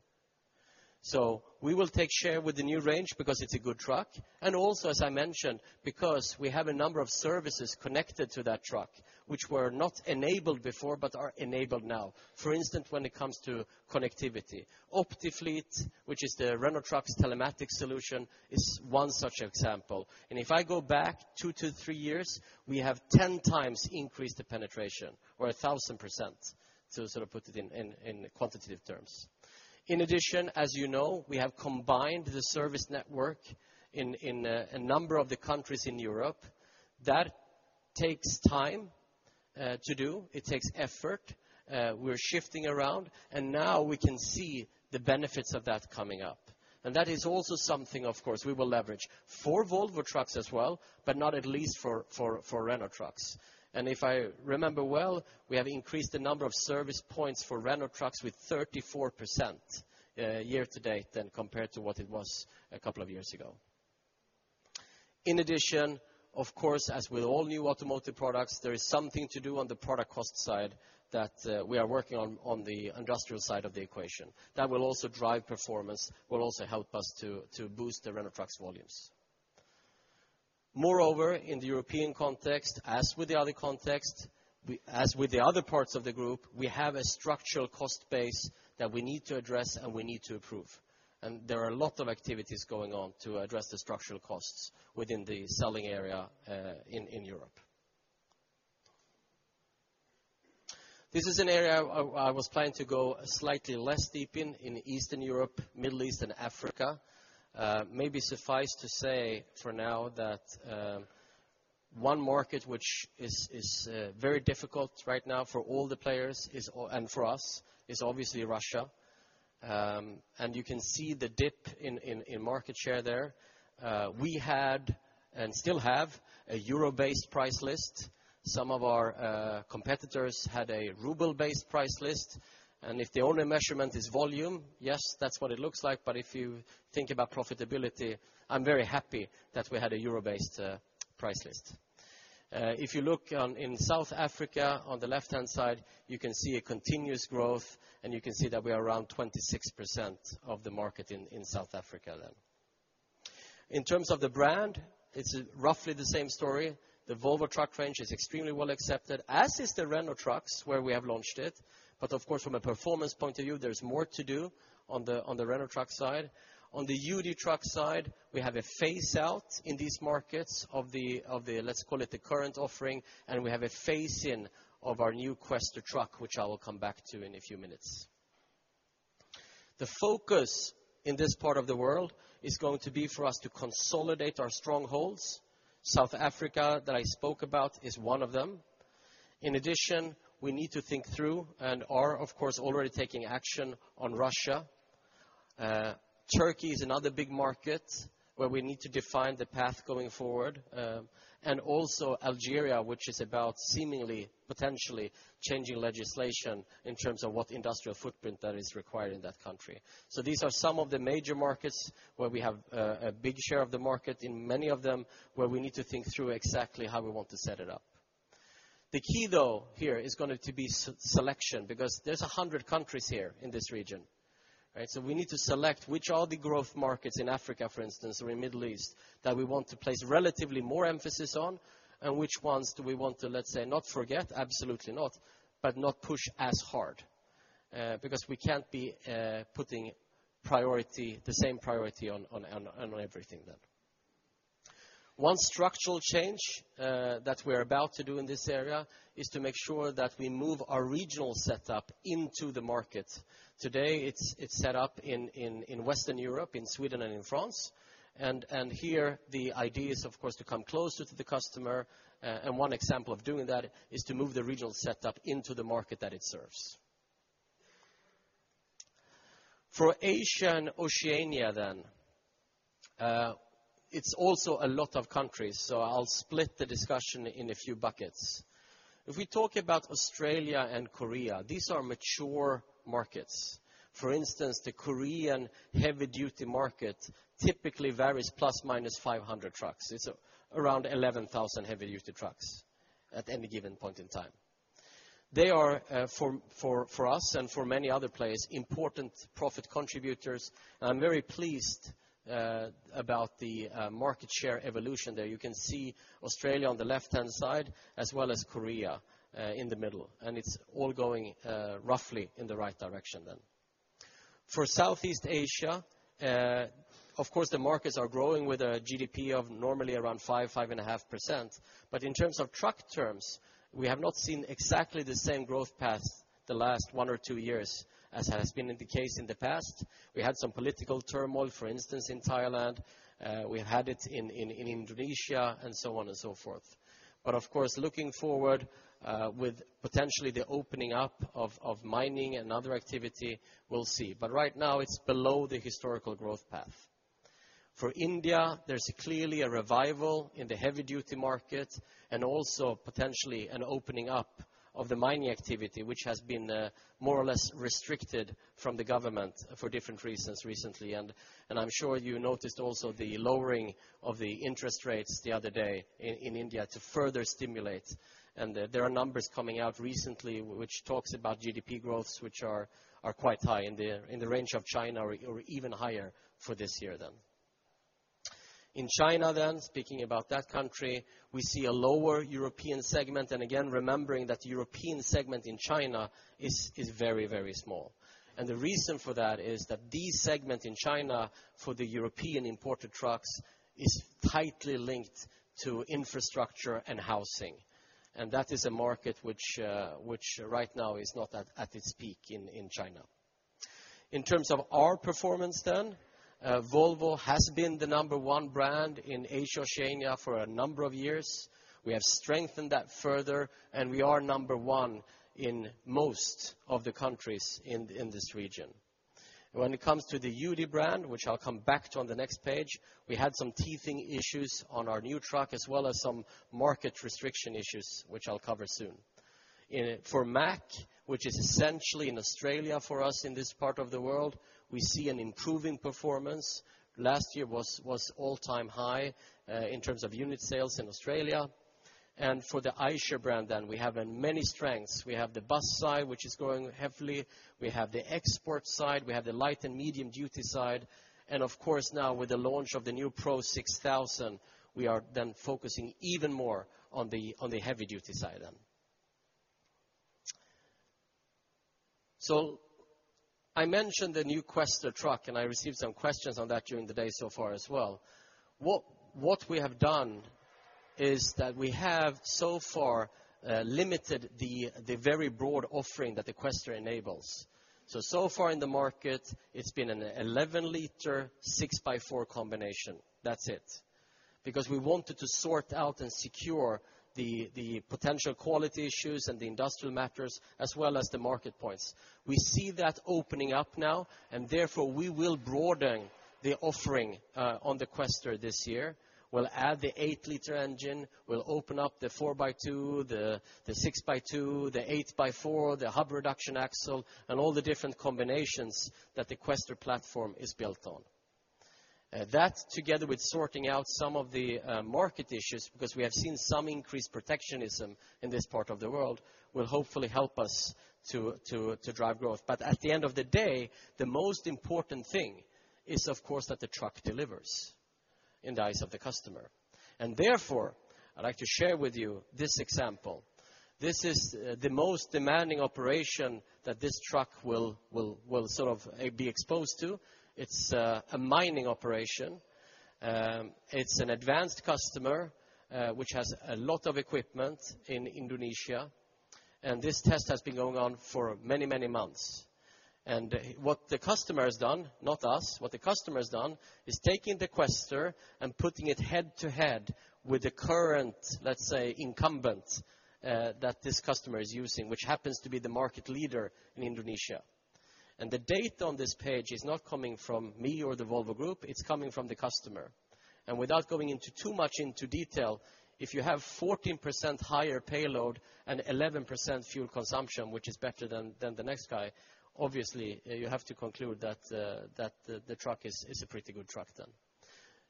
We will take share with the new range because it's a good truck, and also, as I mentioned, because we have a number of services connected to that truck, which were not enabled before but are enabled now. For instance, when it comes to connectivity. Optifleet, which is the Renault Trucks' telematic solution, is one such example. If I go back two to three years, we have 10 times increased the penetration or 1,000%, to sort of put it in quantitative terms. In addition, as you know, we have combined the service network in a number of the countries in Europe. That takes time to do. It takes effort. We're shifting around, now we can see the benefits of that coming up. That is also something, of course, we will leverage for Volvo Trucks as well, but not at least for Renault Trucks. If I remember well, we have increased the number of service points for Renault Trucks with 34% year to date than compared to what it was a couple of years ago. In addition, of course, as with all new automotive products, there is something to do on the product cost side that we are working on the industrial side of the equation. That will also drive performance, will also help us to boost the Renault Trucks volumes. Moreover, in the European context, as with the other parts of the group, we have a structural cost base that we need to address and we need to [improve]. There are a lot of activities going on to address the structural costs within the selling area in Europe. This is an area I was planning to go slightly less deep in Eastern Europe, Middle East, and Africa. Maybe suffice to say for now that one market which is very difficult right now for all the players and for us is obviously Russia. You can see the dip in market share there. We had and still have a euro-based price list. Some of our competitors had a ruble-based price list. If the only measurement is volume, yes, that's what it looks like. If you think about profitability, I'm very happy that we had a euro-based price list. If you look in South Africa on the left-hand side, you can see a continuous growth, you can see that we are around 26% of the market in South Africa then. In terms of the brand, it's roughly the same story. The Volvo Trucks range is extremely well accepted, as is the Renault Trucks, where we have launched it. Of course, from a performance point of view, there's more to do on the Renault Trucks side. On the UD Trucks side, we have a phase out in these markets of the, let's call it the current offering, we have a phase in of our new Quester truck, which I will come back to in a few minutes. The focus in this part of the world is going to be for us to consolidate our strongholds. South Africa, that I spoke about, is one of them. In addition, we need to think through and are, of course, already taking action on Russia. Turkey is another big market where we need to define the path going forward. Also Algeria, which is about seemingly, potentially, changing legislation in terms of what industrial footprint that is required in that country. These are some of the major markets where we have a big share of the market in many of them, where we need to think through exactly how we want to set it up. The key though, here is going to be selection, because there's 100 countries here in this region. We need to select which are the growth markets in Africa, for instance, or in Middle East that we want to place relatively more emphasis on, and which ones do we want to, let's say, not forget, absolutely not, but not push as hard. We can't be putting the same priority on everything then. One structural change that we're about to do in this area is to make sure that we move our regional setup into the market. Today it's set up in Western Europe, in Sweden and in France. Here the idea is, of course, to come closer to the customer. One example of doing that is to move the regional setup into the market that it serves. For Asia and Oceania, it's also a lot of countries. I'll split the discussion in a few buckets. If we talk about Australia and Korea, these are mature markets. For instance, the Korean heavy-duty market typically varies ±500 trucks. It's around 11,000 heavy-duty trucks at any given point in time. They are for us and for many other players, important profit contributors. I'm very pleased about the market share evolution there. You can see Australia on the left-hand side as well as Korea in the middle. It's all going roughly in the right direction then. For Southeast Asia, of course the markets are growing with a GDP of normally around 5%-5.5%. In terms of truck terms, we have not seen exactly the same growth path the last one or two years as has been the case in the past. We had some political turmoil, for instance, in Thailand, we had it in Indonesia and so on and so forth. Of course, looking forward, with potentially the opening up of mining and other activity, we'll see. Right now it's below the historical growth path. For India, there's clearly a revival in the heavy-duty market, and also potentially an opening up of the mining activity, which has been more or less restricted from the government for different reasons recently. I'm sure you noticed also the lowering of the interest rates the other day in India to further stimulate. There are numbers coming out recently which talks about GDP growths which are quite high, in the range of China or even higher for this year then. In China, speaking about that country, we see a lower European segment. Again, remembering that the European segment in China is very, very small. The reason for that is that these segment in China for the European imported trucks is tightly linked to infrastructure and housing. That is a market which right now is not at its peak in China. In terms of our performance then, Volvo has been the number one brand in Asia/Oceania for a number of years. We have strengthened that further, and we are number one in most of the countries in this region. When it comes to the UD brand, which I'll come back to on the next page, we had some teething issues on our new truck, as well as some market restriction issues, which I'll cover soon. For Mack, which is essentially in Australia for us in this part of the world, we see an improving performance. Last year was all-time high in terms of unit sales in Australia. For the Eicher brand, we have many strengths. We have the bus side, which is growing heavily. We have the export side, we have the light and medium duty side, and of course now with the launch of the new PRO 6000, we are focusing even more on the heavy duty side. I mentioned the new Quester truck, and I received some questions on that during the day so far as well. What we have done is that we have so far limited the very broad offering that the Quester enables. So far in the market, it's been an 11 liter, 6x4 combination. That's it. We wanted to sort out and secure the potential quality issues and the industrial matters as well as the market points. We see that opening up now, and therefore we will broaden the offering on the Quester this year. We'll add the 8 liter engine, we'll open up the 4x2, the 6x2, the 8x4, the hub reduction axle, and all the different combinations that the Quester platform is built on. That together with sorting out some of the market issues, because we have seen some increased protectionism in this part of the world, will hopefully help us to drive growth. At the end of the day, the most important thing is, of course, that the truck delivers in the eyes of the customer. Therefore, I'd like to share with you this example. This is the most demanding operation that this truck will be exposed to. It's a mining operation. It's an advanced customer, which has a lot of equipment in Indonesia. This test has been going on for many, many months. What the customer has done, not us, what the customer has done, is taking the Quester and putting it head to head with the current, let's say, incumbent that this customer is using, which happens to be the market leader in Indonesia. The data on this page is not coming from me or the Volvo Group, it's coming from the customer. Without going into too much into detail, if you have 14% higher payload and 11% fuel consumption, which is better than the next guy, obviously, you have to conclude that the truck is a pretty good truck.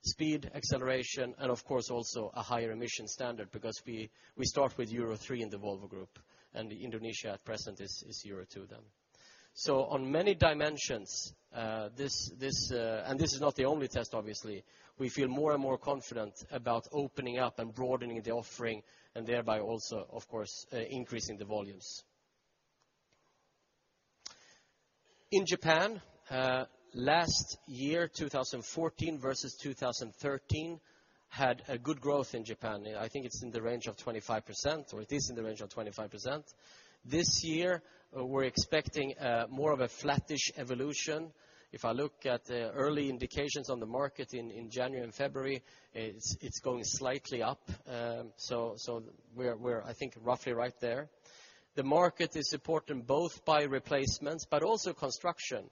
Speed, acceleration, and of course, also a higher emission standard because we start with Euro III in the Volvo Group, and Indonesia at present is Euro II. On many dimensions, and this is not the only test obviously, we feel more and more confident about opening up and broadening the offering, and thereby also, of course, increasing the volumes. In Japan, last year, 2014 versus 2013, had a good growth in Japan. I think it's in the range of 25%, or it is in the range of 25%. This year, we're expecting more of a flattish evolution. If I look at the early indications on the market in January and February, it's going slightly up. We're, I think, roughly right there. The market is supported both by replacements, but also construction.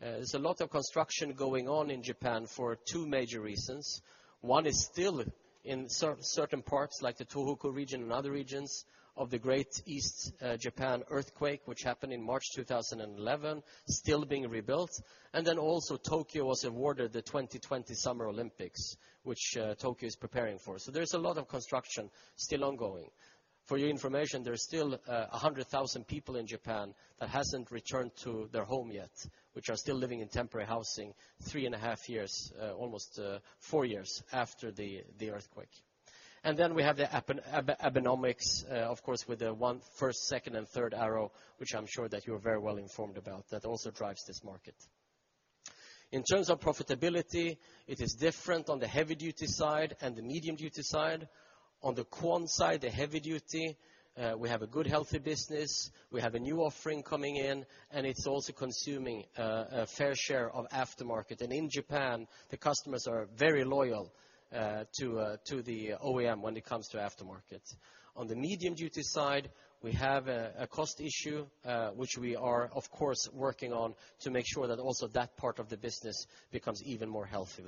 There's a lot of construction going on in Japan for two major reasons. One is still in certain parts, like the Tohoku region and other regions, of the Great East Japan earthquake, which happened in March 2011, still being rebuilt. Tokyo was awarded the 2020 Summer Olympics, which Tokyo is preparing for. There's a lot of construction still ongoing. For your information, there is still 100,000 people in Japan that hasn't returned to their home yet, which are still living in temporary housing, three and a half years, almost four years after the earthquake. We have the Abenomics, of course, with the one first, second, and third arrow, which I'm sure that you are very well informed about, that also drives this market. In terms of profitability, it is different on the heavy duty side and the medium duty side. On the Quon side, the heavy duty, we have a good, healthy business. We have a new offering coming in, and it's also consuming a fair share of aftermarket. In Japan, the customers are very loyal to the OEM when it comes to aftermarket. On the medium duty side, we have a cost issue, which we are, of course, working on to make sure that also that part of the business becomes even more healthy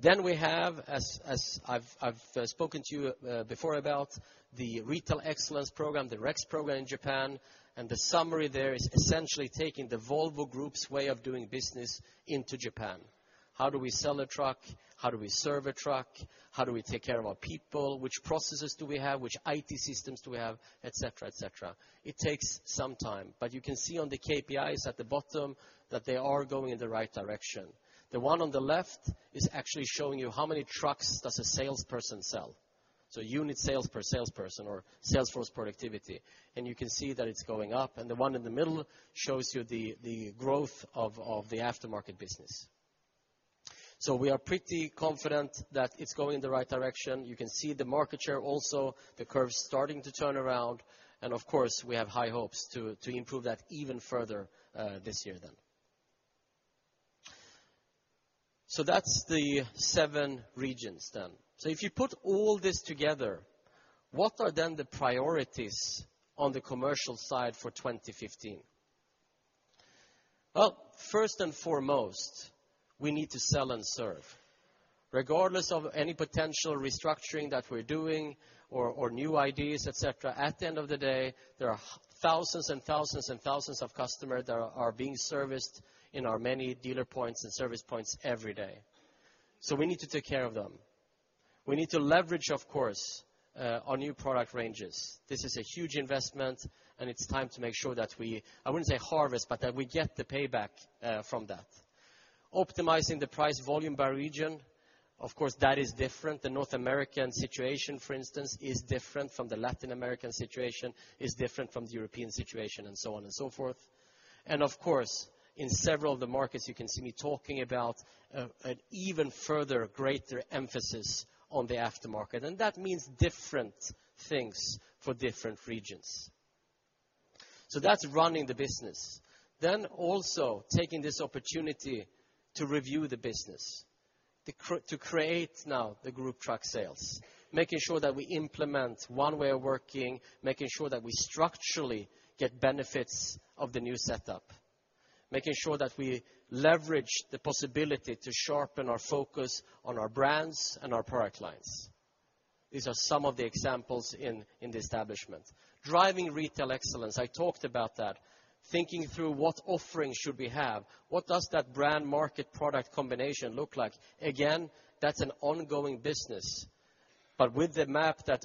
then. We have, as I've spoken to you before about, the Retail Excellence Program, the REX program in Japan. The summary there is essentially taking the Volvo Group's way of doing business into Japan. How do we sell a truck? How do we serve a truck? How do we take care of our people? Which processes do we have? Which IT systems do we have? Et cetera. It takes some time, but you can see on the KPIs at the bottom that they are going in the right direction. The one on the left is actually showing you how many trucks does a salesperson sell. Unit sales per salesperson or sales force productivity. You can see that it's going up, and the one in the middle shows you the growth of the aftermarket business. We are pretty confident that it's going in the right direction. You can see the market share also, the curve's starting to turn around. Of course, we have high hopes to improve that even further this year then. That's the seven regions then. If you put all this together, what are then the priorities on the commercial side for 2015? Well, first and foremost, we need to sell and serve. Regardless of any potential restructuring that we're doing or new ideas, et cetera. At the end of the day, there are thousands and thousands of customers that are being serviced in our many dealer points and service points every day. We need to take care of them. We need to leverage, of course, our new product ranges. This is a huge investment and it's time to make sure that we, I wouldn't say harvest, but that we get the payback from that. Optimizing the price volume by region. Of course, that is different. The North American situation, for instance, is different from the Latin American situation, is different from the European situation, and so on and so forth. Of course, in several of the markets, you can see me talking about an even further greater emphasis on the aftermarket, and that means different things for different regions. That's running the business. Also taking this opportunity to review the business, to create now the Group Trucks Sales, making sure that we implement one way of working, making sure that we structurally get benefits of the new setup. Making sure that we leverage the possibility to sharpen our focus on our brands and our product lines. These are some of the examples in the establishment. Driving retail excellence, I talked about that. Thinking through what offering should we have? What does that brand market product combination look like? Again, that's an ongoing business. With the map that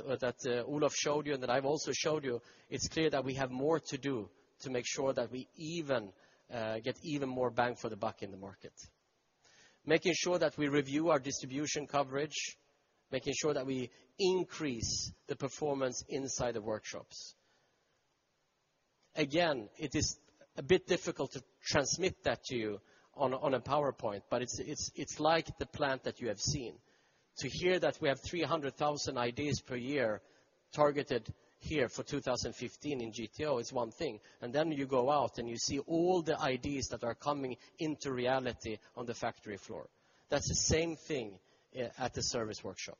Olof showed you and that I've also showed you, it's clear that we have more to do to make sure that we get even more bang for the buck in the market. Making sure that we review our distribution coverage, making sure that we increase the performance inside the workshops. Again, it is a bit difficult to transmit that to you on a PowerPoint, but it's like the plant that you have seen. To hear that we have 300,000 ideas per year targeted here for 2015 in GTO is one thing. You go out and you see all the ideas that are coming into reality on the factory floor. That's the same thing at the service workshop.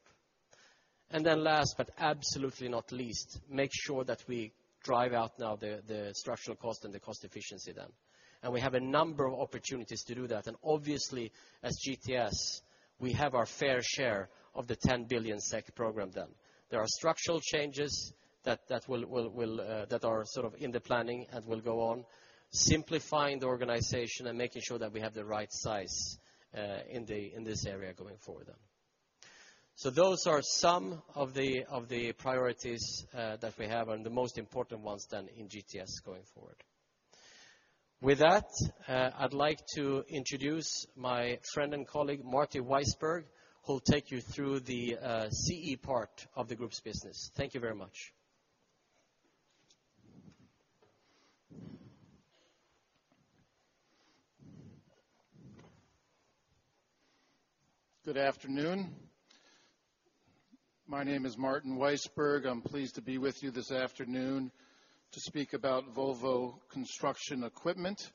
Last, but absolutely not least, make sure that we drive out now the structural cost and the cost efficiency then. We have a number of opportunities to do that. Obviously as GTS, we have our fair share of the 10 billion SEK program done. There are structural changes that are sort of in the planning and will go on, simplifying the organization and making sure that we have the right size, in this area going forward then. Those are some of the priorities that we have, and the most important ones then in GTS going forward. With that, I'd like to introduce my friend and colleague, Martin Weissburg, who'll take you through the CE part of the Group's business. Thank you very much. Good afternoon. My name is Martin Weissburg. I'm pleased to be with you this afternoon to speak about Volvo Construction Equipment.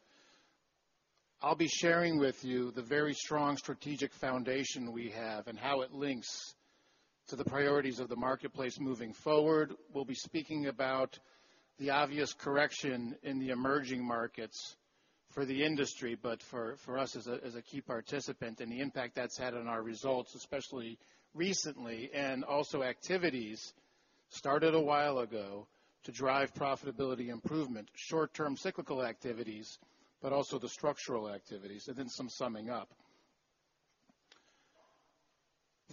I'll be sharing with you the very strong strategic foundation we have and how it links to the priorities of the marketplace moving forward. We'll be speaking about the obvious correction in the emerging markets for the industry, but for us as a key participant, and the impact that's had on our results, especially recently, and also activities started a while ago to drive profitability improvement. Short-term cyclical activities, but also the structural activities, and then some summing up.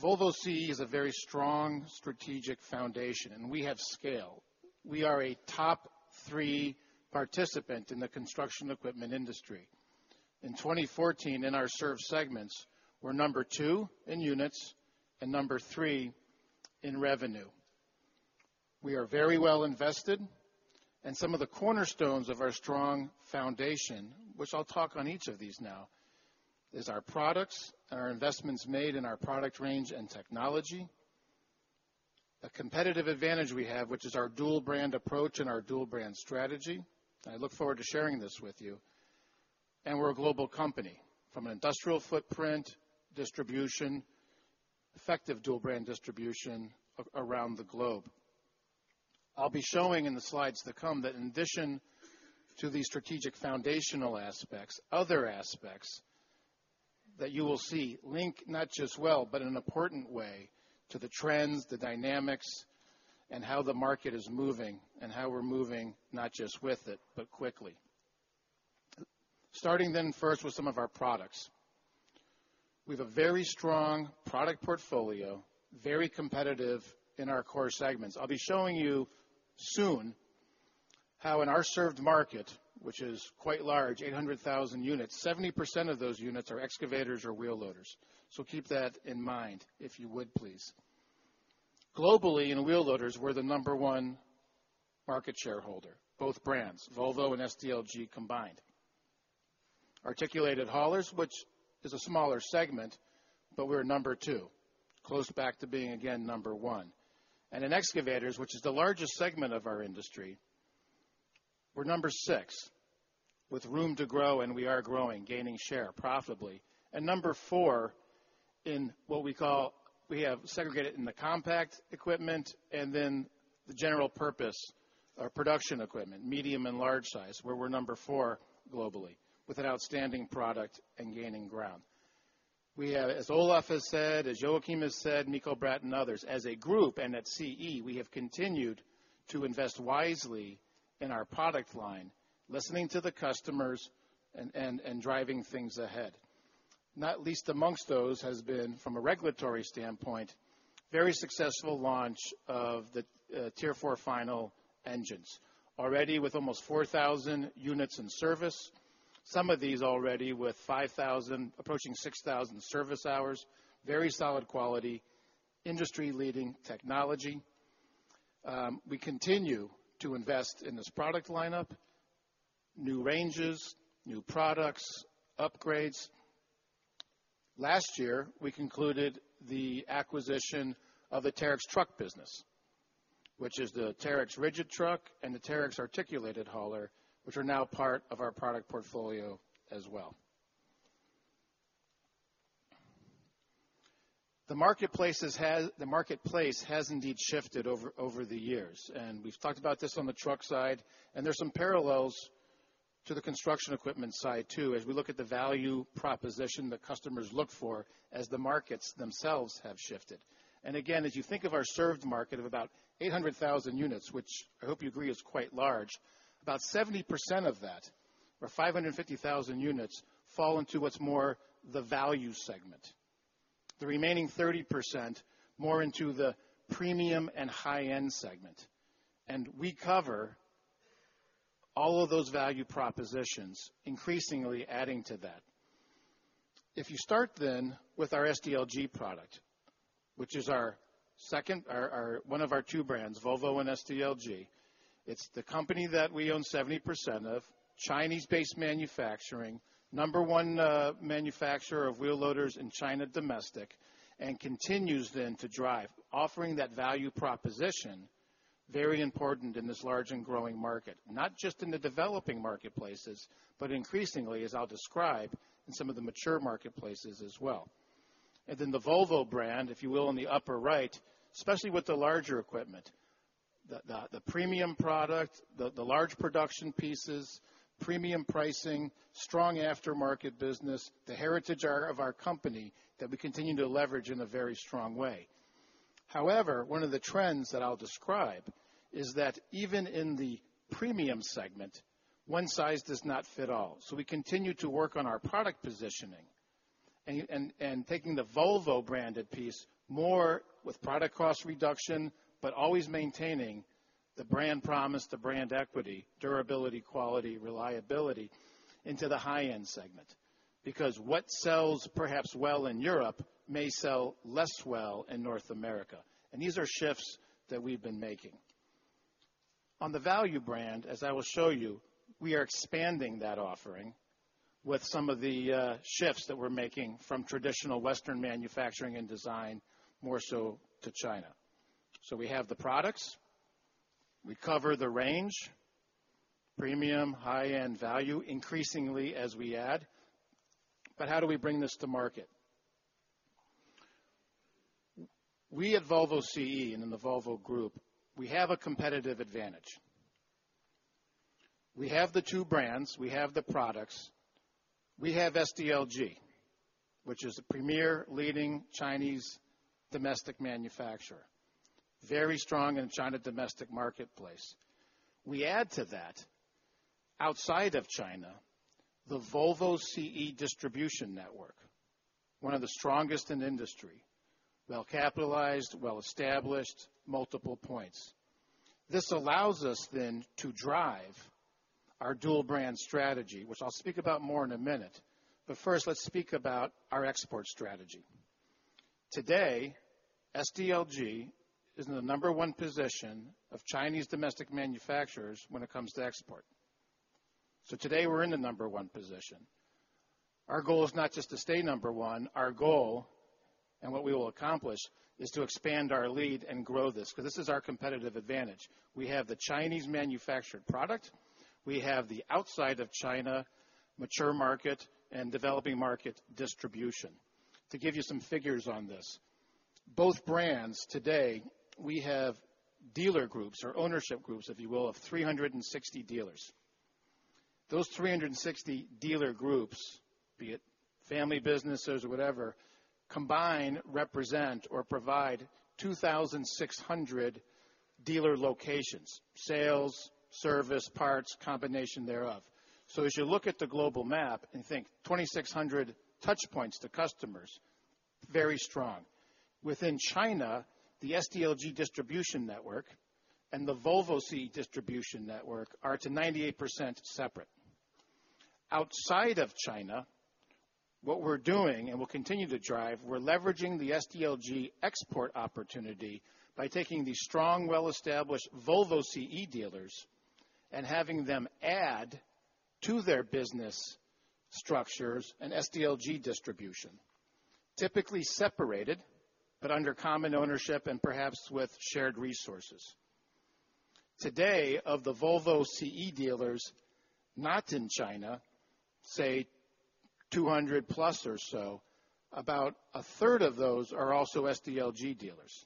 Volvo CE has a very strong strategic foundation, and we have scale. We are a top three participant in the construction equipment industry. In 2014, in our served segments, we're number 2 in units and number 3 in revenue. We are very well invested, some of the cornerstones of our strong foundation, which I'll talk on each of these now, is our products and our investments made in our product range and technology. A competitive advantage we have, which is our dual brand approach and our dual brand strategy, I look forward to sharing this with you. We're a global company from an industrial footprint, distribution, effective dual brand distribution around the globe. I'll be showing in the slides to come that in addition to the strategic foundational aspects, other aspects that you will see link not just well, but in an important way to the trends, the dynamics, and how the market is moving, and how we're moving not just with it, but quickly. Starting first with some of our products. We have a very strong product portfolio, very competitive in our core segments. I'll be showing you soon how in our served market, which is quite large, 800,000 units, 70% of those units are excavators or wheel loaders. Keep that in mind, if you would, please. Globally, in wheel loaders, we're the number 1 market shareholder, both brands, Volvo and SDLG combined. Articulated haulers, which is a smaller segment, but we're number 2. Close back to being again number 1. In excavators, which is the largest segment of our industry, we're number 6 with room to grow, and we are growing, gaining share profitably. Number 4 in what we call. We have segregated in the compact equipment and then the general-purpose or production equipment, medium and large size, where we're number 4 globally with an outstanding product and gaining ground. As Olof has said, as Joachim has said, Mikael Bratt, and others, as a group, and at CE, we have continued to invest wisely in our product line, listening to the customers and driving things ahead. Not least amongst those has been, from a regulatory standpoint, very successful launch of the Tier 4 Final engines. Already with almost 4,000 units in service. Some of these already with 5,000 approaching 6,000 service hours. Very solid quality. Industry-leading technology. We continue to invest in this product lineup, new ranges, new products, upgrades. Last year, we concluded the acquisition of the Terex truck business, which is the Terex rigid truck and the Terex articulated hauler, which are now part of our product portfolio as well. The marketplace has indeed shifted over the years, we've talked about this on the truck side, and there's some parallels to the construction equipment side too, as we look at the value proposition that customers look for as the markets themselves have shifted. Again, as you think of our served market of about 800,000 units, which I hope you agree is quite large, about 70% of that, or 550,000 units, fall into what's more the value segment. The remaining 30% more into the premium and high-end segment. We cover all of those value propositions, increasingly adding to that. If you start then with our SDLG product, Second, one of our two brands, Volvo and SDLG. It's the company that we own 70% of, Chinese-based manufacturing, number 1 manufacturer of wheel loaders in China domestic, continues then to drive, offering that value proposition, very important in this large and growing market, not just in the developing marketplaces, but increasingly, as I'll describe, in some of the mature marketplaces as well. Then the Volvo brand, if you will, on the upper right, especially with the larger equipment, the premium product, the large production pieces, premium pricing, strong aftermarket business, the heritage of our company that we continue to leverage in a very strong way. However, one of the trends that I'll describe is that even in the premium segment, one size does not fit all. We continue to work on our product positioning and taking the Volvo branded piece more with product cost reduction, but always maintaining the brand promise, the brand equity, durability, quality, reliability into the high-end segment. What sells perhaps well in Europe may sell less well in North America. These are shifts that we've been making. On the value brand, as I will show you, we are expanding that offering with some of the shifts that we're making from traditional Western manufacturing and design, more so to China. We have the products. We cover the range, premium, high-end value, increasingly as we add. How do we bring this to market? We at Volvo CE and in the Volvo Group, we have a competitive advantage. We have the two brands, we have the products, we have SDLG, which is a premier leading Chinese domestic manufacturer, very strong in China domestic marketplace. We add to that, outside of China, the Volvo CE distribution network, one of the strongest in the industry, well-capitalized, well-established, multiple points. This allows us then to drive our dual brand strategy, which I'll speak about more in a minute. First, let's speak about our export strategy. Today, SDLG is in the number 1 position of Chinese domestic manufacturers when it comes to export. Today, we're in the number 1 position. Our goal is not just to stay number 1, our goal, and what we will accomplish, is to expand our lead and grow this, because this is our competitive advantage. We have the Chinese manufactured product. We have the outside of China mature market and developing market distribution. To give you some figures on this, both brands today, we have dealer groups or ownership groups, if you will, of 360 dealers. Those 360 dealer groups, be it family businesses or whatever, combined represent or provide 2,600 dealer locations, sales, service, parts, combination thereof. As you look at the global map and think 2,600 touch points to customers, very strong. Within China, the SDLG distribution network and the Volvo CE distribution network are to 98% separate. Outside of China, what we're doing, and will continue to drive, we're leveraging the SDLG export opportunity by taking these strong, well-established Volvo CE dealers and having them add to their business structures an SDLG distribution, typically separated, but under common ownership and perhaps with shared resources. Today, of the Volvo CE dealers not in China, say 200 plus or so, about a third of those are also SDLG dealers.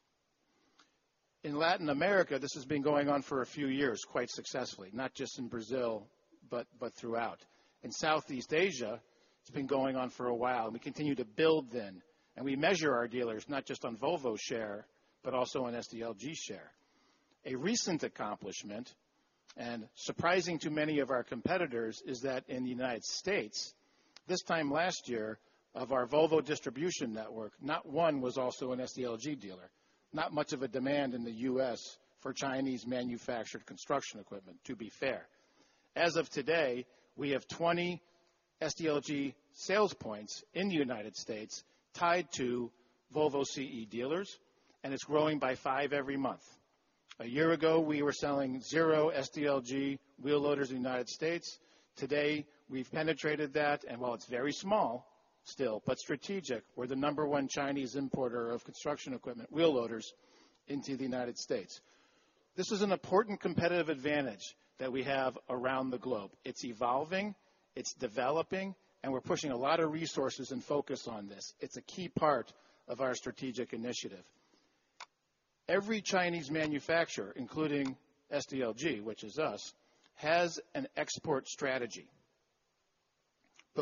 In Latin America, this has been going on for a few years, quite successfully, not just in Brazil, but throughout. In Southeast Asia, it's been going on for a while, and we continue to build then, and we measure our dealers not just on Volvo share, but also on SDLG share. A recent accomplishment, and surprising to many of our competitors, is that in the United States, this time last year, of our Volvo distribution network, not one was also an SDLG dealer. Not much of a demand in the U.S. for Chinese-manufactured construction equipment, to be fair. As of today, we have 20 SDLG sales points in the United States tied to Volvo CE dealers, and it's growing by five every month. A year ago, we were selling zero SDLG wheel loaders in the United States. Today, we've penetrated that, while it's very small still, but strategic, we're the number one Chinese importer of construction equipment wheel loaders into the United States. This is an important competitive advantage that we have around the globe. It's evolving, it's developing, and we're pushing a lot of resources and focus on this. It's a key part of our strategic initiative. Every Chinese manufacturer, including SDLG, which is us, has an export strategy.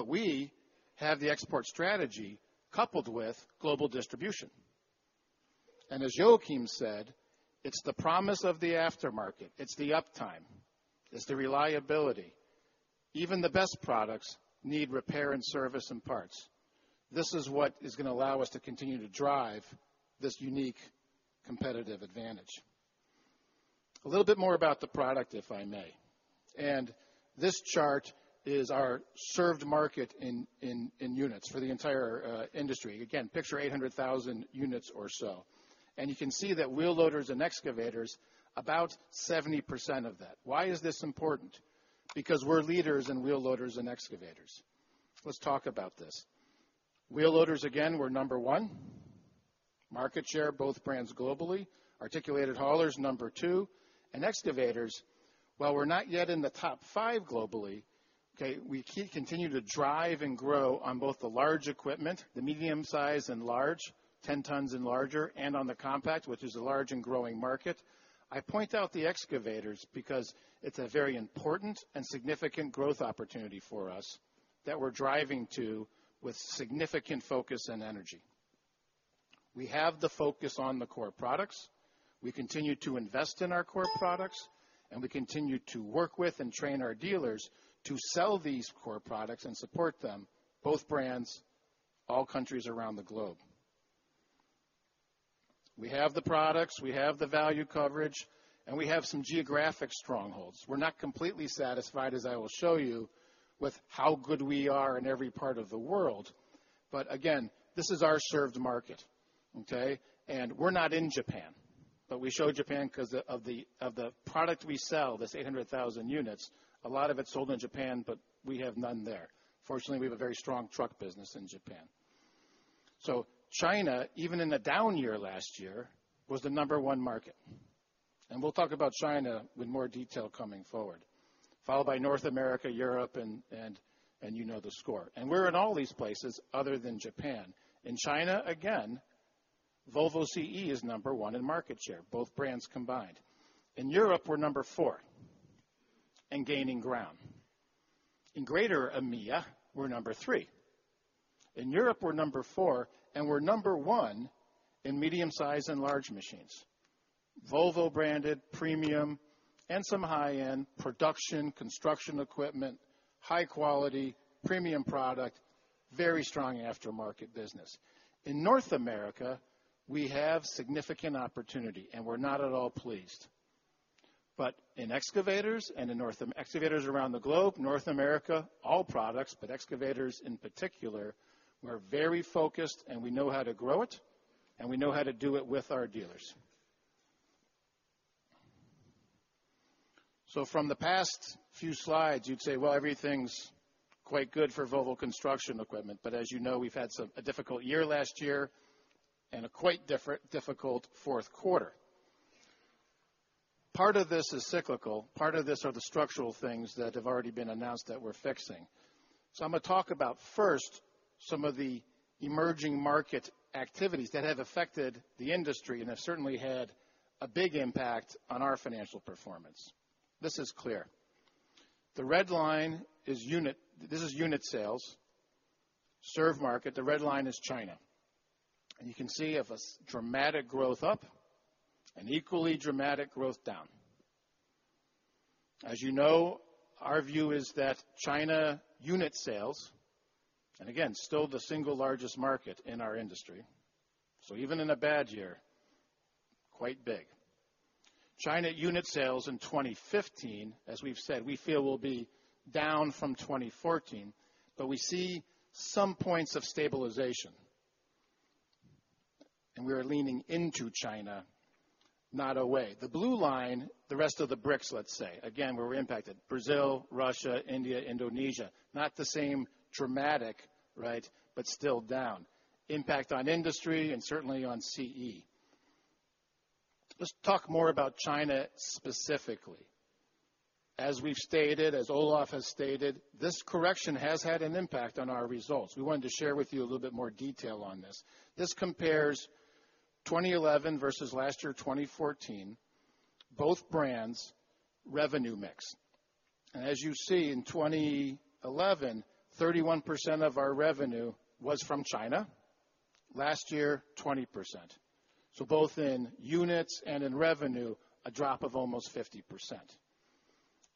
We have the export strategy coupled with global distribution. As Joachim said, it's the promise of the aftermarket. It's the uptime. It's the reliability. Even the best products need repair and service and parts. This is what is going to allow us to continue to drive this unique competitive advantage. A little bit more about the product, if I may. This chart is our served market in units for the entire industry. Again, picture 800,000 units or so. You can see that wheel loaders and excavators, about 70% of that. Why is this important? Because we're leaders in wheel loaders and excavators. Let's talk about this. Wheel loaders, again, we're number one market share, both brands globally. Articulated haulers, number two. Excavators, while we're not yet in the top five globally, okay, we continue to drive and grow on both the large equipment, the medium size and large, 10 tons and larger, and on the compact, which is a large and growing market. I point out the excavators because it's a very important and significant growth opportunity for us that we're driving to with significant focus and energy. We have the focus on the core products. We continue to invest in our core products, we continue to work with and train our dealers to sell these core products and support them, both brands, all countries around the globe. We have the products, we have the value coverage, we have some geographic strongholds. We're not completely satisfied, as I will show you, with how good we are in every part of the world. Again, this is our served market, okay? We're not in Japan, but we show Japan because of the product we sell, this 800,000 units, a lot of it's sold in Japan, but we have none there. Fortunately, we have a very strong truck business in Japan. China, even in a down year last year, was the number one market, we'll talk about China with more detail coming forward, followed by North America, Europe, and you know the score. We're in all these places other than Japan. In China, again, Volvo CE is number one in market share, both brands combined. In Europe, we're number four and gaining ground. In greater EMEA, we're number three. In Europe, we're number four, and we're number one in medium size and large machines. Volvo branded premium and some high-end production construction equipment, high quality, premium product, very strong aftermarket business. In North America, we have significant opportunity, and we're not at all pleased. In excavators and in excavators around the globe, North America, all products, but excavators in particular, we're very focused and we know how to grow it, and we know how to do it with our dealers. From the past few slides, you'd say, well, everything's quite good for Volvo Construction Equipment, but as you know, we've had a difficult year last year and a quite difficult fourth quarter. Part of this is cyclical. Part of this are the structural things that have already been announced that we're fixing. I'm going to talk about first some of the emerging market activities that have affected the industry and have certainly had a big impact on our financial performance. This is clear. The red line, this is unit sales, served market. The red line is China. You can see a dramatic growth up and equally dramatic growth down. As you know, our view is that China unit sales, and again, still the single largest market in our industry. Even in a bad year, quite big. China unit sales in 2015, as we've said, we feel will be down from 2014, we see some points of stabilization, and we are leaning into China, not away. The blue line, the rest of the BRICS, let's say. Again, where we're impacted. Brazil, Russia, India, Indonesia. Not the same dramatic, right, but still down. Impact on industry and certainly on CE. Let's talk more about China specifically. As we've stated, as Olof has stated, this correction has had an impact on our results. We wanted to share with you a little bit more detail on this. This compares 2011 versus last year, 2014, both brands' revenue mix. As you see, in 2011, 31% of our revenue was from China. Last year, 20%. Both in units and in revenue, a drop of almost 50%.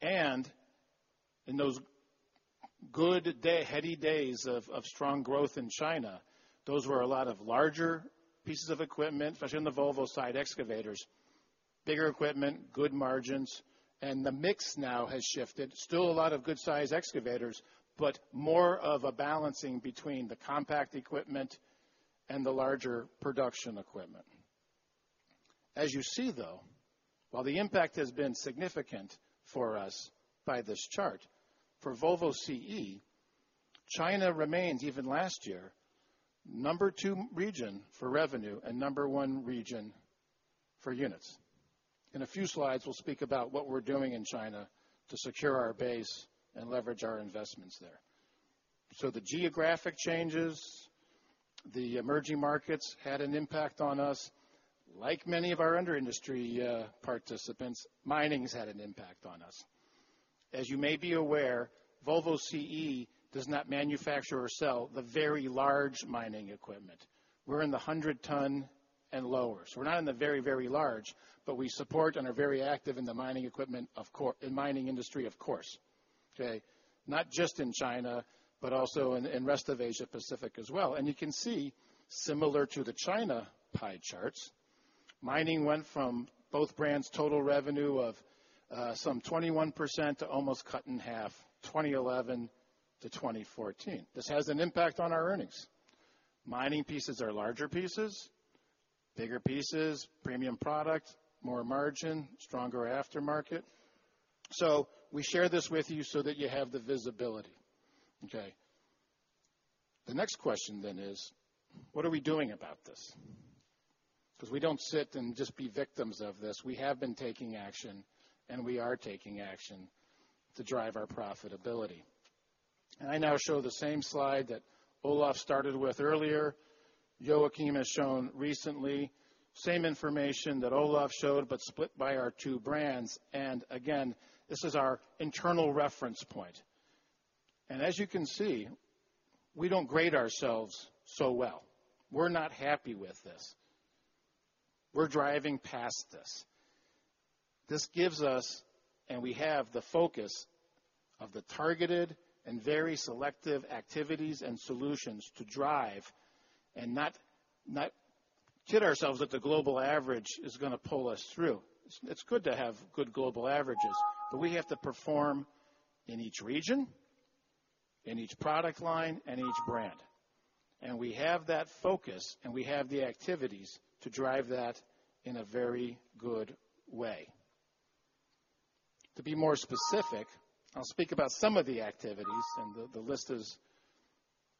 In those good heady days of strong growth in China, those were a lot of larger pieces of equipment, especially on the Volvo side, excavators, bigger equipment, good margins. The mix now has shifted. Still a lot of good size excavators, but more of a balancing between the compact equipment and the larger production equipment. As you see, though, while the impact has been significant for us by this chart, for Volvo CE, China remains, even last year, number two region for revenue and number one region for units. In a few slides, we'll speak about what we're doing in China to secure our base and leverage our investments there. The geographic changes, the emerging markets had an impact on us. Like many of our other industry participants, mining's had an impact on us. As you may be aware, Volvo CE does not manufacture or sell the very large mining equipment. We're in the 100 ton and lower. We're not in the very large, but we support and are very active in the mining industry, of course. Okay. Not just in China, but also in rest of Asia Pacific as well. You can see, similar to the China pie charts, mining went from both brands' total revenue of some 21% to almost cut in half 2011 to 2014. This has an impact on our earnings. Mining pieces are larger pieces, bigger pieces, premium product, more margin, stronger aftermarket. We share this with you so that you have the visibility. Okay. The next question is: what are we doing about this? We don't sit and just be victims of this. We have been taking action, we are taking action to drive our profitability. I now show the same slide that Olof started with earlier, Joachim has shown recently, same information that Olof showed, but split by our two brands. Again, this is our internal reference point. As you can see, we don't grade ourselves so well. We're not happy with this. We're driving past this. This gives us, and we have the focus of the targeted and very selective activities and solutions to drive and not kid ourselves that the global average is going to pull us through. It's good to have good global averages, we have to perform in each region, in each product line, and each brand. We have that focus, and we have the activities to drive that in a very good way. To be more specific, I'll speak about some of the activities. The list is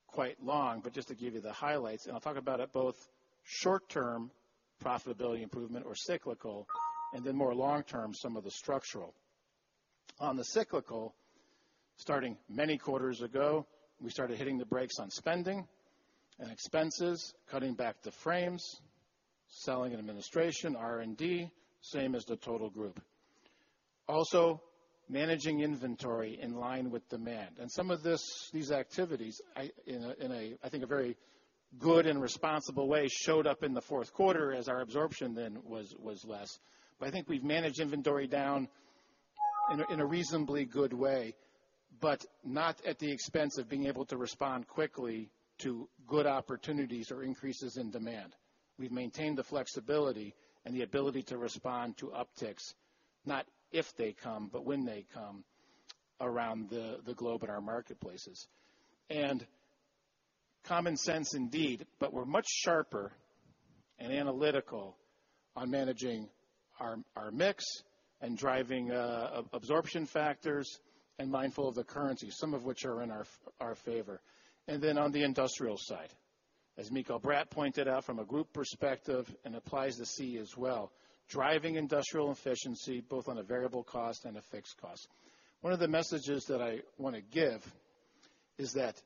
quite long, just to give you the highlights. I'll talk about it both short-term profitability improvement or cyclical, more long-term, some of the structural. On the cyclical, starting many quarters ago, we started hitting the brakes on spending and expenses, cutting back the frames, selling and administration, R&D, same as the total group. Also, managing inventory in line with demand. Some of these activities, in I think a very good and responsible way, showed up in the fourth quarter as our absorption then was less. I think we've managed inventory down in a reasonably good way, but not at the expense of being able to respond quickly to good opportunities or increases in demand. We've maintained the flexibility and the ability to respond to upticks, not if they come, but when they come around the globe in our marketplaces. Common sense indeed, we're much sharper and analytical on managing our mix and driving absorption factors mindful of the currency, some of which are in our favor. On the industrial side, as Mikael Bratt pointed out from a group perspective applies to CE as well, driving industrial efficiency both on a variable cost a fixed cost. One of the messages that I want to give is that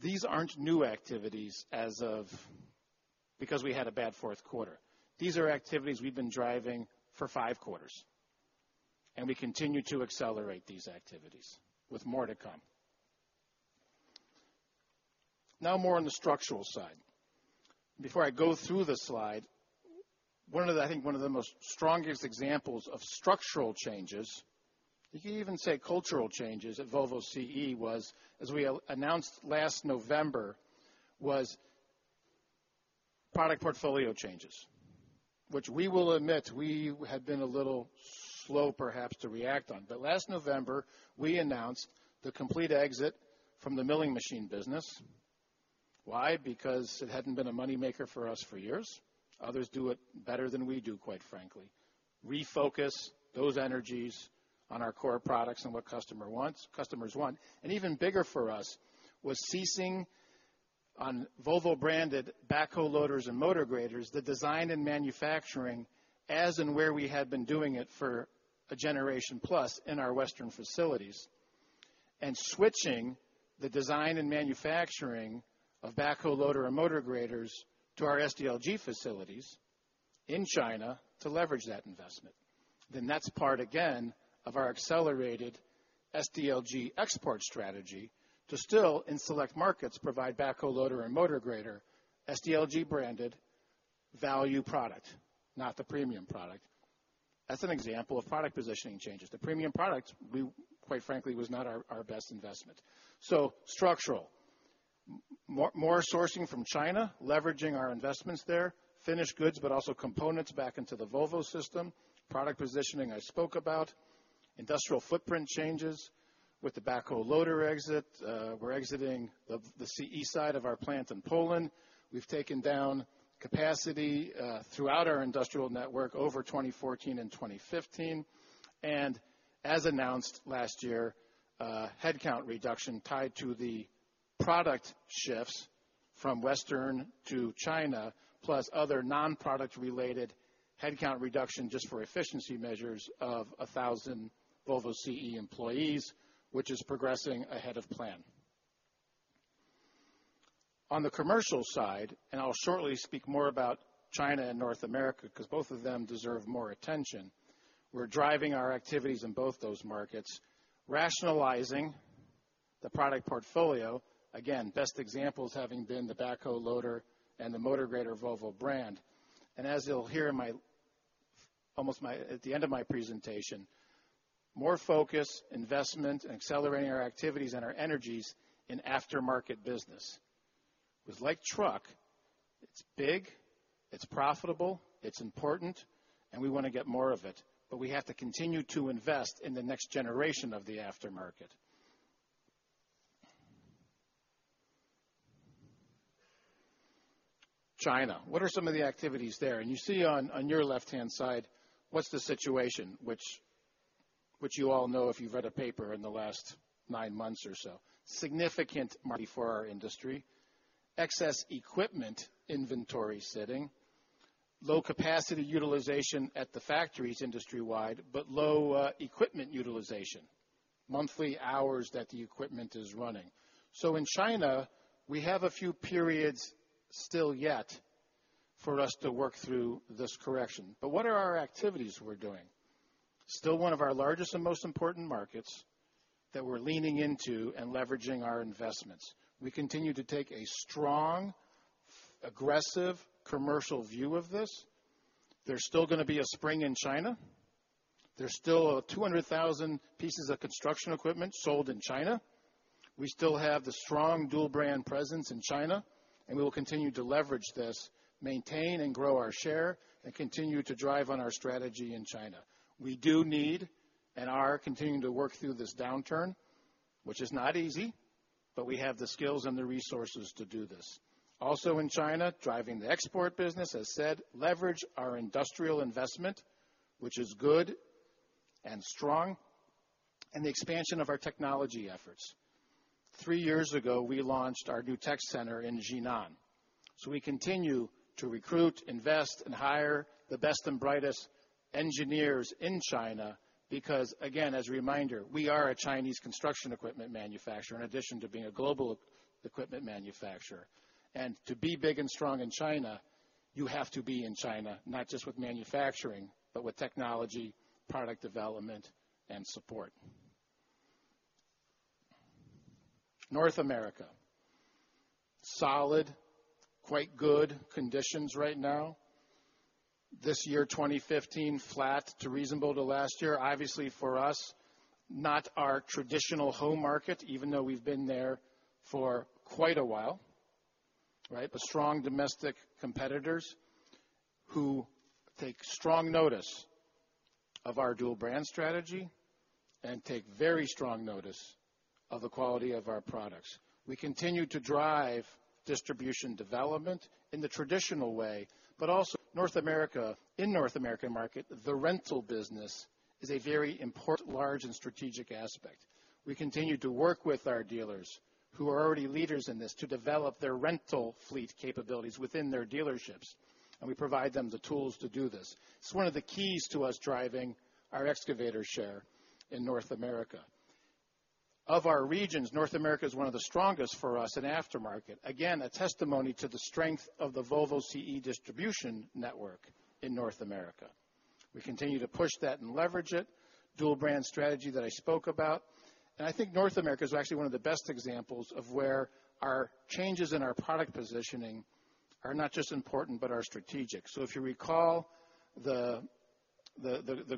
these aren't new activities because we had a bad fourth quarter. These are activities we've been driving for five quarters, we continue to accelerate these activities with more to come. Now more on the structural side. Before I go through the slide, I think one of the most strongest examples of structural changes, you could even say cultural changes at Volvo CE was, as we announced last November, was product portfolio changes, which we will admit we had been a little slow perhaps to react on. But last November, we announced the complete exit from the milling machine business. Why? Because it hadn't been a money maker for us for years. Others do it better than we do, quite frankly. Refocus those energies on our core products and what customers want. Even bigger for us was ceasing on Volvo-branded backhoe loaders and motor graders, the design and manufacturing as and where we had been doing it for a generation plus in our Western facilities, and switching the design and manufacturing of backhoe loader and motor graders to our SDLG facilities in China to leverage that investment. That's part, again, of our accelerated SDLG export strategy to still in select markets provide backhoe loader and motor grader SDLG-branded value product, not the premium product. That's an example of product positioning changes. The premium product, quite frankly, was not our best investment. So structural. More sourcing from China, leveraging our investments there, finished goods, but also components back into the Volvo system. Product positioning I spoke about. Industrial footprint changes with the backhoe loader exit. We're exiting the CE side of our plant in Poland. We've taken down capacity throughout our industrial network over 2014 and 2015. As announced last year, headcount reduction tied to the product shifts from Western to China, plus other non-product related headcount reduction just for efficiency measures of 1,000 Volvo CE employees, which is progressing ahead of plan. On the commercial side, and I'll shortly speak more about China and North America because both of them deserve more attention. We're driving our activities in both those markets, rationalizing the product portfolio. Again, best examples having been the backhoe loader and the motor grader Volvo brand. As you'll hear almost at the end of my presentation. More focus, investment, and accelerating our activities and our energies in aftermarket business. With light truck, it's big, it's profitable, it's important, and we want to get more of it. But we have to continue to invest in the next generation of the aftermarket. China, what are some of the activities there? You see on your left-hand side what's the situation, which you all know if you've read a paper in the last nine months or so. Significant money for our industry, excess equipment inventory sitting, low capacity utilization at the factories industry-wide, but low equipment utilization, monthly hours that the equipment is running. So in China, we have a few periods still yet for us to work through this correction. But what are our activities we're doing? Still one of our largest and most important markets that we're leaning into and leveraging our investments. We continue to take a strong, aggressive commercial view of this. There's still going to be a spring in China. There's still 200,000 pieces of construction equipment sold in China. We still have the strong dual brand presence in China. We will continue to leverage this, maintain and grow our share, continue to drive on our strategy in China. We do need and are continuing to work through this downturn, which is not easy, but we have the skills and the resources to do this. Also in China, driving the export business, as said, leverage our industrial investment, which is good and strong, the expansion of our technology efforts. Three years ago, we launched our new tech center in Jinan. We continue to recruit, invest, and hire the best and brightest engineers in China because, again, as a reminder, we are a Chinese construction equipment manufacturer in addition to being a global equipment manufacturer. To be big and strong in China, you have to be in China, not just with manufacturing, but with technology, product development, and support. North America. Solid, quite good conditions right now. This year, 2015, flat to reasonable to last year. Obviously, for us, not our traditional home market, even though we've been there for quite a while. Right? Strong domestic competitors who take strong notice of our dual brand strategy and take very strong notice of the quality of our products. We continue to drive distribution development in the traditional way, but also North America. In North American market, the rental business is a very important, large, and strategic aspect. We continue to work with our dealers who are already leaders in this to develop their rental fleet capabilities within their dealerships, we provide them the tools to do this. It's one of the keys to us driving our excavator share in North America. Of our regions, North America is one of the strongest for us in aftermarket. Again, a testimony to the strength of the Volvo CE distribution network in North America. We continue to push that and leverage it. Dual brand strategy that I spoke about. I think North America is actually one of the best examples of where our changes in our product positioning are not just important, but are strategic. If you recall the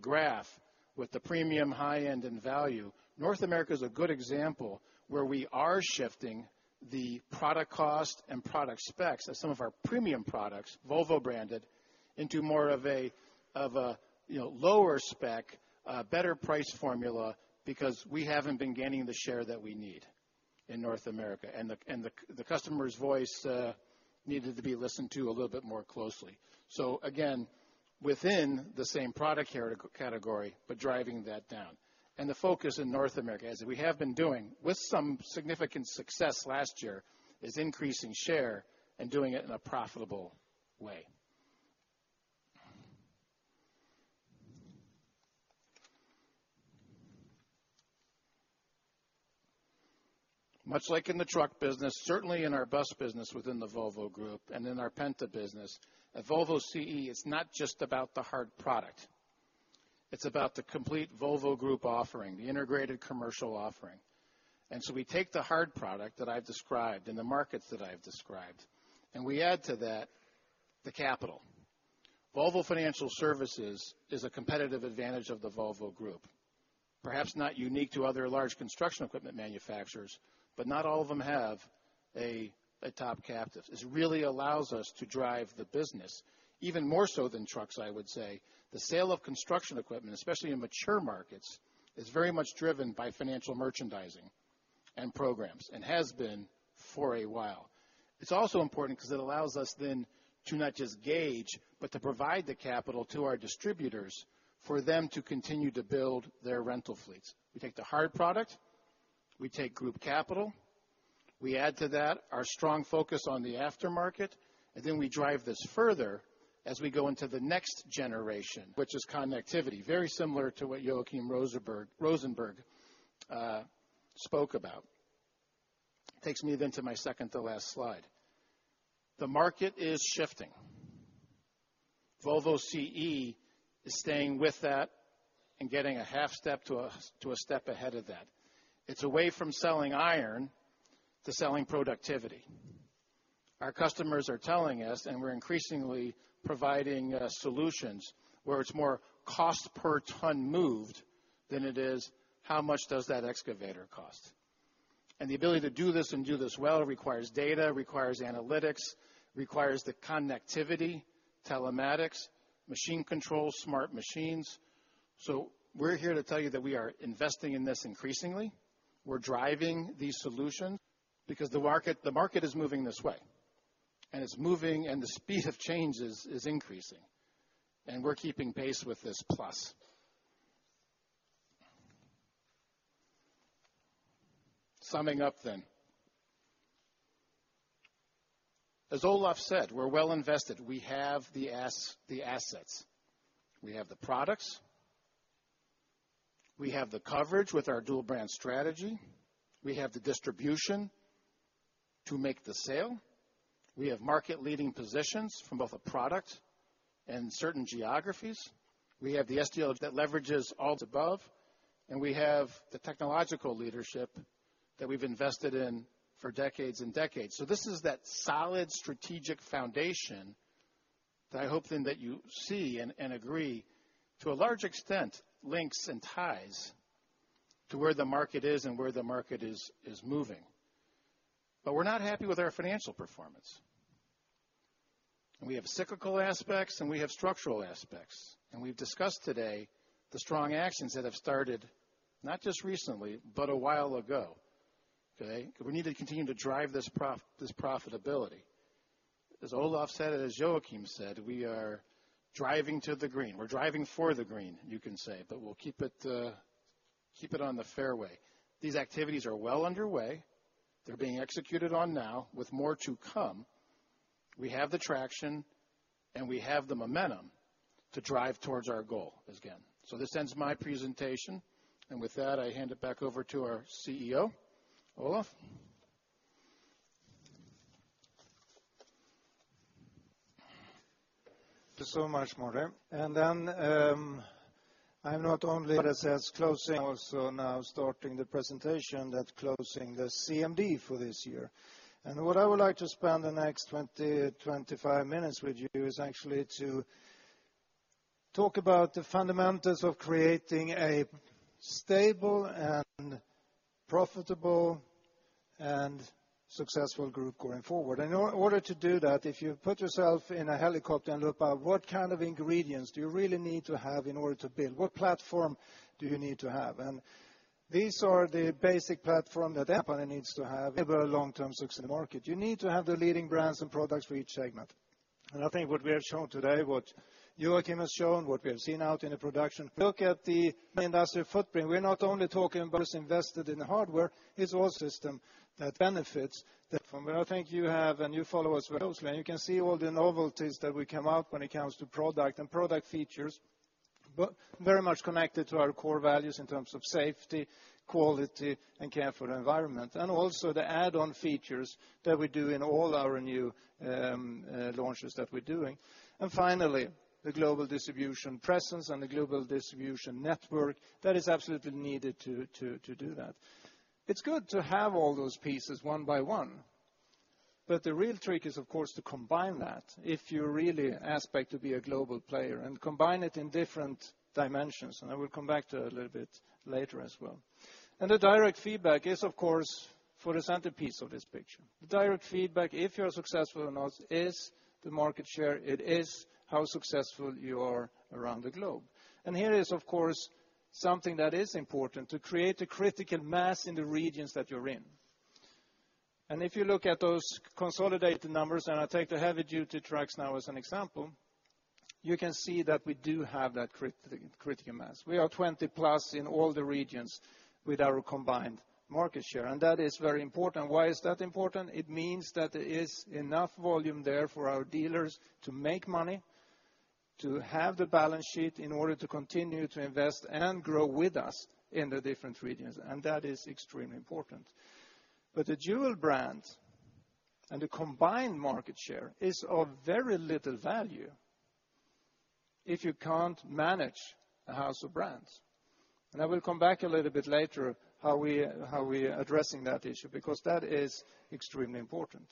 graph with the premium high-end and value, North America is a good example where we are shifting the product cost and product specs of some of our premium products, Volvo branded, into more of a lower spec, better price formula because we haven't been gaining the share that we need in North America. The customer's voice needed to be listened to a little bit more closely. Again, within the same product category, but driving that down. The focus in North America, as we have been doing with some significant success last year, is increasing share and doing it in a profitable way. Much like in the truck business, certainly in our bus business within the Volvo Group and in our Penta business, at Volvo CE, it's not just about the hard product. It's about the complete Volvo Group offering, the integrated commercial offering. We take the hard product that I've described and the markets that I've described, we add to that the capital. Volvo Financial Services is a competitive advantage of the Volvo Group. Perhaps not unique to other large construction equipment manufacturers, but not all of them have a top captive. This really allows us to drive the business, even more so than trucks, I would say. The sale of construction equipment, especially in mature markets, is very much driven by financial merchandising and programs, and has been for a while. It's also important because it allows us then to not just gauge, but to provide the capital to our distributors for them to continue to build their rental fleets. We take the hard product, we take group capital, we add to that our strong focus on the aftermarket, and then we drive this further as we go into the next generation, which is connectivity, very similar to what Joachim Rosenberg spoke about. Takes me then to my second to last slide. The market is shifting. Volvo CE is staying with that and getting a half step to a step ahead of that. It's away from selling iron to selling productivity. Our customers are telling us, we're increasingly providing solutions where it's more cost per ton moved than it is how much does that excavator cost. The ability to do this and do this well requires data, requires analytics, requires the connectivity, telematics, machine control, smart machines. We're here to tell you that we are investing in this increasingly. We're driving these solutions because the market is moving this way, and the speed of change is increasing, and we're keeping pace with this plus. Summing up then, as Olof said, we're well invested. We have the assets. We have the products. We have the coverage with our dual brand strategy. We have the distribution to make the sale. We have market leading positions from both a product and certain geographies. We have the SDLG that leverages all the above, and we have the technological leadership that we've invested in for decades and decades. This is that solid strategic foundation that I hope then that you see and agree to a large extent links and ties to where the market is and where the market is moving. We're not happy with our financial performance, and we have cyclical aspects, and we have structural aspects, and we've discussed today the strong actions that have started not just recently, but a while ago. Okay? We need to continue to drive this profitability. As Olof said, and as Joachim said, we are driving to the green. We're driving for the green, you can say, but we'll keep it on the fairway. These activities are well underway. They're being executed on now with more to come. We have the traction, and we have the momentum to drive towards our goal, again. This ends my presentation. With that, I hand it back over to our CEO, Olof. Thank you so much, Martin. I am not only, as I said, closing, also now starting the presentation that is closing the CMD for this year. What I would like to spend the next 20, 25 minutes with you is actually to talk about the fundamentals of creating a stable and profitable and successful group going forward. In order to do that, if you put yourself in a helicopter and look out, what kind of ingredients do you really need to have in order to build? What platform do you need to have? These are the basic platform that every company needs to have to enable long-term success in the market. You need to have the leading brands and products for each segment. I think what we have shown today, what Joachim has shown, what we have seen out in the production, look at the industrial footprint. We are not only talking about us invested in the hardware, it is all system that benefits the platform. I think you have, and you follow us very closely, and you can see all the novelties that we come out when it comes to product and product features, but very much connected to our core values in terms of safety, quality, and care for the environment. Also the add-on features that we do in all our new launches that we are doing. Finally, the global distribution presence and the global distribution network that is absolutely needed to do that. It is good to have all those pieces one by one, the real trick is, of course, to combine that if you really expect to be a global player and combine it in different dimensions, and I will come back to that a little bit later as well. The direct feedback is, of course, for the centerpiece of this picture. The direct feedback, if you are successful or not, is the market share. It is how successful you are around the globe. Here is, of course, something that is important to create a critical mass in the regions that you are in. If you look at those consolidated numbers, I take the heavy-duty trucks now as an example, you can see that we do have that critical mass. We are 20 plus in all the regions with our combined market share, that is very important. Why is that important? It means that there is enough volume there for our dealers to make money, to have the balance sheet in order to continue to invest and grow with us in the different regions, that is extremely important. The dual brand and the combined market share is of very little value if you can't manage a house of brands. I will come back a little bit later how we are addressing that issue, because that is extremely important.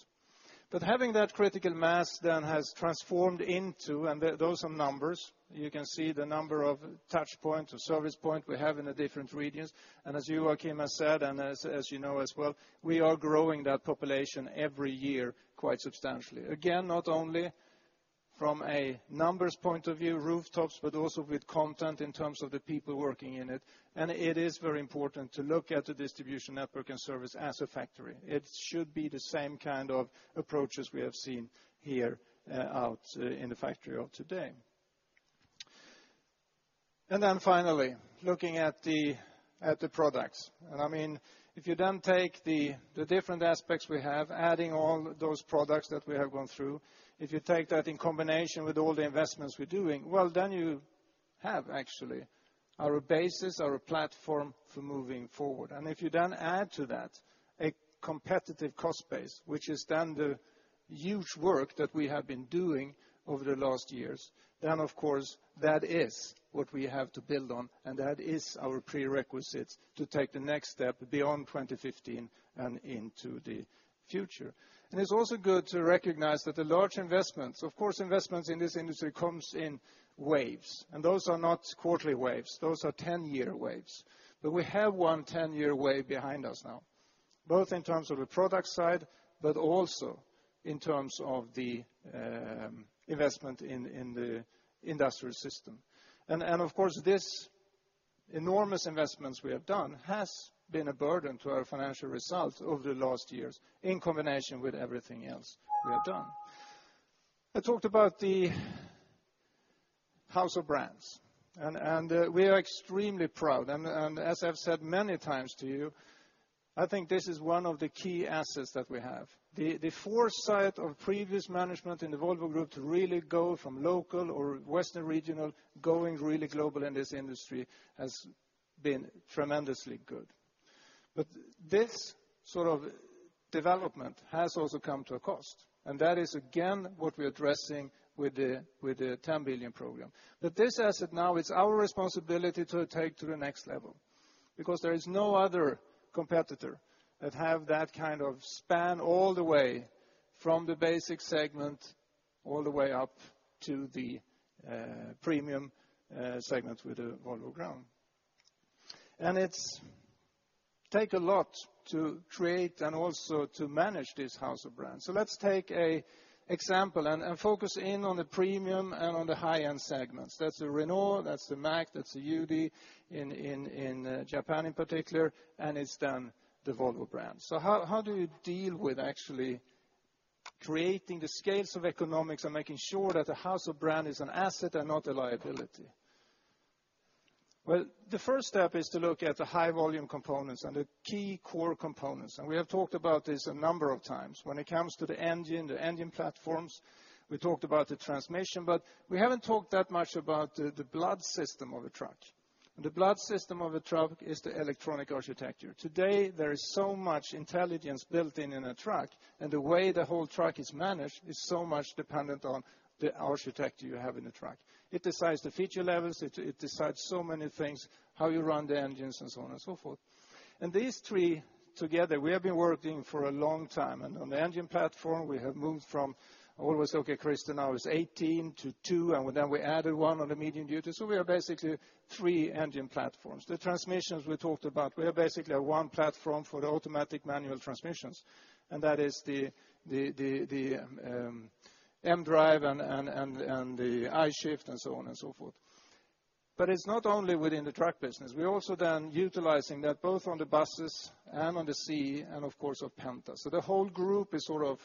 Having that critical mass then has transformed into, those are numbers. You can see the number of touch points or service points we have in the different regions. As Joachim has said, and as you know as well, we are growing that population every year quite substantially. Again, not only from a numbers point of view, rooftops, but also with content in terms of the people working in it. It is very important to look at the distribution network and service as a factory. It should be the same kind of approaches we have seen here out in the factory of today. Finally, looking at the products. If you then take the different aspects we have, adding all those products that we have gone through, if you take that in combination with all the investments we're doing, well, then you have actually our basis, our platform for moving forward. If you then add to that a competitive cost base, which is then the huge work that we have been doing over the last years, of course that is what we have to build on, and that is our prerequisite to take the next step beyond 2015 and into the future. It's also good to recognize that the large investments, of course, investments in this industry comes in waves, and those are not quarterly waves. Those are 10-year waves. We have one 10-year wave behind us now, both in terms of the product side, but also in terms of the investment in the industrial system. Of course, these enormous investments we have done has been a burden to our financial results over the last years in combination with everything else we have done. I talked about the house of brands, we are extremely proud. As I've said many times to you, I think this is one of the key assets that we have. The foresight of previous management in the Volvo Group to really go from local or western regional, going really global in this industry has been tremendously good. This sort of development has also come to a cost. That is, again, what we're addressing with the 10 billion program. This asset now it's our responsibility to take to the next level because there is no other competitor that have that kind of span all the way from the basic segment all the way up to the premium segment with the Volvo brand. It takes a lot to create and also to manage this house of brands. Let's take an example and focus in on the premium and on the high-end segments. That's the Renault, that's the Mack, that's the UD in Japan in particular, and it's then the Volvo brand. How do you deal with actually creating the scales of economics and making sure that the house of brand is an asset and not a liability? Well, the first step is to look at the high volume components and the key core components, we have talked about this a number of times. When it comes to the engine, the engine platforms, we talked about the transmission, we haven't talked that much about the blood system of a truck. The blood system of a truck is the electronic architecture. Today, there is so much intelligence built in in a truck, and the way the whole truck is managed is so much dependent on the architecture you have in the truck. It decides the feature levels. It decides so many things, how you run the engines, and so on and so forth. These three together, we have been working for a long time. On the engine platform, we have moved from always, okay, Christine, now it's 18 to 2, and then we added one on the medium duty, so we have basically three engine platforms. The transmissions we talked about, we have basically one platform for the automatic manual transmissions, that is the mDRIVE and the I-Shift, and so on and so forth. It's not only within the truck business. We're also then utilizing that both on the buses and on Volvo CE and, of course, of Penta. The whole group is sort of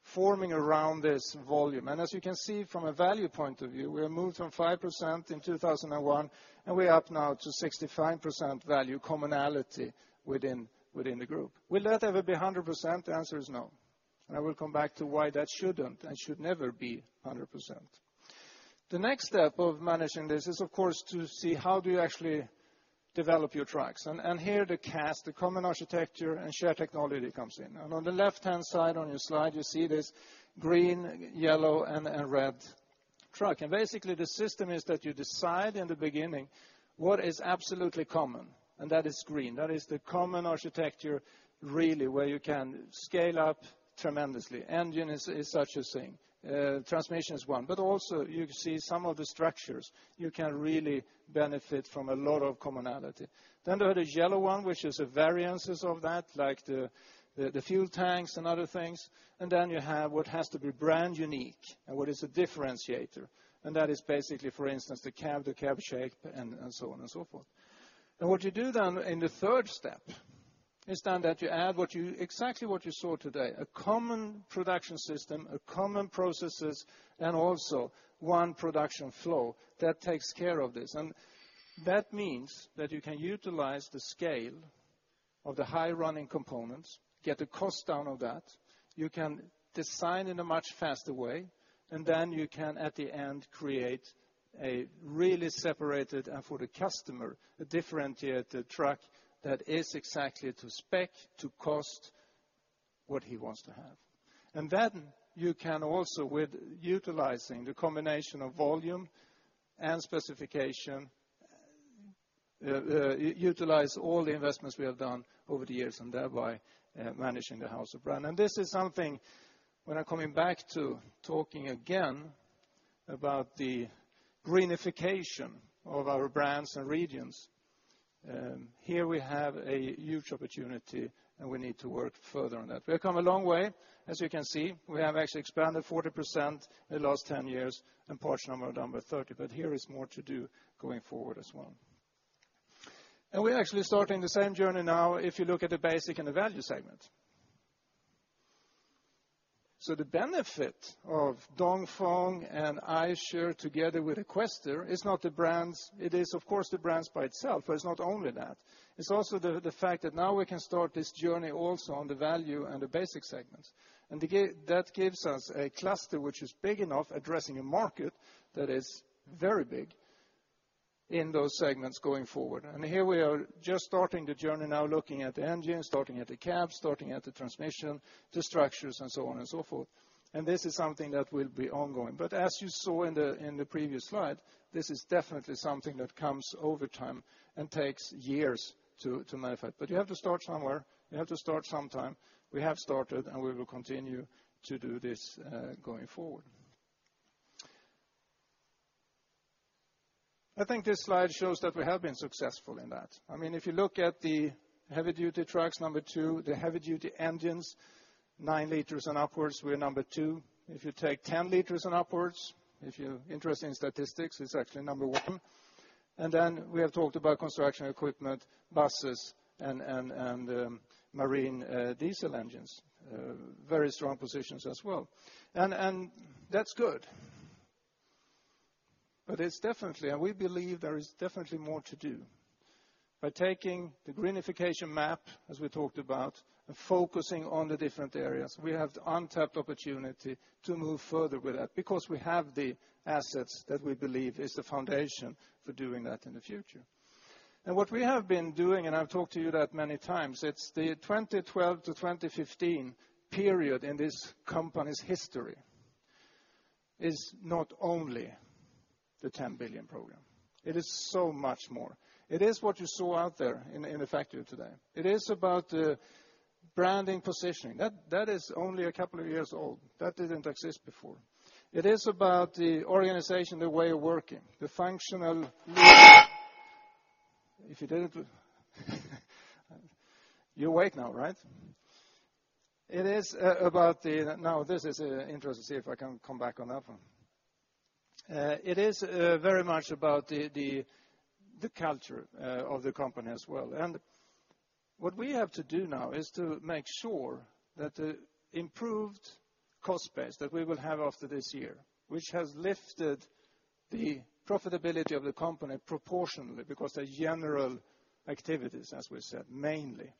forming around this volume. As you can see from a value point of view, we have moved from 5% in 2001, and we are up now to 65% value commonality within the group. Will that ever be 100%? The answer is no. I will come back to why that shouldn't and should never be 100%. The next step of managing this is, of course, to see how do you actually develop your trucks. Here the CAST, the Common Architecture & Shared Technology comes in. On the left-hand side on your slide, you see this green, yellow, and red truck. Basically, the system is that you decide in the beginning what is absolutely common, and that is green. That is the common architecture really where you can scale up tremendously. Engine is such a thing. Transmission is one. Also you see some of the structures, you can really benefit from a lot of commonality. There is yellow one, which is variances of that, like the fuel tanks and other things. Then you have what has to be brand unique and what is a differentiator. That is basically, for instance, the cab, the cab shape, and so on and so forth. What you do then in the third step is then that you add exactly what you saw today, a common production system, a common processes, and also one production flow that takes care of this. That means that you can utilize the scale of the high running components, get the cost down of that. You can design in a much faster way, then you can, at the end, create a really separated and for the customer, a differentiated truck that is exactly to spec, to cost what he wants to have. Then you can also with utilizing the combination of volume and specification, utilize all the investments we have done over the years, thereby managing the house of brand. This is something when I'm coming back to talking again about the greenification of our brands and regions. Here we have a huge opportunity, we need to work further on that. We have come a long way, as you can see. We have actually expanded 40% in the last 10 years, and portion of them are 30, but here is more to do going forward as well. We're actually starting the same journey now if you look at the basic and the value segment. The benefit of Dongfeng and Eicher together with Quester is not the brands. It is, of course, the brands by itself, but it's not only that. It's also the fact that now we can start this journey also on the value and the basic segments. That gives us a cluster which is big enough addressing a market that is very big in those segments going forward. Here we are just starting the journey now, looking at the engine, starting at the cab, starting at the transmission, the structures, and so on and so forth. This is something that will be ongoing. As you saw in the previous slide, this is definitely something that comes over time and takes years to manifest. You have to start somewhere. You have to start sometime. We have started, and we will continue to do this going forward. I think this slide shows that we have been successful in that. If you look at the heavy-duty trucks, number 2, the heavy-duty engines, 9 liters and upwards, we're number 2. If you take 10 liters and upwards, if you're interested in statistics, it's actually number 1. Then we have talked about construction equipment, buses, and marine diesel engines. Very strong positions as well. That's good. We believe there is definitely more to do. By taking the greenification map, as we talked about, and focusing on the different areas, we have the untapped opportunity to move further with that because we have the assets that we believe is the foundation for doing that in the future. What we have been doing, and I've talked to you that many times, it's the 2012 to 2015 period in this company's history, is not only the 10 billion program. It is so much more. It is what you saw out there in the factory today. It is about the branding positioning. That is only a couple of years old. That didn't exist before. It is about the organization, the way of working, the functional. You're awake now, right? This is interesting to see if I can come back on that one. It is very much about the culture of the company as well. What we have to do now is to make sure that the improved cost base that we will have after this year, which has lifted the profitability of the company proportionately because of general activities, as we said, mainly.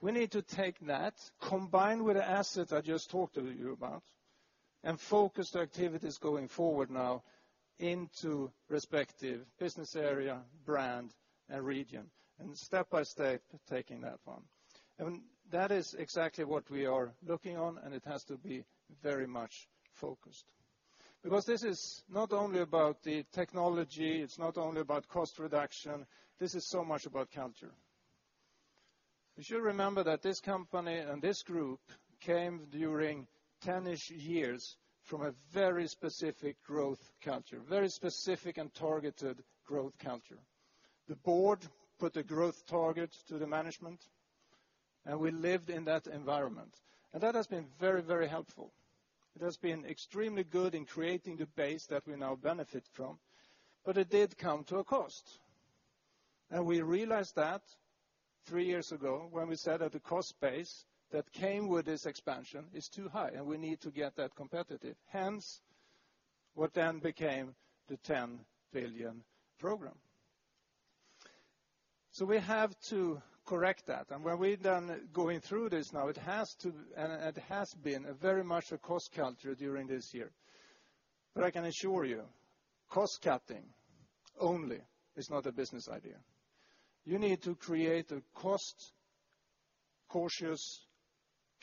We need to take that, combined with the assets I just talked to you about, and focus the activities going forward now into respective business area, brand, and region, and step by step, taking that one. That is exactly what we are looking on, and it has to be very much focused. This is not only about the technology, it's not only about cost reduction, this is so much about culture. You should remember that this company and this group came during 10-ish years from a very specific growth culture, very specific and targeted growth culture. The board put a growth target to the management, we lived in that environment. That has been very helpful. It has been extremely good in creating the base that we now benefit from, it did come to a cost. We realized that three years ago when we said that the cost base that came with this expansion is too high, and we need to get that competitive. Hence, what then became the 10 billion program. We have to correct that. When we're done going through this now, it has been very much a cost culture during this year. I can assure you, cost cutting only is not a business idea. You need to create a cost-cautious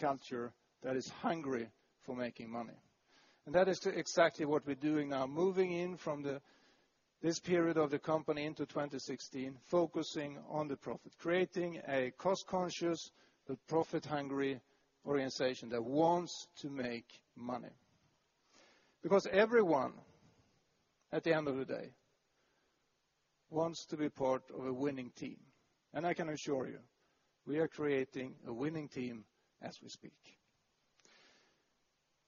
culture that is hungry for making money. That is exactly what we're doing now, moving in from this period of the company into 2016, focusing on the profit, creating a cost-conscious, but profit-hungry organization that wants to make money. Everyone, at the end of the day, wants to be part of a winning team. I can assure you, we are creating a winning team as we speak.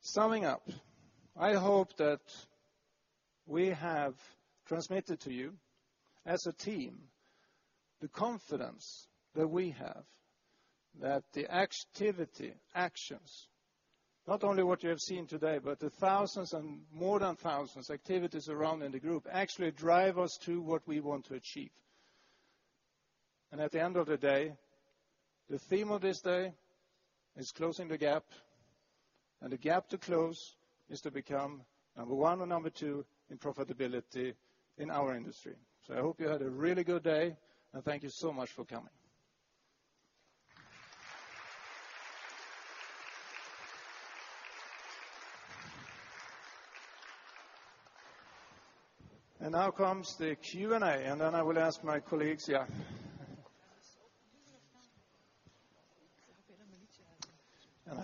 Summing up, I hope that we have transmitted to you, as a team, the confidence that we have that the activity, actions, not only what you have seen today, but the thousands and more than thousands of activities around in the group actually drive us to what we want to achieve. At the end of the day, the theme of this day is closing the gap, and the gap to close is to become number one or number two in profitability in our industry. I hope you had a really good day, and thank you so much for coming. Now comes the Q&A, and then I will ask my colleagues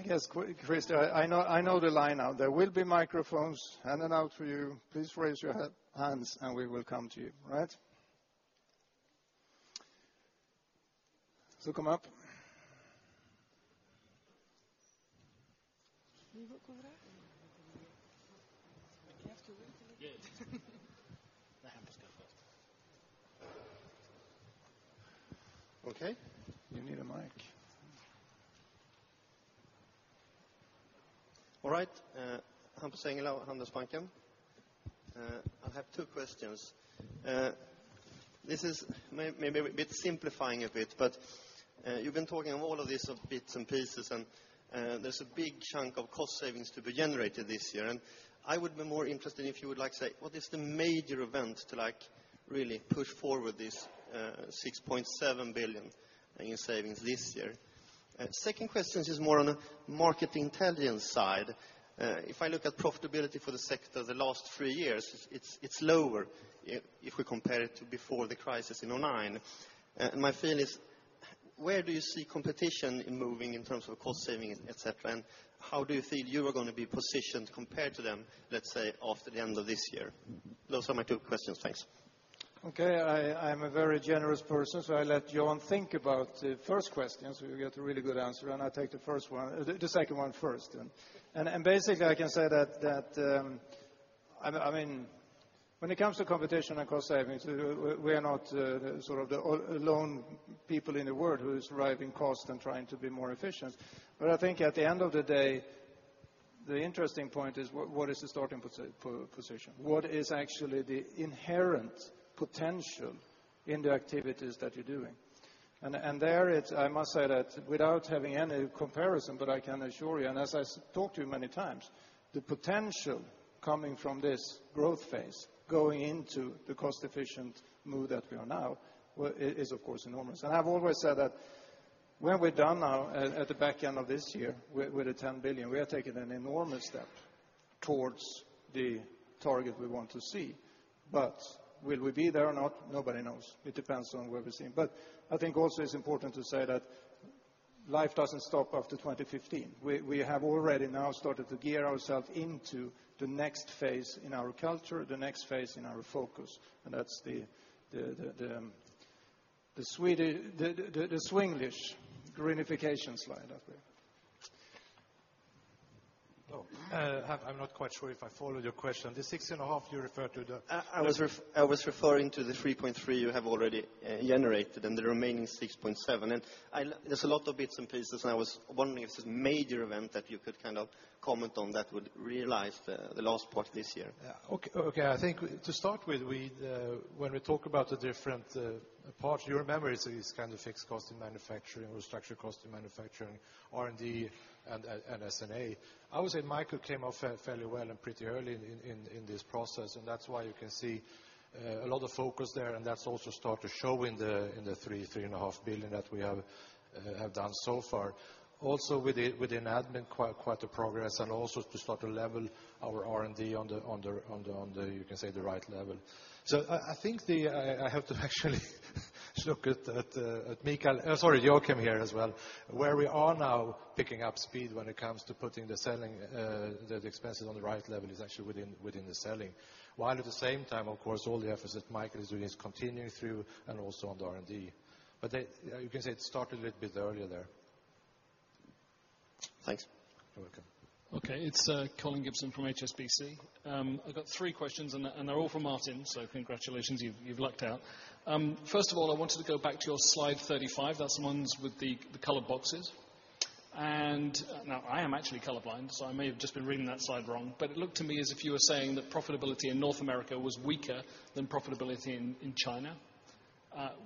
here. I guess, Chris, I know the line now. There will be microphones handed out for you. Please raise your hands and we will come to you. Come up. Okay. You need a mic. All right. Hampus Engellau, Handelsbanken. I have two questions. This is maybe simplifying a bit, You've been talking of all of these bits and pieces, and there's a big chunk of cost savings to be generated this year. I would be more interested if you would like to say, what is the major event to really push forward this 6.7 billion in savings this year? Second question is more on a market intelligence side. If I look at profitability for the sector the last three years, it's lower if we compare it to before the crisis in 2009. My feeling is, where do you see competition in moving in terms of cost saving, et cetera, and how do you feel you are going to be positioned compared to them, let's say, after the end of this year? Those are my two questions. Thanks. Okay. I'm a very generous person, so I let Johan think about the first question, so you get a really good answer, and I'll take the second one first then. Basically, I can say that when it comes to competition and cost savings, we are not the lone people in the world who is driving cost and trying to be more efficient. I think at the end of the day, the interesting point is what is the starting position? What is actually the inherent potential in the activities that you're doing? I must say that without having any comparison, but I can assure you, and as I talked to you many times, the potential coming from this growth phase, going into the cost-efficient move that we are now, is, of course, enormous. I've always said that when we're done now at the back end of this year with the 10 billion, we are taking an enormous step towards the target we want to see. Will we be there or not? Nobody knows. It depends on where we're seeing. I think also it's important to say that life doesn't stop after 2015. We have already now started to gear ourselves into the next phase in our culture, the next phase in our focus, and that's the Swenglish greenification slide up there. Oh, I'm not quite sure if I followed your question. The 6.5 you refer to the- I was referring to the 3.3 billion you have already generated, and the remaining 6.7 billion. There's a lot of bits and pieces, and I was wondering if there's a major event that you could comment on that would realize the last part this year. I think to start with, when we talk about the different parts, you remember it's these kind of fixed cost in manufacturing or structural cost in manufacturing, R&D and SG&A. I would say Mikael came off fairly well and pretty early in this process, and that's why you can see a lot of focus there, and that's also started to show in the 3 billion-3.5 billion that we have done so far. Also within admin, quite the progress and also to start to level our R&D on the, you can say the right level. So I think I have to actually look at Mikael, sorry, Joachim here as well. Where we are now picking up speed when it comes to putting the selling, the expenses on the right level is actually within the selling. While at the same time, of course, all the efforts that Mikael is doing is continuing through and also on the R&D. You can say it started a little bit earlier there. Thanks. You're welcome. It's Colin Gibson from HSBC. I've got three questions, and they're all for Martin, so congratulations, you've lucked out. First of all, I wanted to go back to your slide 35. That's the ones with the colored boxes. Now I am actually color blind, so I may have just been reading that slide wrong, but it looked to me as if you were saying that profitability in North America was weaker than profitability in China,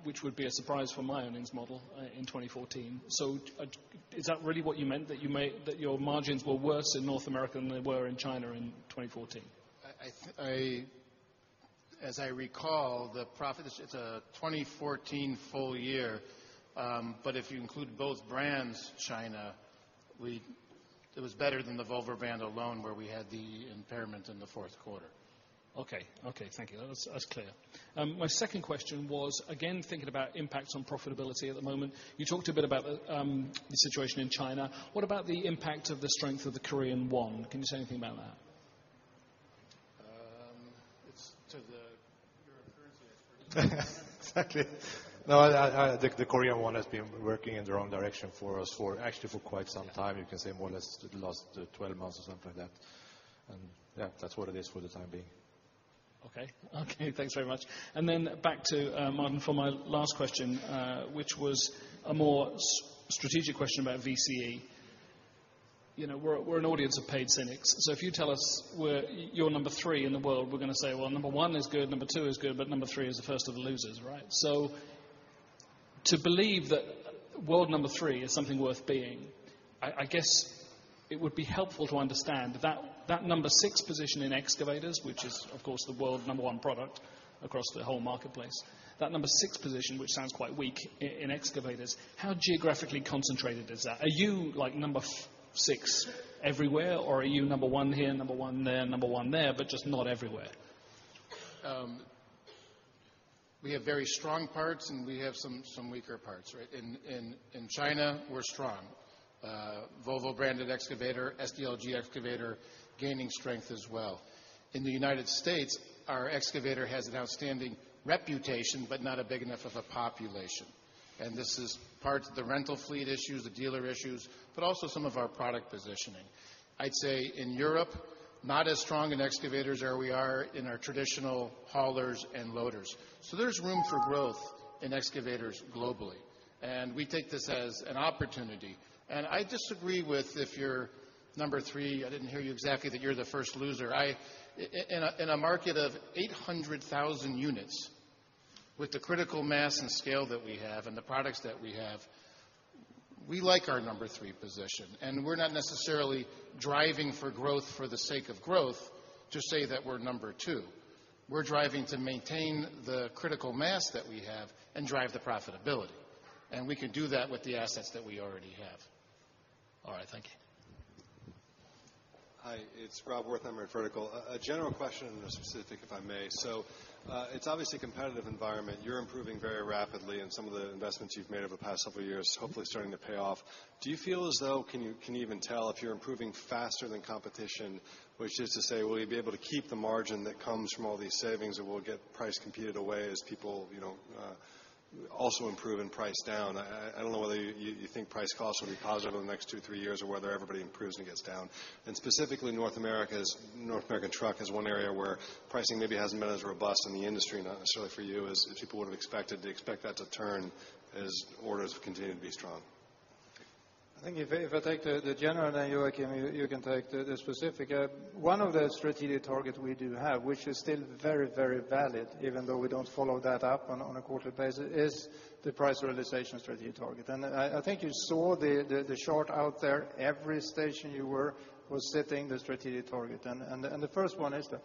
which would be a surprise for my earnings model, in 2014. Is that really what you meant? That your margins were worse in North America than they were in China in 2014? As I recall, the profit, it's a 2014 full year. If you include both brands China, it was better than the Volvo brand alone, where we had the impairment in the fourth quarter. Thank you. That's clear. My second question was, again, thinking about impacts on profitability at the moment. You talked a bit about the situation in China. What about the impact of the strength of the Korean KRW? Can you say anything about that? It's. Your currency expert. Exactly. No, the Korean won has been working in the wrong direction for us for actually for quite some time. You can say more or less the last 12 months or something like that. Yeah, that's what it is for the time being. Okay. Thanks very much. Then back to Martin for my last question, which was a more strategic question about Volvo CE. If you tell us you're number 3 in the world, we're going to say, well, number 1 is good, number 2 is good, but number 3 is the first of the losers, right? To believe that world number 3 is something worth being, I guess it would be helpful to understand that number 6 position in excavators, which is of course, the world number 1 product across the whole marketplace. That number 6 position, which sounds quite weak in excavators, how geographically concentrated is that? Are you number 6 everywhere, or are you number 1 here, number 1 there, number 1 there, but just not everywhere? We have very strong parts, and we have some weaker parts, right? In China, we're strong. Volvo-branded excavator, SDLG excavator gaining strength as well. In the U.S., our excavator has an outstanding reputation, but not a big enough of a population. This is part the rental fleet issues, the dealer issues, but also some of our product positioning. I'd say in Europe, not as strong in excavators are we are in our traditional haulers and loaders. There's room for growth in excavators globally, and we take this as an opportunity. I disagree with if you're number three, I didn't hear you exactly, that you're the first loser. In a market of 800,000 units, with the critical mass and scale that we have and the products that we have We like our number three position, and we're not necessarily driving for growth for the sake of growth to say that we're number two. We're driving to maintain the critical mass that we have and drive the profitability, and we can do that with the assets that we already have. All right, thank you. Hi, it's Rob Wertheimer at Vertical. A general question and a specific, if I may. It's obviously a competitive environment. You're improving very rapidly, and some of the investments you've made over the past several years hopefully starting to pay off. Do you feel as though, can you even tell if you're improving faster than competition? Which is to say, will you be able to keep the margin that comes from all these savings, or will it get price competed away as people also improve and price down? I don't know whether you think price costs will be positive in the next two, three years, or whether everybody improves and it gets down. Specifically North America Truck is one area where pricing maybe hasn't been as robust in the industry, not necessarily for you as people would have expected. Do you expect that to turn as orders continue to be strong? I think if I take the general and Joachim, you can take the specific. One of the strategic target we do have, which is still very valid even though we don't follow that up on a quarterly basis, is the price realization strategic target. I think you saw the short out there. Every station you were was setting the strategic target. The first one is that.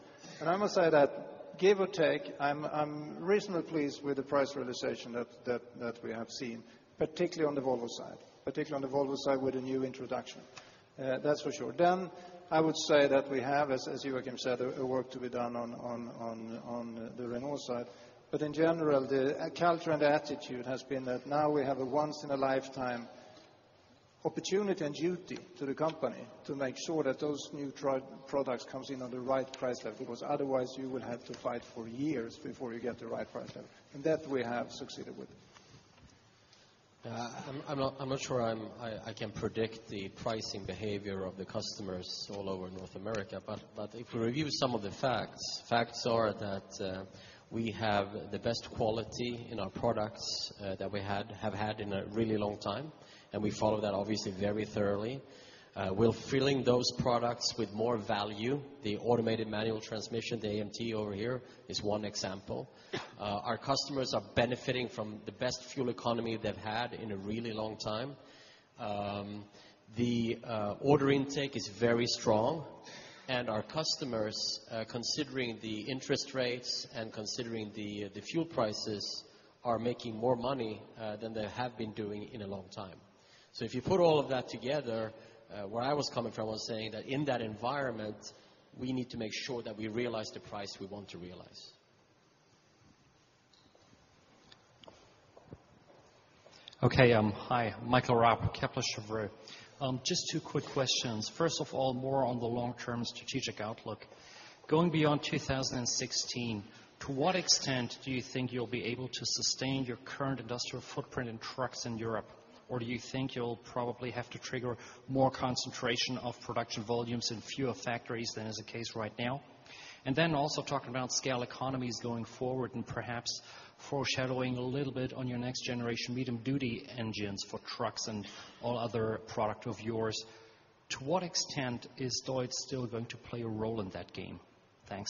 I must say that give or take, I'm reasonably pleased with the price realization that we have seen, particularly on the Volvo side with the new introduction. That's for sure. I would say that we have, as Joachim said, work to be done on the Renault side. In general, the culture and attitude has been that now we have a once in a lifetime opportunity and duty to the company to make sure that those new products comes in on the right price level, because otherwise you will have to fight for years before you get the right price level. That we have succeeded with. I'm not sure I can predict the pricing behavior of the customers all over North America, but if we review some of the facts are that we have the best quality in our products that we have had in a really long time, and we follow that obviously very thoroughly. We're filling those products with more value. The automated manual transmission, the AMT over here is one example. Our customers are benefiting from the best fuel economy they've had in a really long time. The order intake is very strong and our customers, considering the interest rates and considering the fuel prices, are making more money than they have been doing in a long time. If you put all of that together, where I was coming from, I was saying that in that environment, we need to make sure that we realize the price we want to realize. Okay. Hi, Michael Rapp, Kepler Cheuvreux. Just two quick questions. First of all, more on the long term strategic outlook. Going beyond 2016, to what extent do you think you'll be able to sustain your current industrial footprint in trucks in Europe? Or do you think you'll probably have to trigger more concentration of production volumes in fewer factories than is the case right now? Also talking about scale economies going forward and perhaps foreshadowing a little bit on your next generation medium duty engines for trucks and all other product of yours. To what extent is Deutz still going to play a role in that game? Thanks.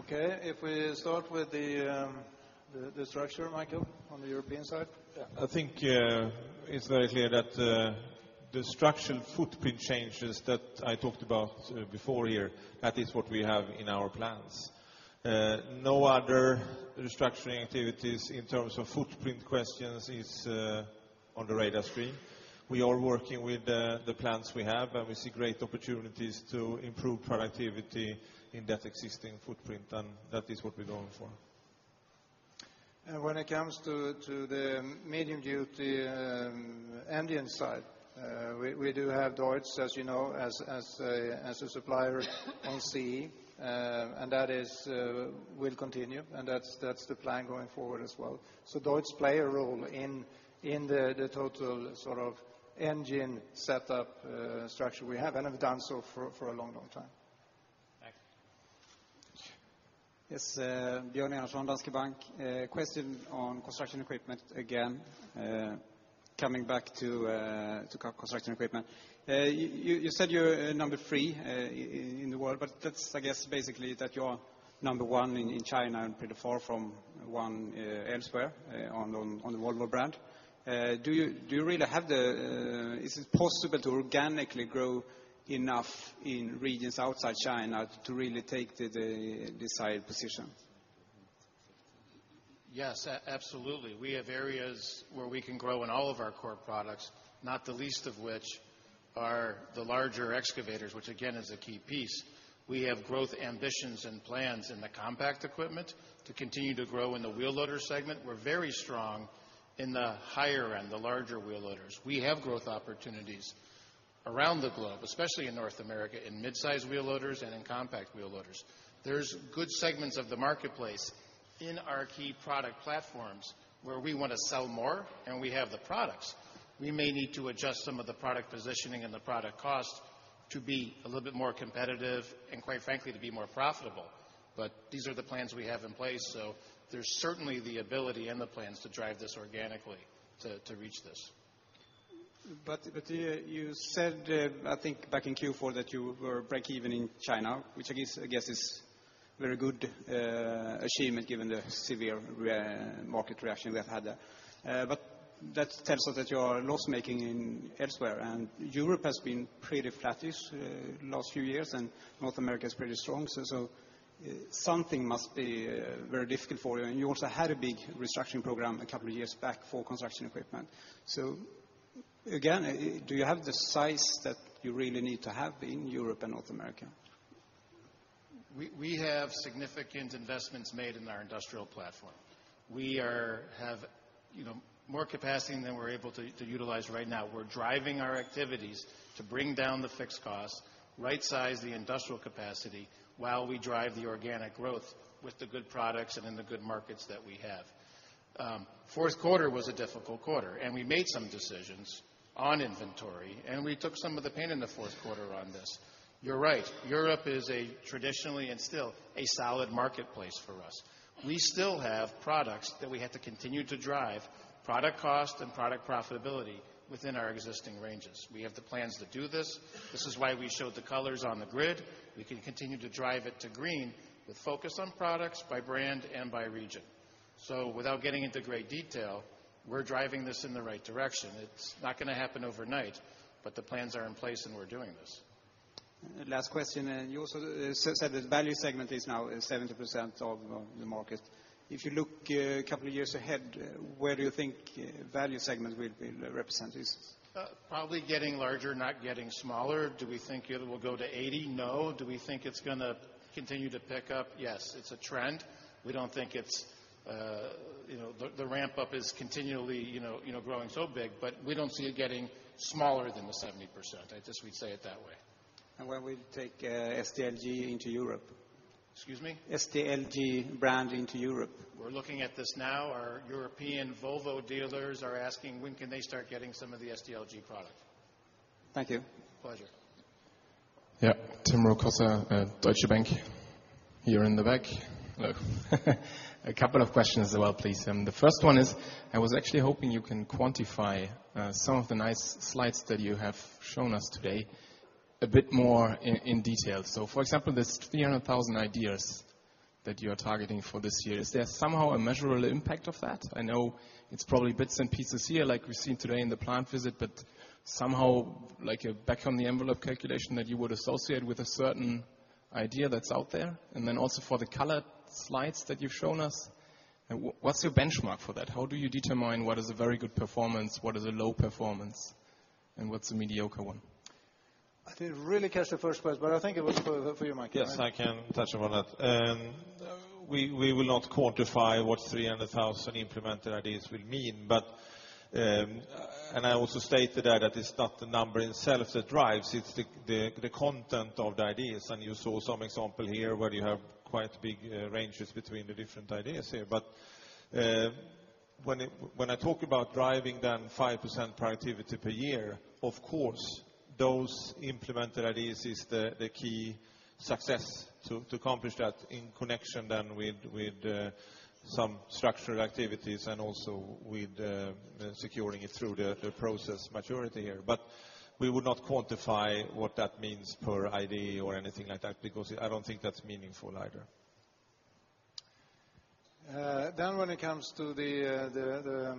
Okay, if we start with the structure, Michael, on the European side. I think it's very clear that the structure footprint changes that I talked about before here, that is what we have in our plans. No other restructuring activities in terms of footprint questions is on the radar screen. We are working with the plans we have, and we see great opportunities to improve productivity in that existing footprint, and that is what we're going for. When it comes to the medium duty engine side, we do have Deutz, as you know, as a supplier on CE, and that will continue, and that's the plan going forward as well. Deutz play a role in the total sort of engine setup structure we have, and have done so for a long time. Thanks. Yes, Björn Eriksson, Danske Bank. Question on construction equipment again. Coming back to construction equipment. You said you're number three in the world, that's I guess basically that you are number one in China and pretty far from one elsewhere on the Volvo brand. Is it possible to organically grow enough in regions outside China to really take the desired position? Yes, absolutely. We have areas where we can grow in all of our core products, not the least of which are the larger excavators, which again is a key piece. We have growth ambitions and plans in the compact equipment to continue to grow in the wheel loader segment. We're very strong in the higher end, the larger wheel loaders. We have growth opportunities around the globe, especially in North America, in mid-size wheel loaders and in compact wheel loaders. There's good segments of the marketplace in our key product platforms where we want to sell more, and we have the products. We may need to adjust some of the product positioning and the product cost to be a little bit more competitive and quite frankly, to be more profitable. These are the plans we have in place. There's certainly the ability and the plans to drive this organically to reach this. You said, I think back in Q4 that you were break even in China, which I guess is Very good achievement given the severe market reaction we have had there. That tells us that you are loss-making elsewhere, and Europe has been pretty flattish last few years, and North America is pretty strong. Something must be very difficult for you. You also had a big restructuring program a couple of years back for construction equipment. Again, do you have the size that you really need to have in Europe and North America? We have significant investments made in our industrial platform. We have more capacity than we're able to utilize right now. We're driving our activities to bring down the fixed costs, right-size the industrial capacity while we drive the organic growth with the good products and in the good markets that we have. Fourth quarter was a difficult quarter, and we made some decisions on inventory, and we took some of the pain in the fourth quarter on this. You're right, Europe is a traditionally and still a solid marketplace for us. We still have products that we have to continue to drive product cost and product profitability within our existing ranges. We have the plans to do this. This is why we showed the colors on the grid. We can continue to drive it to green with focus on products by brand and by region. Without getting into great detail, we're driving this in the right direction. It's not going to happen overnight, the plans are in place and we're doing this. Last question, you also said that value segment is now 70% of the market. If you look a couple of years ahead, where do you think value segment will represent this? Probably getting larger, not getting smaller. Do we think it will go to 80? No. Do we think it's going to continue to pick up? Yes. It's a trend. The ramp up is continually growing so big, but we don't see it getting smaller than the 70%. I guess we'd say it that way. Where will you take SDLG into Europe? Excuse me? SDLG brand into Europe. We're looking at this now. Our European Volvo dealers are asking when can they start getting some of the SDLG product. Thank you. Pleasure. Tim Rokossa, Deutsche Bank. Here in the back. Hello. A couple of questions as well, please. The first one is, I was actually hoping you can quantify some of the nice slides that you have shown us today a bit more in detail. For example, this 300,000 ideas that you're targeting for this year. Is there somehow a measurable impact of that? I know it's probably bits and pieces here like we've seen today in the plant visit, but somehow like a back on the envelope calculation that you would associate with a certain idea that's out there. Then also for the colored slides that you've shown us, what's your benchmark for that? How do you determine what is a very good performance, what is a low performance, and what's a mediocre one? I didn't really catch the first part, I think it was for you, Mikael. I can touch upon that. We will not quantify what 300,000 implemented ideas will mean. I also stated that it's not the number itself that drives, it's the content of the ideas. You saw some example here where you have quite big ranges between the different ideas here. When I talk about driving down 5% productivity per year, of course, those implemented ideas is the key success to accomplish that in connection then with some structural activities and also with securing it through the process maturity here. We would not quantify what that means per idea or anything like that, because I don't think that's meaningful either. When it comes to the,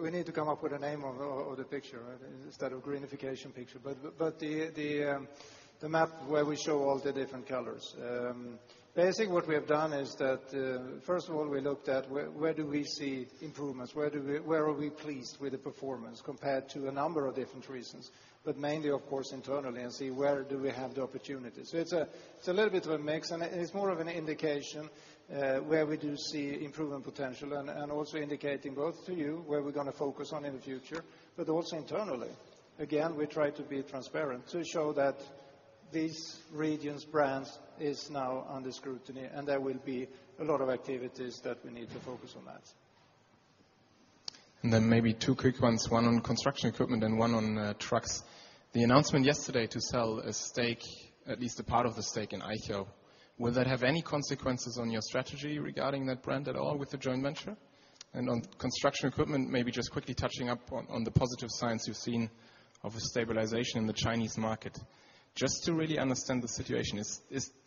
we need to come up with a name of the picture, instead of greenification picture, but the map where we show all the different colors. Basically, what we have done is that, first of all, we looked at where do we see improvements, where are we pleased with the performance compared to a number of different reasons, but mainly of course internally and see where do we have the opportunities. It's a little bit of a mix, and it's more of an indication where we do see improvement potential and also indicating both to you where we're going to focus on in the future, but also internally. Again, we try to be transparent to show that these regions, brands, is now under scrutiny, and there will be a lot of activities that we need to focus on that. Maybe two quick ones, one on construction equipment and one on trucks. The announcement yesterday to sell a stake, at least a part of the stake in Eicher, will that have any consequences on your strategy regarding that brand at all with the joint venture? On construction equipment, maybe just quickly touching up on the positive signs you've seen of a stabilization in the Chinese market. Just to really understand the situation,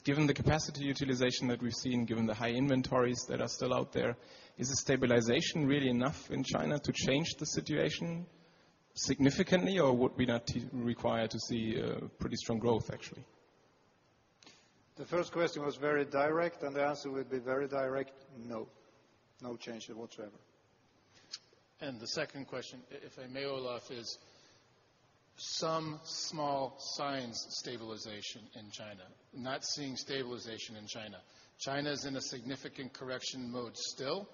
given the capacity utilization that we've seen, given the high inventories that are still out there, is a stabilization really enough in China to change the situation significantly, or would we not require to see pretty strong growth actually? The first question was very direct, and the answer would be very direct, no. No change whatsoever. The second question, if I may, Olof, is some small signs stabilization in China, not seeing stabilization in China. China is in a significant correction mode still.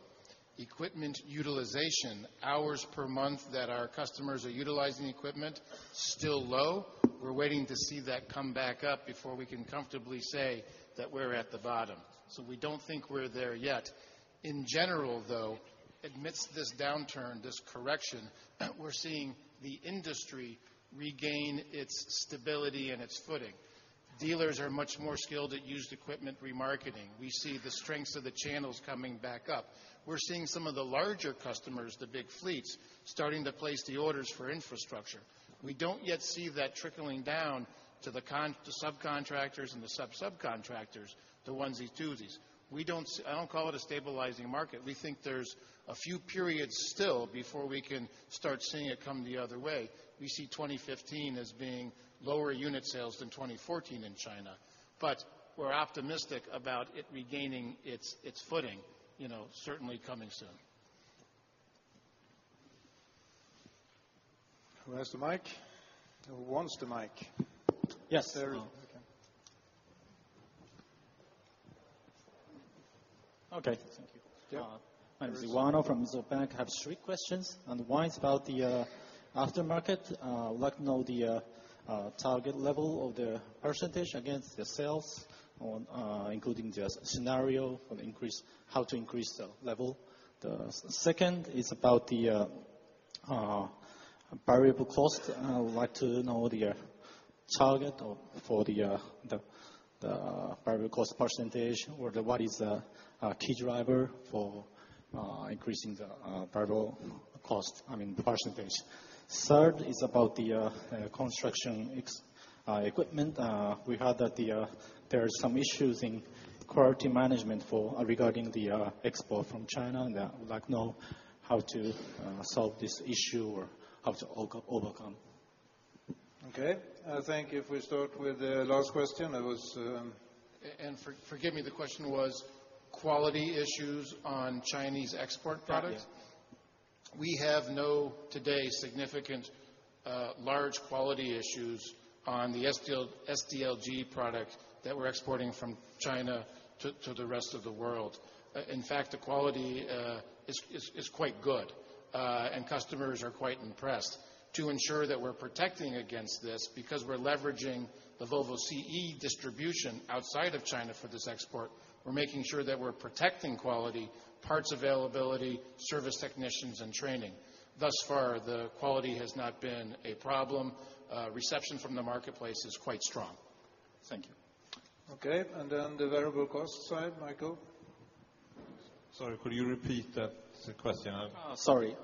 Equipment utilization, hours per month that our customers are utilizing equipment, still low. We are waiting to see that come back up before we can comfortably say that we are at the bottom. We don't think we are there yet. In general, though, amidst this downturn, this correction, we are seeing the industry regain its stability and its footing. Dealers are much more skilled at used equipment remarketing. We see the strengths of the channels coming back up. We are seeing some of the larger customers, the big fleets, starting to place the orders for infrastructure. We don't yet see that trickling down to the subcontractors and the sub-subcontractors, the onesie-twosies. I don't call it a stabilizing market. We think there is a few periods still before we can start seeing it come the other way. We see 2015 as being lower unit sales than 2014 in China, we are optimistic about it regaining its footing, certainly coming soon. Who has the mic? Who wants the mic? Yes. There. Okay. Okay. Thank you. Yeah. I'm Zuano from. I have three questions, and one's about the aftermarket. I would like to know the target level of the % against the sales, including the scenario on how to increase the level. The second is about the variable cost. I would like to know the target or for the variable cost %, or what is the key driver for increasing the variable cost, I mean, the %. Third is about the construction equipment. We heard that there are some issues in quality management regarding the export from China, and I would like to know how to solve this issue or how to overcome. Okay. I think if we start with the last question. Forgive me, the question was quality issues on Chinese export products? Yeah. We have no today significant large quality issues on the SDLG product that we're exporting from China to the rest of the world. In fact, the quality is quite good, and customers are quite impressed. To ensure that we're protecting against this, because we're leveraging the Volvo CE distribution outside of China for this export, we're making sure that we're protecting quality, parts availability, service technicians, and training. Thus far, the quality has not been a problem. Reception from the marketplace is quite strong. Thank you. Okay, then the variable cost side, Mikael? Sorry, could you repeat that question? Sorry.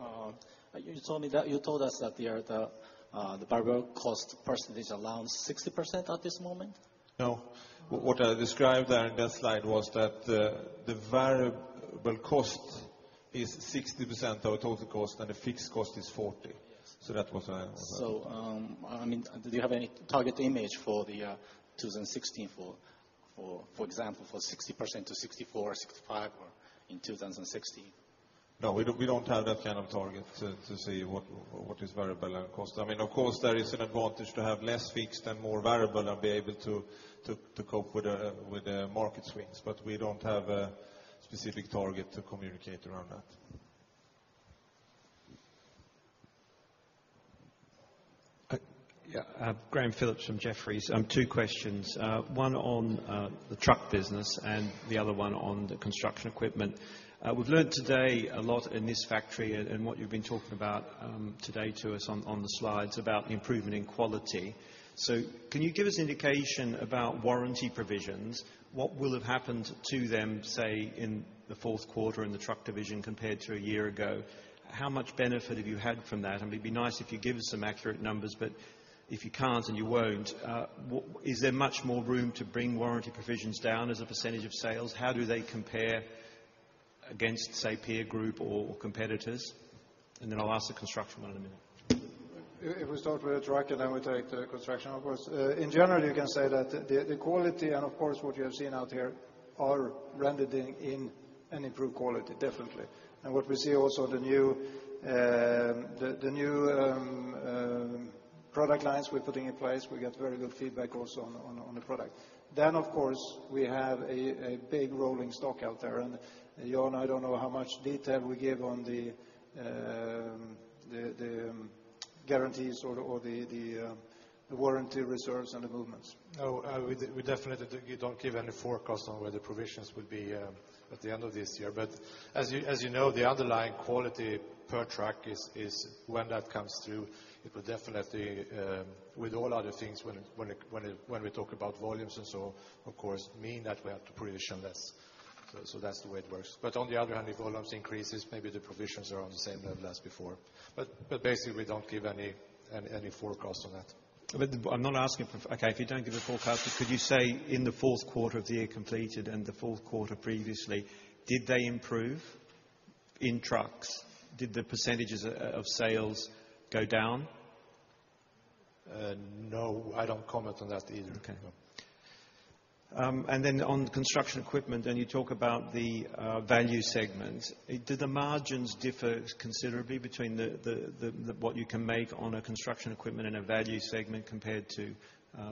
You told us that the variable cost percentage around 60% at this moment? No. What I described there in that slide was that the variable cost is 60% of total cost, and the fixed cost is 40%. Yes. That was what. Do you have any target image for the 2016, for example, for 60% to 64% or 65% in 2016? No, we don't have that kind of target to see what is variable and cost. Of course, there is an advantage to have less fixed and more variable and be able to cope with the market swings, but we don't have a specific target to communicate around that. Yeah. Graham Phillips from Jefferies. Two questions. One on the truck business and the other one on the construction equipment. We've learned today a lot in this factory and what you've been talking about today to us on the slides about improvement in quality. Can you give us indication about warranty provisions, what will have happened to them, say, in the fourth quarter in the truck division compared to a year ago? How much benefit have you had from that? It'd be nice if you give us some accurate numbers, but if you can't, and you won't, is there much more room to bring warranty provisions down as a percentage of sales? How do they compare against, say, peer group or competitors? I'll ask the construction one in a minute. If we start with the truck, we take the construction, of course. In general, you can say that the quality and of course what you have seen out here are rendered in an improved quality, definitely. What we see also, the new product lines we're putting in place, we get very good feedback also on the product. Of course, we have a big rolling stock out there. Johan, I don't know how much detail we give on the guarantees or the warranty reserves and the movements. No, we definitely don't give any forecast on where the provisions will be at the end of this year. As you know, the underlying quality per truck is when that comes through, it will definitely, with all other things, when we talk about volumes and so on, of course, mean that we have to provision less. That's the way it works. On the other hand, if volumes increases, maybe the provisions are on the same level as before. Basically, we don't give any forecasts on that. I'm not asking for Okay, if you don't give a forecast, could you say in the fourth quarter of the year completed and the fourth quarter previously, did they improve in trucks? Did the percentages of sales go down? No, I don't comment on that either. Okay. On Construction Equipment, and you talk about the value segment, do the margins differ considerably between what you can make on a Construction Equipment in a value segment compared to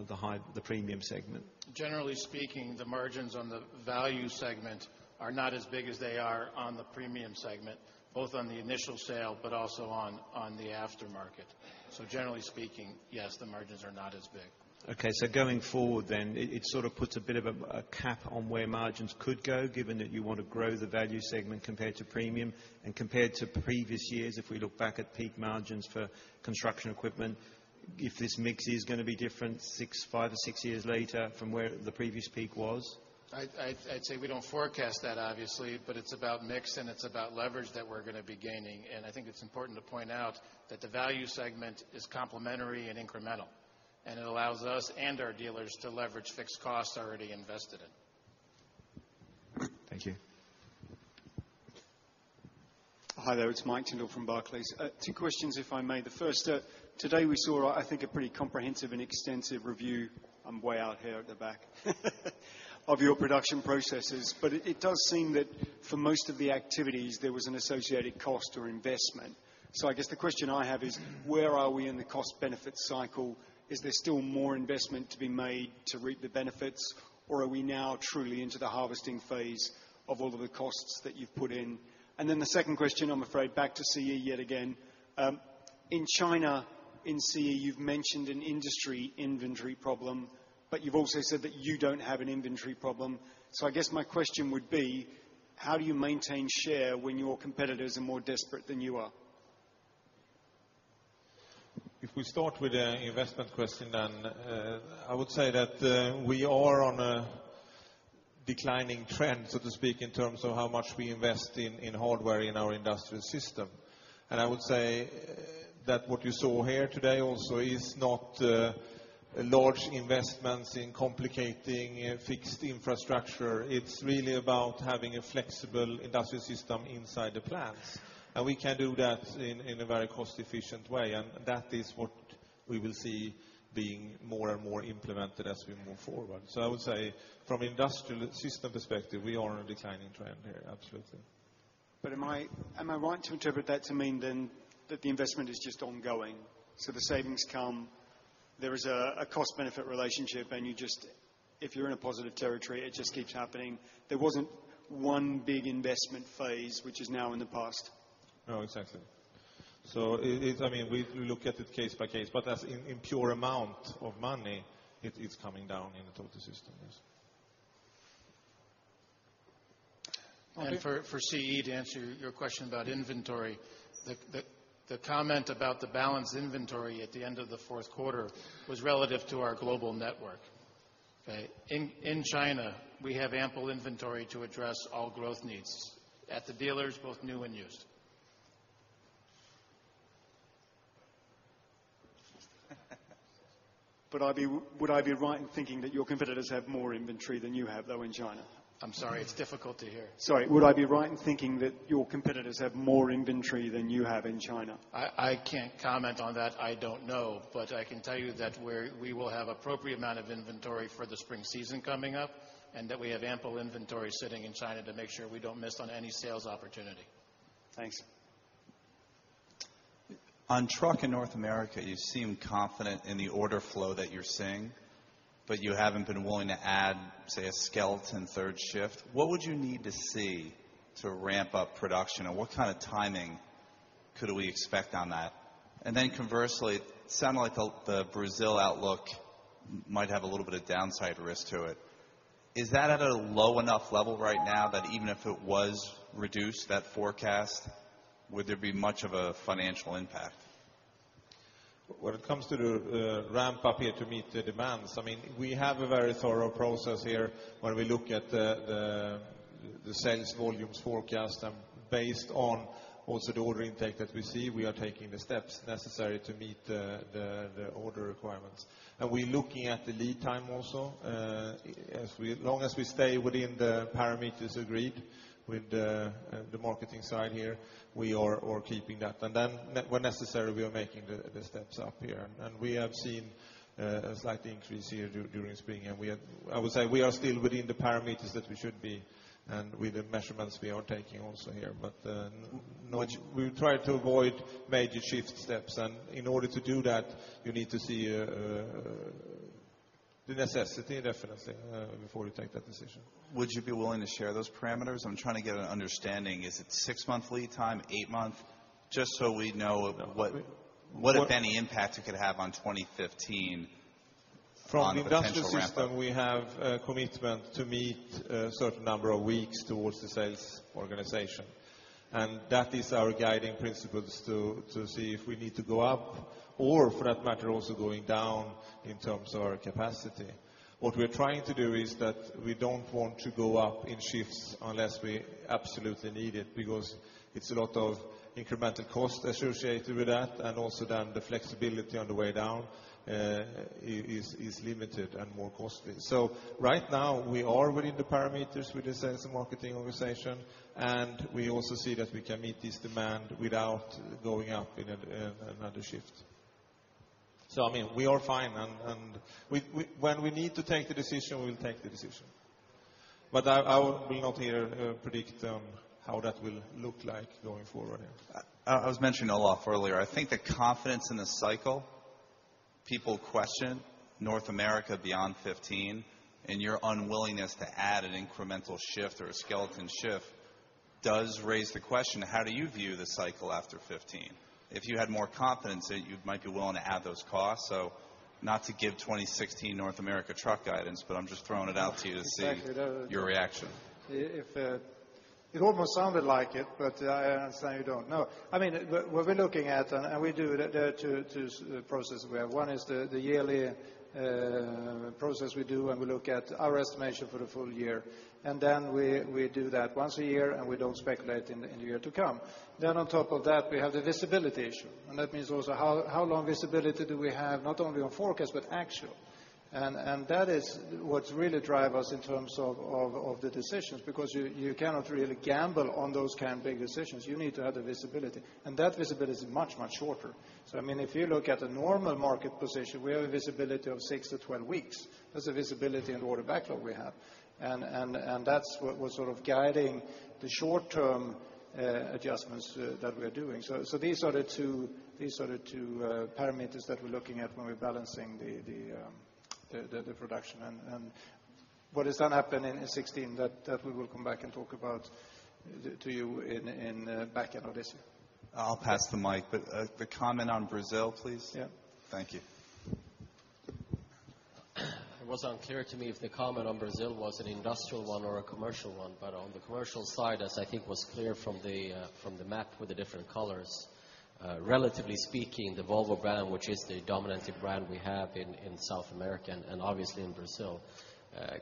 the premium segment? Generally speaking, the margins on the value segment are not as big as they are on the premium segment, both on the initial sale but also on the aftermarket. Generally speaking, yes, the margins are not as big. Going forward, it sort of puts a bit of a cap on where margins could go, given that you want to grow the value segment compared to premium. Compared to previous years, if we look back at peak margins for Construction Equipment, if this mix is going to be different 5 or 6 years later from where the previous peak was? I'd say we don't forecast that, obviously, but it's about mix and it's about leverage that we're going to be gaining. I think it's important to point out that the value segment is complementary and incremental, and it allows us and our dealers to leverage fixed costs already invested in. Thank you. Hi there. It's Mike Tindall from Barclays. Two questions, if I may. The first, today we saw, I think, a pretty comprehensive and extensive review, I'm way out here at the back, of your production processes. It does seem that for most of the activities, there was an associated cost or investment. I guess the question I have is, where are we in the cost-benefit cycle? Is there still more investment to be made to reap the benefits, or are we now truly into the harvesting phase of all of the costs that you've put in? The second question, I'm afraid, back to CE yet again. In China, in CE, you've mentioned an industry inventory problem, but you've also said that you don't have an inventory problem. I guess my question would be, how do you maintain share when your competitors are more desperate than you are? If we start with the investment question, I would say that we are on a declining trend, so to speak, in terms of how much we invest in hardware in our industrial system. I would say that what you saw here today also is not large investments in complicating fixed infrastructure. It is really about having a flexible industrial system inside the plants. We can do that in a very cost-efficient way, and that is what we will see being more and more implemented as we move forward. I would say from industrial system perspective, we are on a declining trend here, absolutely. Am I right to interpret that to mean then that the investment is just ongoing? The savings come, there is a cost-benefit relationship, and if you are in a positive territory, it just keeps happening. There wasn't one big investment phase, which is now in the past. No, exactly. We look at it case by case, but as in pure amount of money, it is coming down in total systems. For CE, to answer your question about inventory, the comment about the balance inventory at the end of the fourth quarter was relative to our global network. Okay. In China, we have ample inventory to address all growth needs at the dealers, both new and used. Would I be right in thinking that your competitors have more inventory than you have, though, in China? I'm sorry, it's difficult to hear. Sorry. Would I be right in thinking that your competitors have more inventory than you have in China? I can't comment on that. I don't know. I can tell you that we will have appropriate amount of inventory for the spring season coming up, and that we have ample inventory sitting in China to make sure we don't miss on any sales opportunity. Thanks. On truck in North America, you seem confident in the order flow that you're seeing, but you haven't been willing to add, say, a skeleton third shift. What would you need to see to ramp up production, and what kind of timing could we expect on that? Conversely, sounded like the Brazil outlook might have a little bit of downside risk to it. Is that at a low enough level right now that even if it was reduced, that forecast, would there be much of a financial impact? When it comes to the ramp up here to meet the demands, we have a very thorough process here where we look at the sales volumes forecast, and based on also the order intake that we see, we are taking the steps necessary to meet the order requirements. We're looking at the lead time also. As long as we stay within the parameters agreed with the marketing side here, we are keeping that. When necessary, we are making the steps up here. We have seen a slight increase here during spring. I would say we are still within the parameters that we should be, and with the measurements we are taking also here. We try to avoid major shift steps. In order to do that, you need to see the necessity, definitely, before we take that decision. Would you be willing to share those parameters? I'm trying to get an understanding. Is it six-month lead time, eight-month? Just so we know what, if any, impact it could have on 2015 on potential ramp up. From the industrial system, we have a commitment to meet a certain number of weeks towards the sales organization. That is our guiding principles to see if we need to go up or, for that matter, also going down in terms of our capacity. What we're trying to do is that we don't want to go up in shifts unless we absolutely need it, because it's a lot of incremental cost associated with that, and also then the flexibility on the way down is limited and more costly. Right now, we are within the parameters with the sales and marketing organization, and we also see that we can meet this demand without going up in another shift. We are fine, and when we need to take the decision, we'll take the decision. I will not here predict how that will look like going forward here. I was mentioning Olof earlier. I think the confidence in the cycle, people question North America beyond 2015, your unwillingness to add an incremental shift or a skeleton shift does raise the question, how do you view the cycle after 2015? If you had more confidence in it, you might be willing to add those costs, so- Not to give 2016 North America truck guidance, I'm just throwing it out to you to see. Exactly Your reaction. It almost sounded like it, but I understand you don't know. What we're looking at, and we do it there, two processes where one is the yearly process we do, and we look at our estimation for the full year. We do that once a year, and we don't speculate in the year to come. On top of that, we have the visibility issue, and that means also how long visibility do we have not only on forecast but actual. That is what really drive us in terms of the decisions, because you cannot really gamble on those kind of big decisions. You need to have the visibility, and that visibility is much, much shorter. If you look at the normal market position, we have a visibility of 6-12 weeks. That's the visibility and order backlog we have. That's what's sort of guiding the short-term adjustments that we are doing. These are the two parameters that we're looking at when we're balancing the production. What does that happen in 2016? That we will come back and talk about to you in the back end of this year. I'll pass the mic. The comment on Brazil, please? Yeah. Thank you. It was unclear to me if the comment on Brazil was an industrial one or a commercial one. On the commercial side, as I think was clear from the map with the different colors, relatively speaking, the Volvo brand, which is the dominant brand we have in South America and obviously in Brazil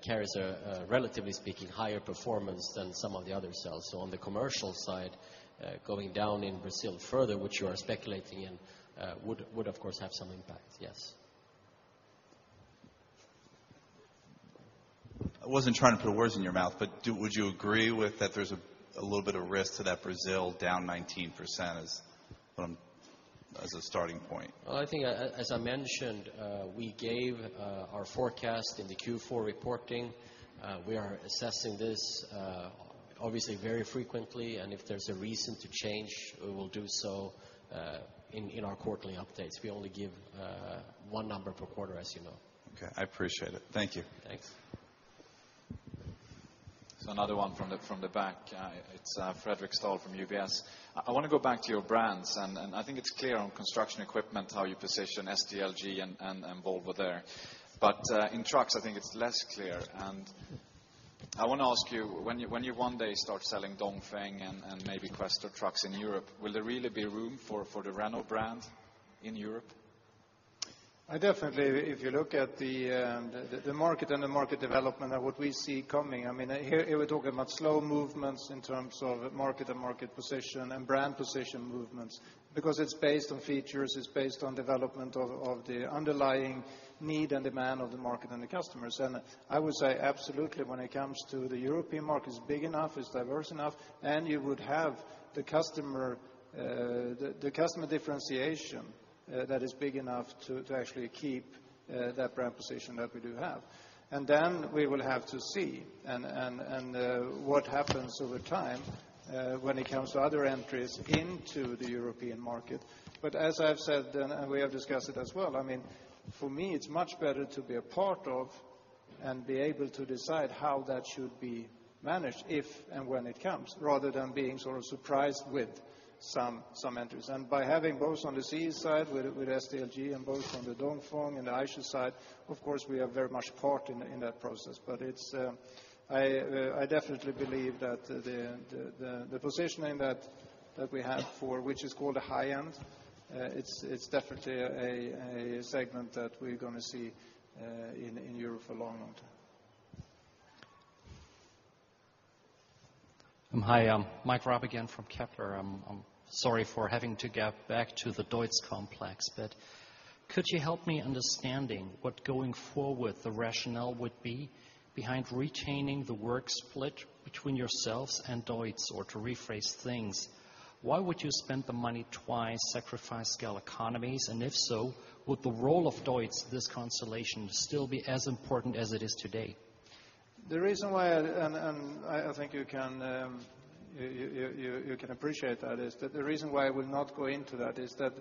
carries a, relatively speaking, higher performance than some of the other sales. On the commercial side, going down in Brazil further, which you are speculating in, would of course have some impact, yes. I wasn't trying to put words in your mouth, would you agree with that there's a little bit of risk to that Brazil down 19% as a starting point? I think as I mentioned, we gave our forecast in the Q4 reporting. We are assessing this obviously very frequently, and if there's a reason to change, we will do so in our quarterly updates. We only give one number per quarter, as you know. I appreciate it. Thank you. Thanks. Another one from the back. It's Fredrik Stoll from UBS. I want to go back to your brands, and I think it's clear on construction equipment, how you position SDLG and Volvo there. In trucks, I think it's less clear. I want to ask you, when you one day start selling Dongfeng and maybe Quester trucks in Europe, will there really be room for the Renault brand in Europe? Definitely. If you look at the market and the market development and what we see coming, here we're talking about slow movements in terms of market and market position and brand position movements because it's based on features, it's based on development of the underlying need and demand of the market and the customers. I would say absolutely when it comes to the European market, it's big enough, it's diverse enough, and you would have the customer differentiation that is big enough to actually keep that brand position that we do have. Then we will have to see what happens over time when it comes to other entries into the European market. As I've said, and we have discussed it as well, for me, it's much better to be a part of and be able to decide how that should be managed if and when it comes, rather than being sort of surprised with some entries. By having both on the CE side with SDLG and both on the Dongfeng and the Eicher side, of course, we are very much part in that process. I definitely believe that the positioning that we have for which is called a high end, it's definitely a segment that we're going to see in Europe for a long, long time. Hi, Mike Rapp again from Kepler. I'm sorry for having to get back to the Deutz complex, could you help me understanding what going forward the rationale would be behind retaining the work split between yourselves and Deutz? To rephrase things, why would you spend the money twice, sacrifice scale economies, and if so, would the role of Deutz, this constellation still be as important as it is today? The reason why, I think you can appreciate that, is that the reason why I will not go into that is that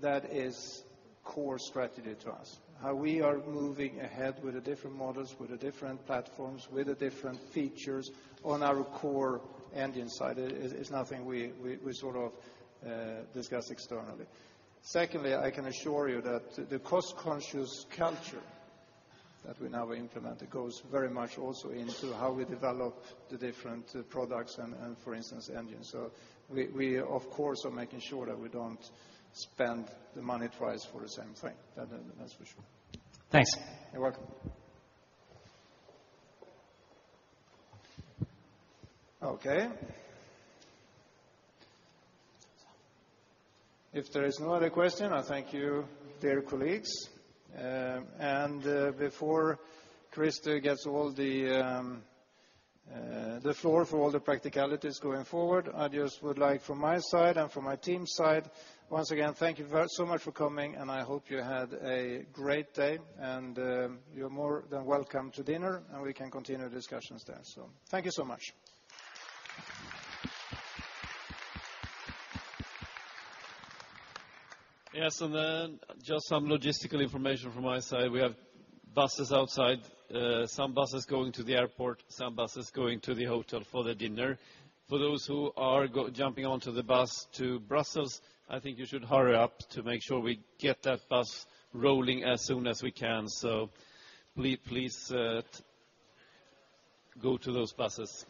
that is core strategy to us. How we are moving ahead with the different models, with the different platforms, with the different features on our core engine side is nothing we sort of discuss externally. Secondly, I can assure you that the cost-conscious culture that we now implement, it goes very much also into how we develop the different products and, for instance, engines. We of course, are making sure that we don't spend the money twice for the same thing. That's for sure. Thanks. You're welcome. Okay. If there is no other question, I thank you, dear colleagues. Before Chris gets all the floor for all the practicalities going forward, I just would like from my side and from my team's side, once again, thank you so much for coming, and I hope you had a great day, and you're more than welcome to dinner, and we can continue discussions there. Thank you so much. Just some logistical information from my side. We have buses outside, some buses going to the airport, some buses going to the hotel for the dinner. For those who are jumping onto the bus to Brussels, I think you should hurry up to make sure we get that bus rolling as soon as we can. Please go to those buses.